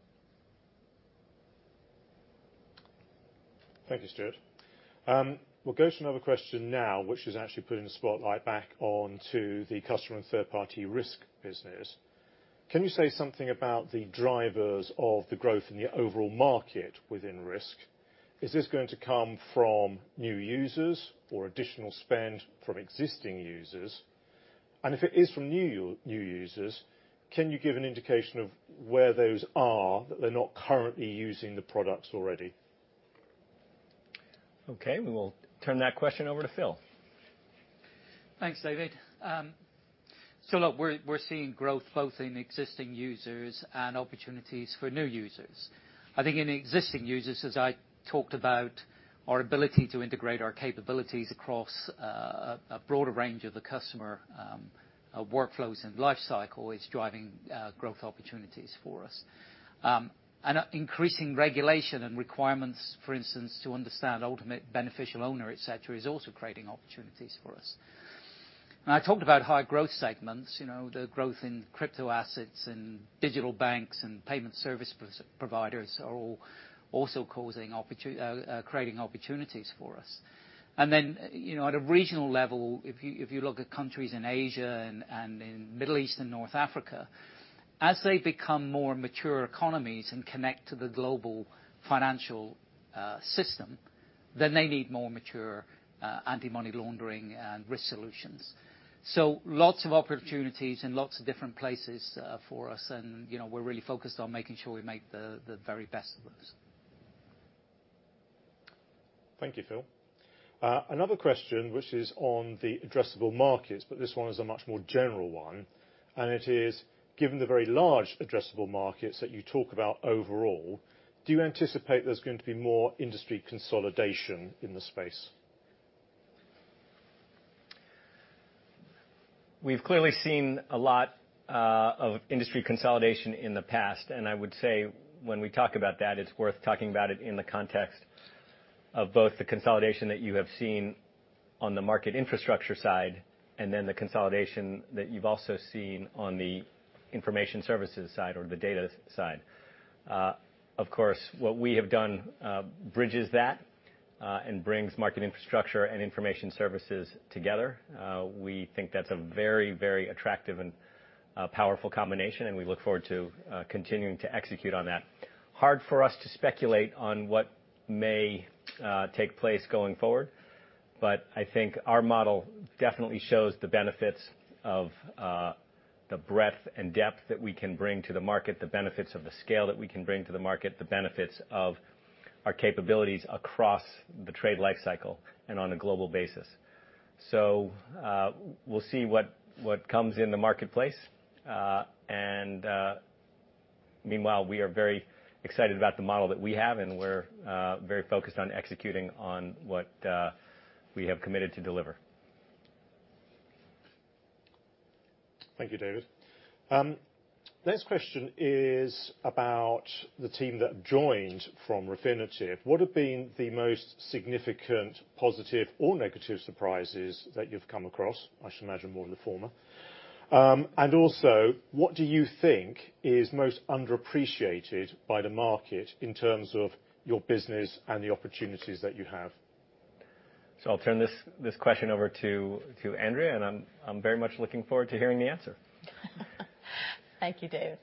Thank you, Stuart. We'll go to another question now, which is actually putting the spotlight back onto the Customer and Third-Party Risk business. Can you say something about the drivers of the growth in the overall market within risk? Is this going to come from new users or additional spend from existing users? If it is from new users, can you give an indication of where those are, that they're not currently using the products already? Okay. We'll turn that question over to Phil. Thanks, David. Look, we're seeing growth both in existing users and opportunities for new users. I think in existing users, as I talked about, our ability to integrate our capabilities across a broader range of the customer workflows and life cycle is driving growth opportunities for us. Increasing regulation and requirements, for instance, to understand ultimate beneficial owner, et cetera, is also creating opportunities for us. I talked about high growth segments. The growth in crypto assets and digital banks and payment service providers are all also creating opportunities for us. At a regional level, if you look at countries in Asia and in Middle East and North Africa, as they become more mature economies and connect to the global financial system, then they need more mature anti-money laundering and risk solutions. Lots of opportunities in lots of different places for us, and we're really focused on making sure we make the very best of those. Thank you, Phil. Another question, which is on the addressable markets, but this one is a much more general one. It is, given the very large addressable markets that you talk about overall, do you anticipate there's going to be more industry consolidation in the space? We've clearly seen a lot of industry consolidation in the past, and I would say when we talk about that, it's worth talking about it in the context of both the consolidation that you have seen on the market infrastructure side and then the consolidation that you've also seen on the information services side or the data side. Of course, what we have done bridges that and brings market infrastructure and information services together. We think that's a very attractive and powerful combination, and we look forward to continuing to execute on that. Hard for us to speculate on what may take place going forward. I think our model definitely shows the benefits of the breadth and depth that we can bring to the market, the benefits of the scale that we can bring to the market, the benefits of our capabilities across the trade life cycle and on a global basis. We'll see what comes in the marketplace. Meanwhile, we are very excited about the model that we have, and we're very focused on executing on what we have committed to deliver. Thank you, David. Next question is about the team that joined from Refinitiv. What have been the most significant positive or negative surprises that you've come across? I should imagine more of the former. What do you think is most underappreciated by the market in terms of your business and the opportunities that you have? I'll turn this question over to Andrea, and I'm very much looking forward to hearing the answer. Thank you, David.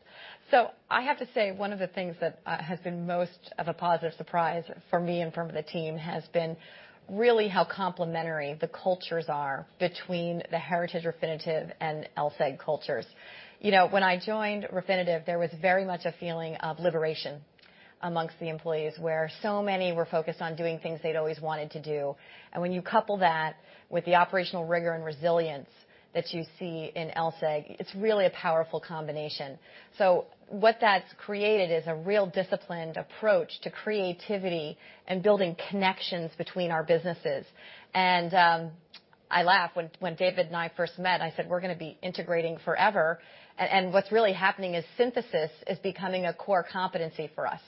I have to say, one of the things that has been most of a positive surprise for me and for the team has been really how complementary the cultures are between the heritage Refinitiv and LSEG cultures. When I joined Refinitiv, there was very much a feeling of liberation amongst the employees, where so many were focused on doing things they'd always wanted to do. When you couple that with the operational rigor and resilience that you see in LSEG, it's really a powerful combination. What that's created is a real disciplined approach to creativity and building connections between our businesses. I laugh. When David and I first met, I said, "We're going to be integrating forever." What's really happening is synthesis is becoming a core competency for us.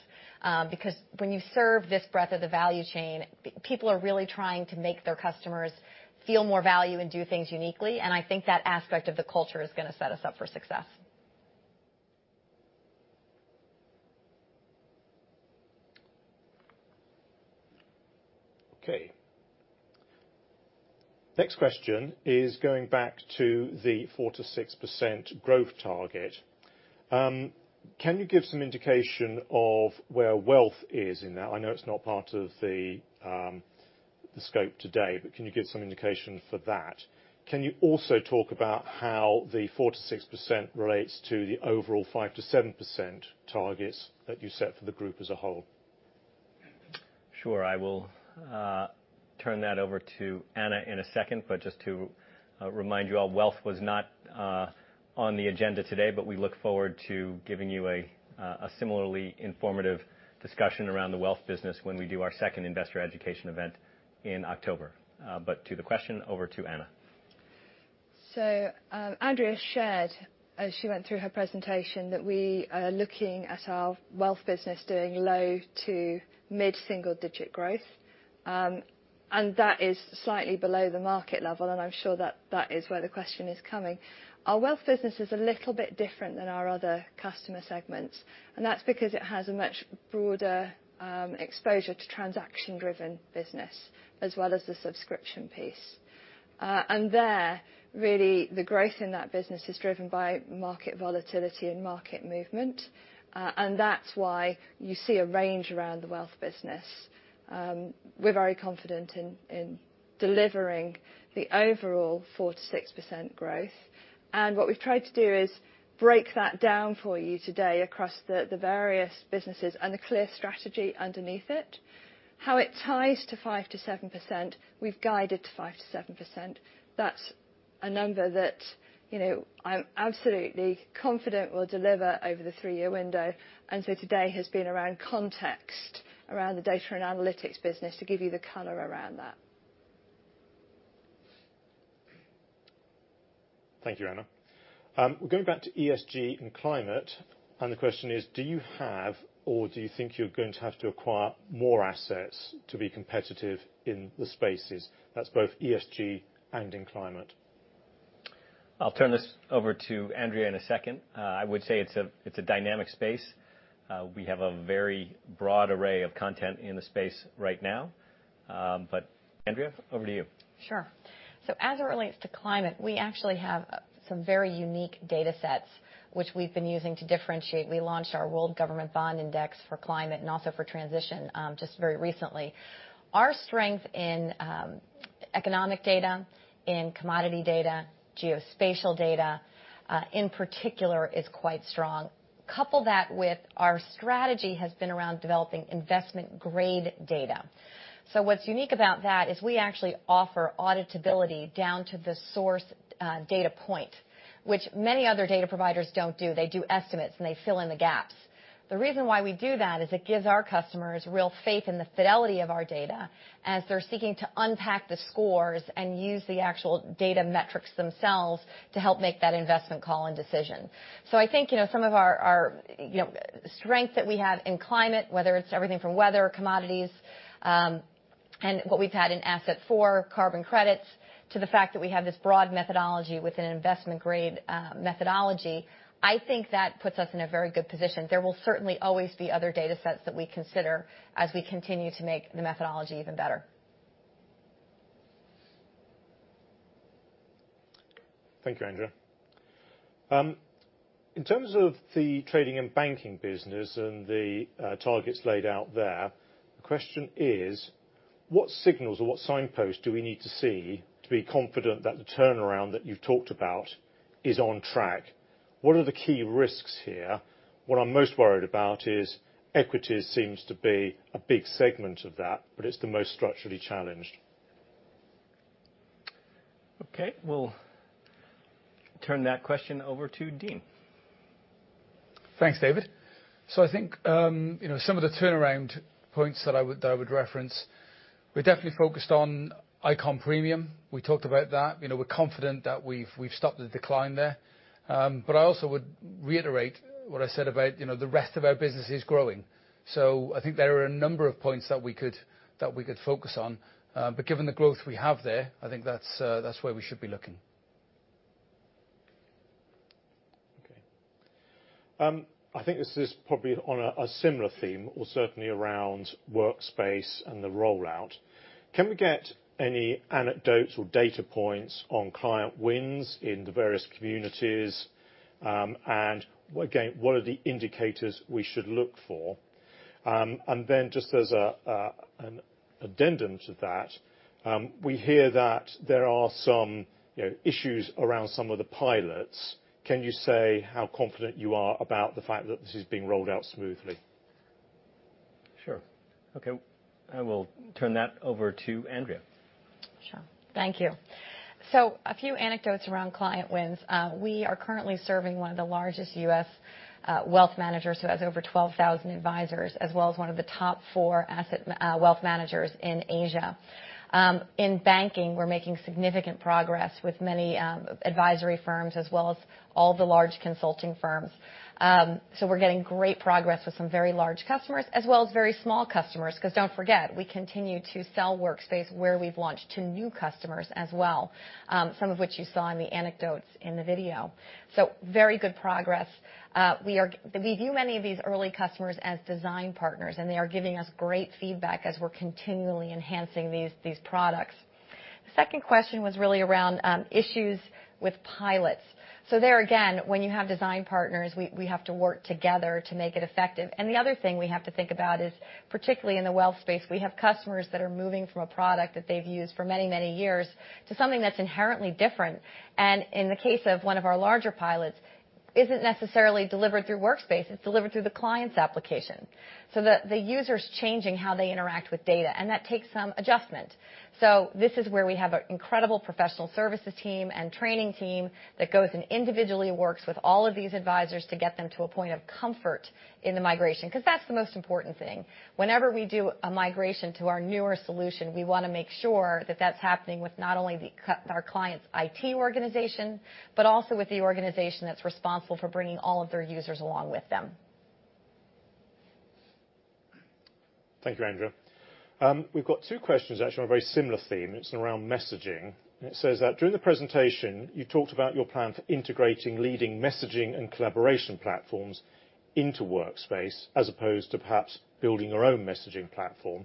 Because when you serve this breadth of the value chain, people are really trying to make their customers feel more value and do things uniquely. I think that aspect of the culture is going to set us up for success. Next question is going back to the 4%-6% growth target. Can you give some indication of where wealth is in that? I know it's not part of the scope today, but can you give some indication for that? Can you also talk about how the 4%-6% relates to the overall 5%-7% targets that you set for the group as a whole? Sure. I will turn that over to Anna in a second, just to remind you all, wealth was not on the agenda today, but we look forward to giving you a similarly informative discussion around the wealth business when we do our second investor education event in October. To the question, over to Anna. Andrea shared, as she went through her presentation, that we are looking at our wealth business doing low to mid-single-digit growth. That is slightly below the market level, and I'm sure that is where the question is coming. Our wealth business is a little bit different than our other customer segments, and that's because it has a much broader exposure to transaction-driven business as well as the subscription piece. There, really, the growth in that business is driven by market volatility and market movement. That's why you see a range around the wealth business. We're very confident in delivering the overall 4%-6% growth. What we've tried to do is break that down for you today across the various businesses and the clear strategy underneath it. How it ties to 5%-7%, we've guided to 5%-7%. That's a number that I'm absolutely confident we'll deliver over the three-year window. Today has been around context, around the Data & Analytics business to give you the color around that. Thank you, Anna. We're going back to ESG and climate. The question is, do you have or do you think you're going to have to acquire more assets to be competitive in the spaces? That's both ESG and in climate. I'll turn this over to Andrea in a second. I would say it's a dynamic space. We have a very broad array of content in the space right now. Andrea, over to you. Sure. As it relates to climate, we actually have some very unique data sets which we've been using to differentiate. We launched our FTSE World Government Bond Index for climate and also for transition, just very recently. Our strength in economic data, in commodity data, geospatial data, in particular, is quite strong. Couple that with our strategy has been around developing investment-grade data. What's unique about that is we actually offer auditability down to the source data point, which many other data providers don't do. They do estimates, and they fill in the gaps. The reason why we do that is it gives our customers real faith in the fidelity of our data as they're seeking to unpack the scores and use the actual data metrics themselves to help make that investment call and decision. I think some of our strength that we have in climate, whether it's everything from weather, commodities, and what we've had in ASSET4, carbon credits, to the fact that we have this broad methodology with an investment-grade methodology. I think that puts us in a very good position. There will certainly always be other data sets that we consider as we continue to make the methodology even better. Thank you, Andrea. In terms of the trading and banking business and the targets laid out there, the question is, what signals or what signposts do we need to see to be confident that the turnaround that you've talked about is on track? What are the key risks here? What I'm most worried about is equities seems to be a big segment of that, but it's the most structurally challenged. Okay. We'll turn that question over to Dean. Thanks, David. I think some of the turnaround points that I would reference, we're definitely focused on Eikon Premium. We talked about that. We're confident that we've stopped the decline there. I also would reiterate what I said about the rest of our business is growing. I think there are a number of points that we could focus on. Given the growth we have there, I think that's where we should be looking. Okay. I think this is probably on a similar theme or certainly around Workspace and the rollout. Can we get any anecdotes or data points on client wins in the various communities? Again, what are the indicators we should look for? Just as an addendum to that, we hear that there are some issues around some of the pilots. Can you say how confident you are about the fact that this is being rolled out smoothly? Sure. Okay. I will turn that over to Andrea. Sure. Thank you. A few anecdotes around client wins. We are currently serving one of the largest U.S. wealth managers who has over 12,000 advisors, as well as one of the top four asset wealth managers in Asia. In banking, we're making significant progress with many advisory firms as well as all the large consulting firms. We're getting great progress with some very large customers as well as very small customers. Because don't forget, we continue to sell Workspace where we've launched to new customers as well, some of which you saw in the anecdotes in the video. Very good progress. We view many of these early customers as design partners, and they are giving us great feedback as we're continually enhancing these products. The second question was really around issues with pilots. There again, when you have design partners, we have to work together to make it effective. The other thing we have to think about is, particularly in the wealth space, we have customers that are moving from a product that they've used for many, many years to something that's inherently different. In the case of one of our larger pilots, isn't necessarily delivered through Workspace, it's delivered through the client's application. The user's changing how they interact with data, and that takes some adjustment. This is where we have an incredible professional services team and training team that goes and individually works with all of these advisors to get them to a point of comfort in the migration. That's the most important thing. Whenever we do a migration to our newer solution, we want to make sure that that is happening with not only our client's IT organization, but also with the organization that is responsible for bringing all of their users along with them. Thank you, Andrea. We've got two questions actually on a very similar theme. It's around messaging. It says that during the presentation, you talked about your plan for integrating leading messaging and collaboration platforms into Workspace as opposed to perhaps building your own messaging platform.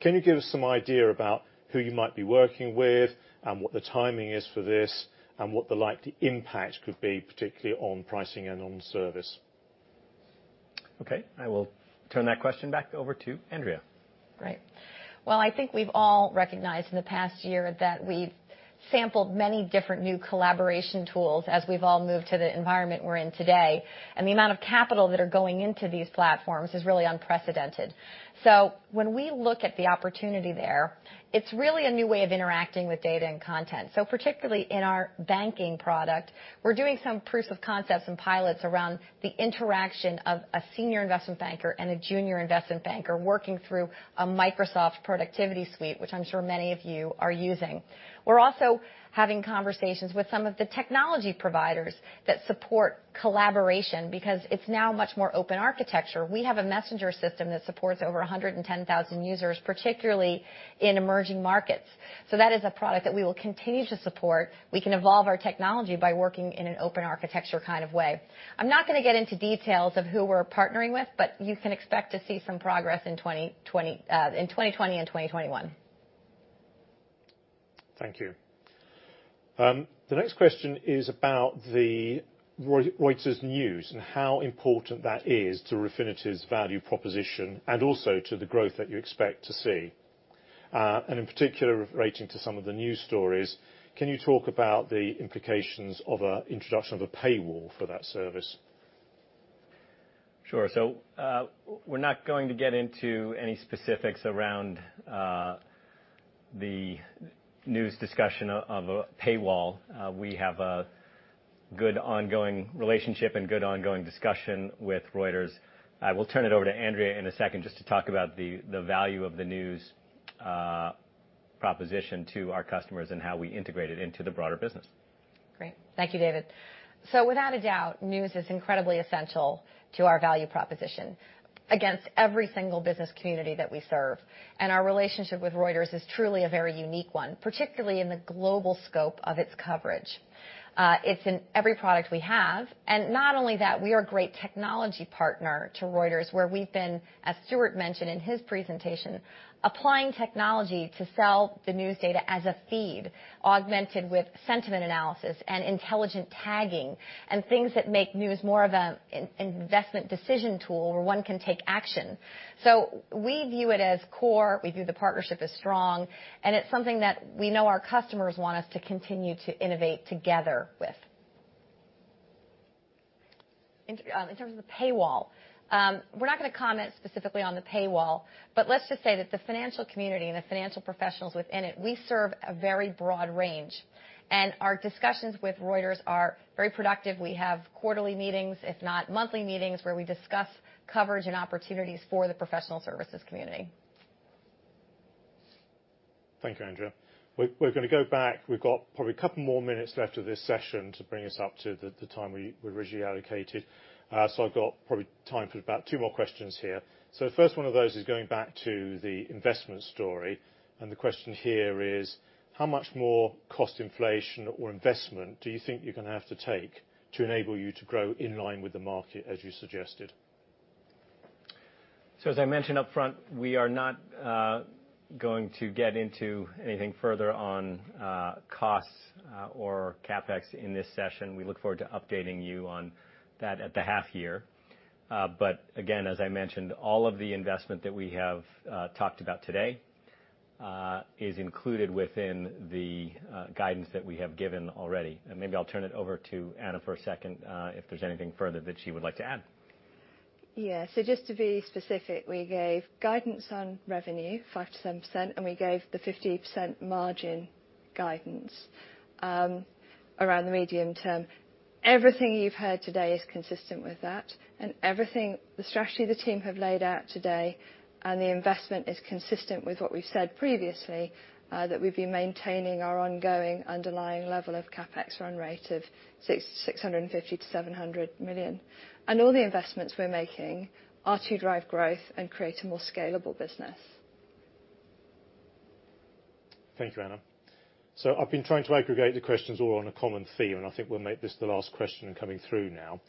Can you give us some idea about who you might be working with and what the timing is for this, and what the likely impact could be, particularly on pricing and on service? Okay. I will turn that question back over to Andrea. Right. Well, I think we've all recognized in the past year that we've sampled many different new collaboration tools as we've all moved to the environment we're in today. The amount of capital that are going into these platforms is really unprecedented. When we look at the opportunity there, it's really a new way of interacting with data and content. Particularly in our banking product, we're doing some proofs of concepts and pilots around the interaction of a senior investment banker and a junior investment banker working through a Microsoft productivity suite, which I'm sure many of you are using. We're also having conversations with some of the technology providers that support collaboration because it's now much more open architecture. We have a messenger system that supports over 110,000 users, particularly in emerging markets. That is a product that we will continue to support. We can evolve our technology by working in an open architecture kind of way. I'm not going to get into details of who we're partnering with. You can expect to see some progress in 2020 and 2021. Thank you. The next question is about the Reuters News and how important that is to Refinitiv's value proposition and also to the growth that you expect to see. In particular, relating to some of the news stories, can you talk about the implications of an introduction of a paywall for that service? Sure. We're not going to get into any specifics around the news discussion of a paywall. We have a good ongoing relationship and good ongoing discussion with Reuters. We'll turn it over to Andrea in a second just to talk about the value of the news proposition to our customers and how we integrate it into the broader business. Great. Thank you, David. Without a doubt, news is incredibly essential to our value proposition. Against every single business community that we serve. Our relationship with Reuters is truly a very unique one, particularly in the global scope of its coverage. It's in every product we have, and not only that, we are a great technology partner to Reuters, where we've been, as Stuart mentioned in his presentation, applying technology to sell the news data as a feed, augmented with sentiment analysis and intelligent tagging, and things that make news more of an investment decision tool where one can take action. We view it as core. We view the partnership as strong, and it's something that we know our customers want us to continue to innovate together with. In terms of the paywall, we're not going to comment specifically on the paywall, but let's just say that the financial community and the financial professionals within it, we serve a very broad range. Our discussions with Reuters are very productive. We have quarterly meetings, if not monthly meetings, where we discuss coverage and opportunities for the professional services community. Thank you, Andrea. We're going to go back. We've got probably a couple more minutes left of this session to bring us up to the time we originally allocated. I've got probably time for about two more questions here. The first one of those is going back to the investment story, the question here is how much more cost inflation or investment do you think you're going to have to take to enable you to grow in line with the market as you suggested? As I mentioned up front, we are not going to get into anything further on costs or CapEx in this session. We look forward to updating you on that at the half year. Again, as I mentioned, all of the investment that we have talked about today is included within the guidance that we have given already. Maybe I'll turn it over to Anna for a second if there's anything further that she would like to add. Yeah. Just to be specific, we gave guidance on revenue, 5%-10%, and we gave the 50% margin guidance around the medium term. Everything you've heard today is consistent with that, and everything the strategy the team have laid out today and the investment is consistent with what we've said previously, that we'd be maintaining our ongoing underlying level of CapEx run rate of 650 million-700 million. All the investments we're making are to drive growth and create a more scalable business. Thank you, Anna. I've been trying to aggregate the questions all on a common theme, and I think we'll make this the last question coming through now.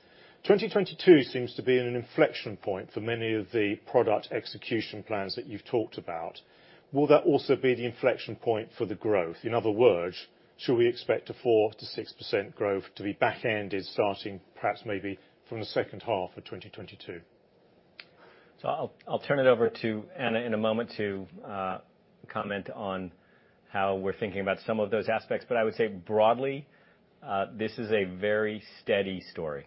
2022 seems to be in an inflection point for many of the product execution plans that you've talked about. Will that also be the inflection point for the growth? In other words, should we expect a 4%-6% growth to be backended starting perhaps maybe from the second half of 2022? I'll turn it over to Anna in a moment to comment on how we're thinking about some of those aspects. I would say broadly, this is a very steady story.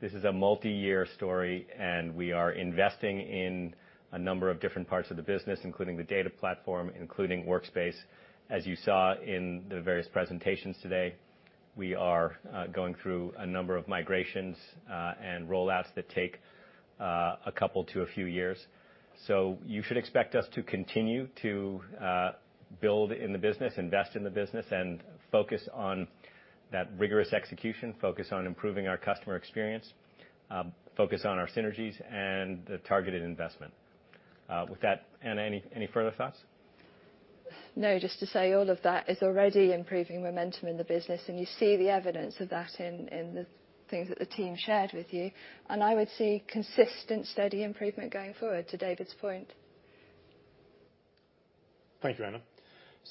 This is a multi-year story, and we are investing in a number of different parts of the business, including the data platform, including Workspace. As you saw in the various presentations today, we are going through a number of migrations and rollouts that take a couple to a few years. You should expect us to continue to build in the business, invest in the business, and focus on that rigorous execution, focus on improving our customer experience, focus on our synergies, and the targeted investment. With that, Anna, any further thoughts? Just to say all of that is already improving momentum in the business, and you see the evidence of that in the things that the team shared with you. I would see consistent, steady improvement going forward, to David's point. Thank you, Anna.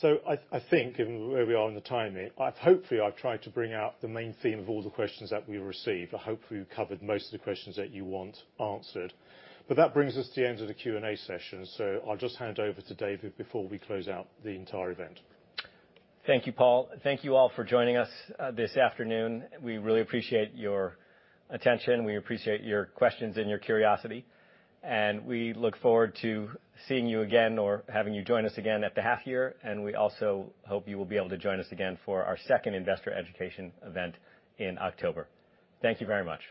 I think given where we are in the timing, hopefully I've tried to bring out the main theme of all the questions that we received. I hope we've covered most of the questions that you want answered. That brings us to the end of the Q&A session. I'll just hand over to David before we close out the entire event. Thank you, Paul. Thank you all for joining us this afternoon. We really appreciate your attention. We appreciate your questions and your curiosity. We look forward to seeing you again or having you join us again at the half year. We also hope you will be able to join us again for our second investor education event in October. Thank you very much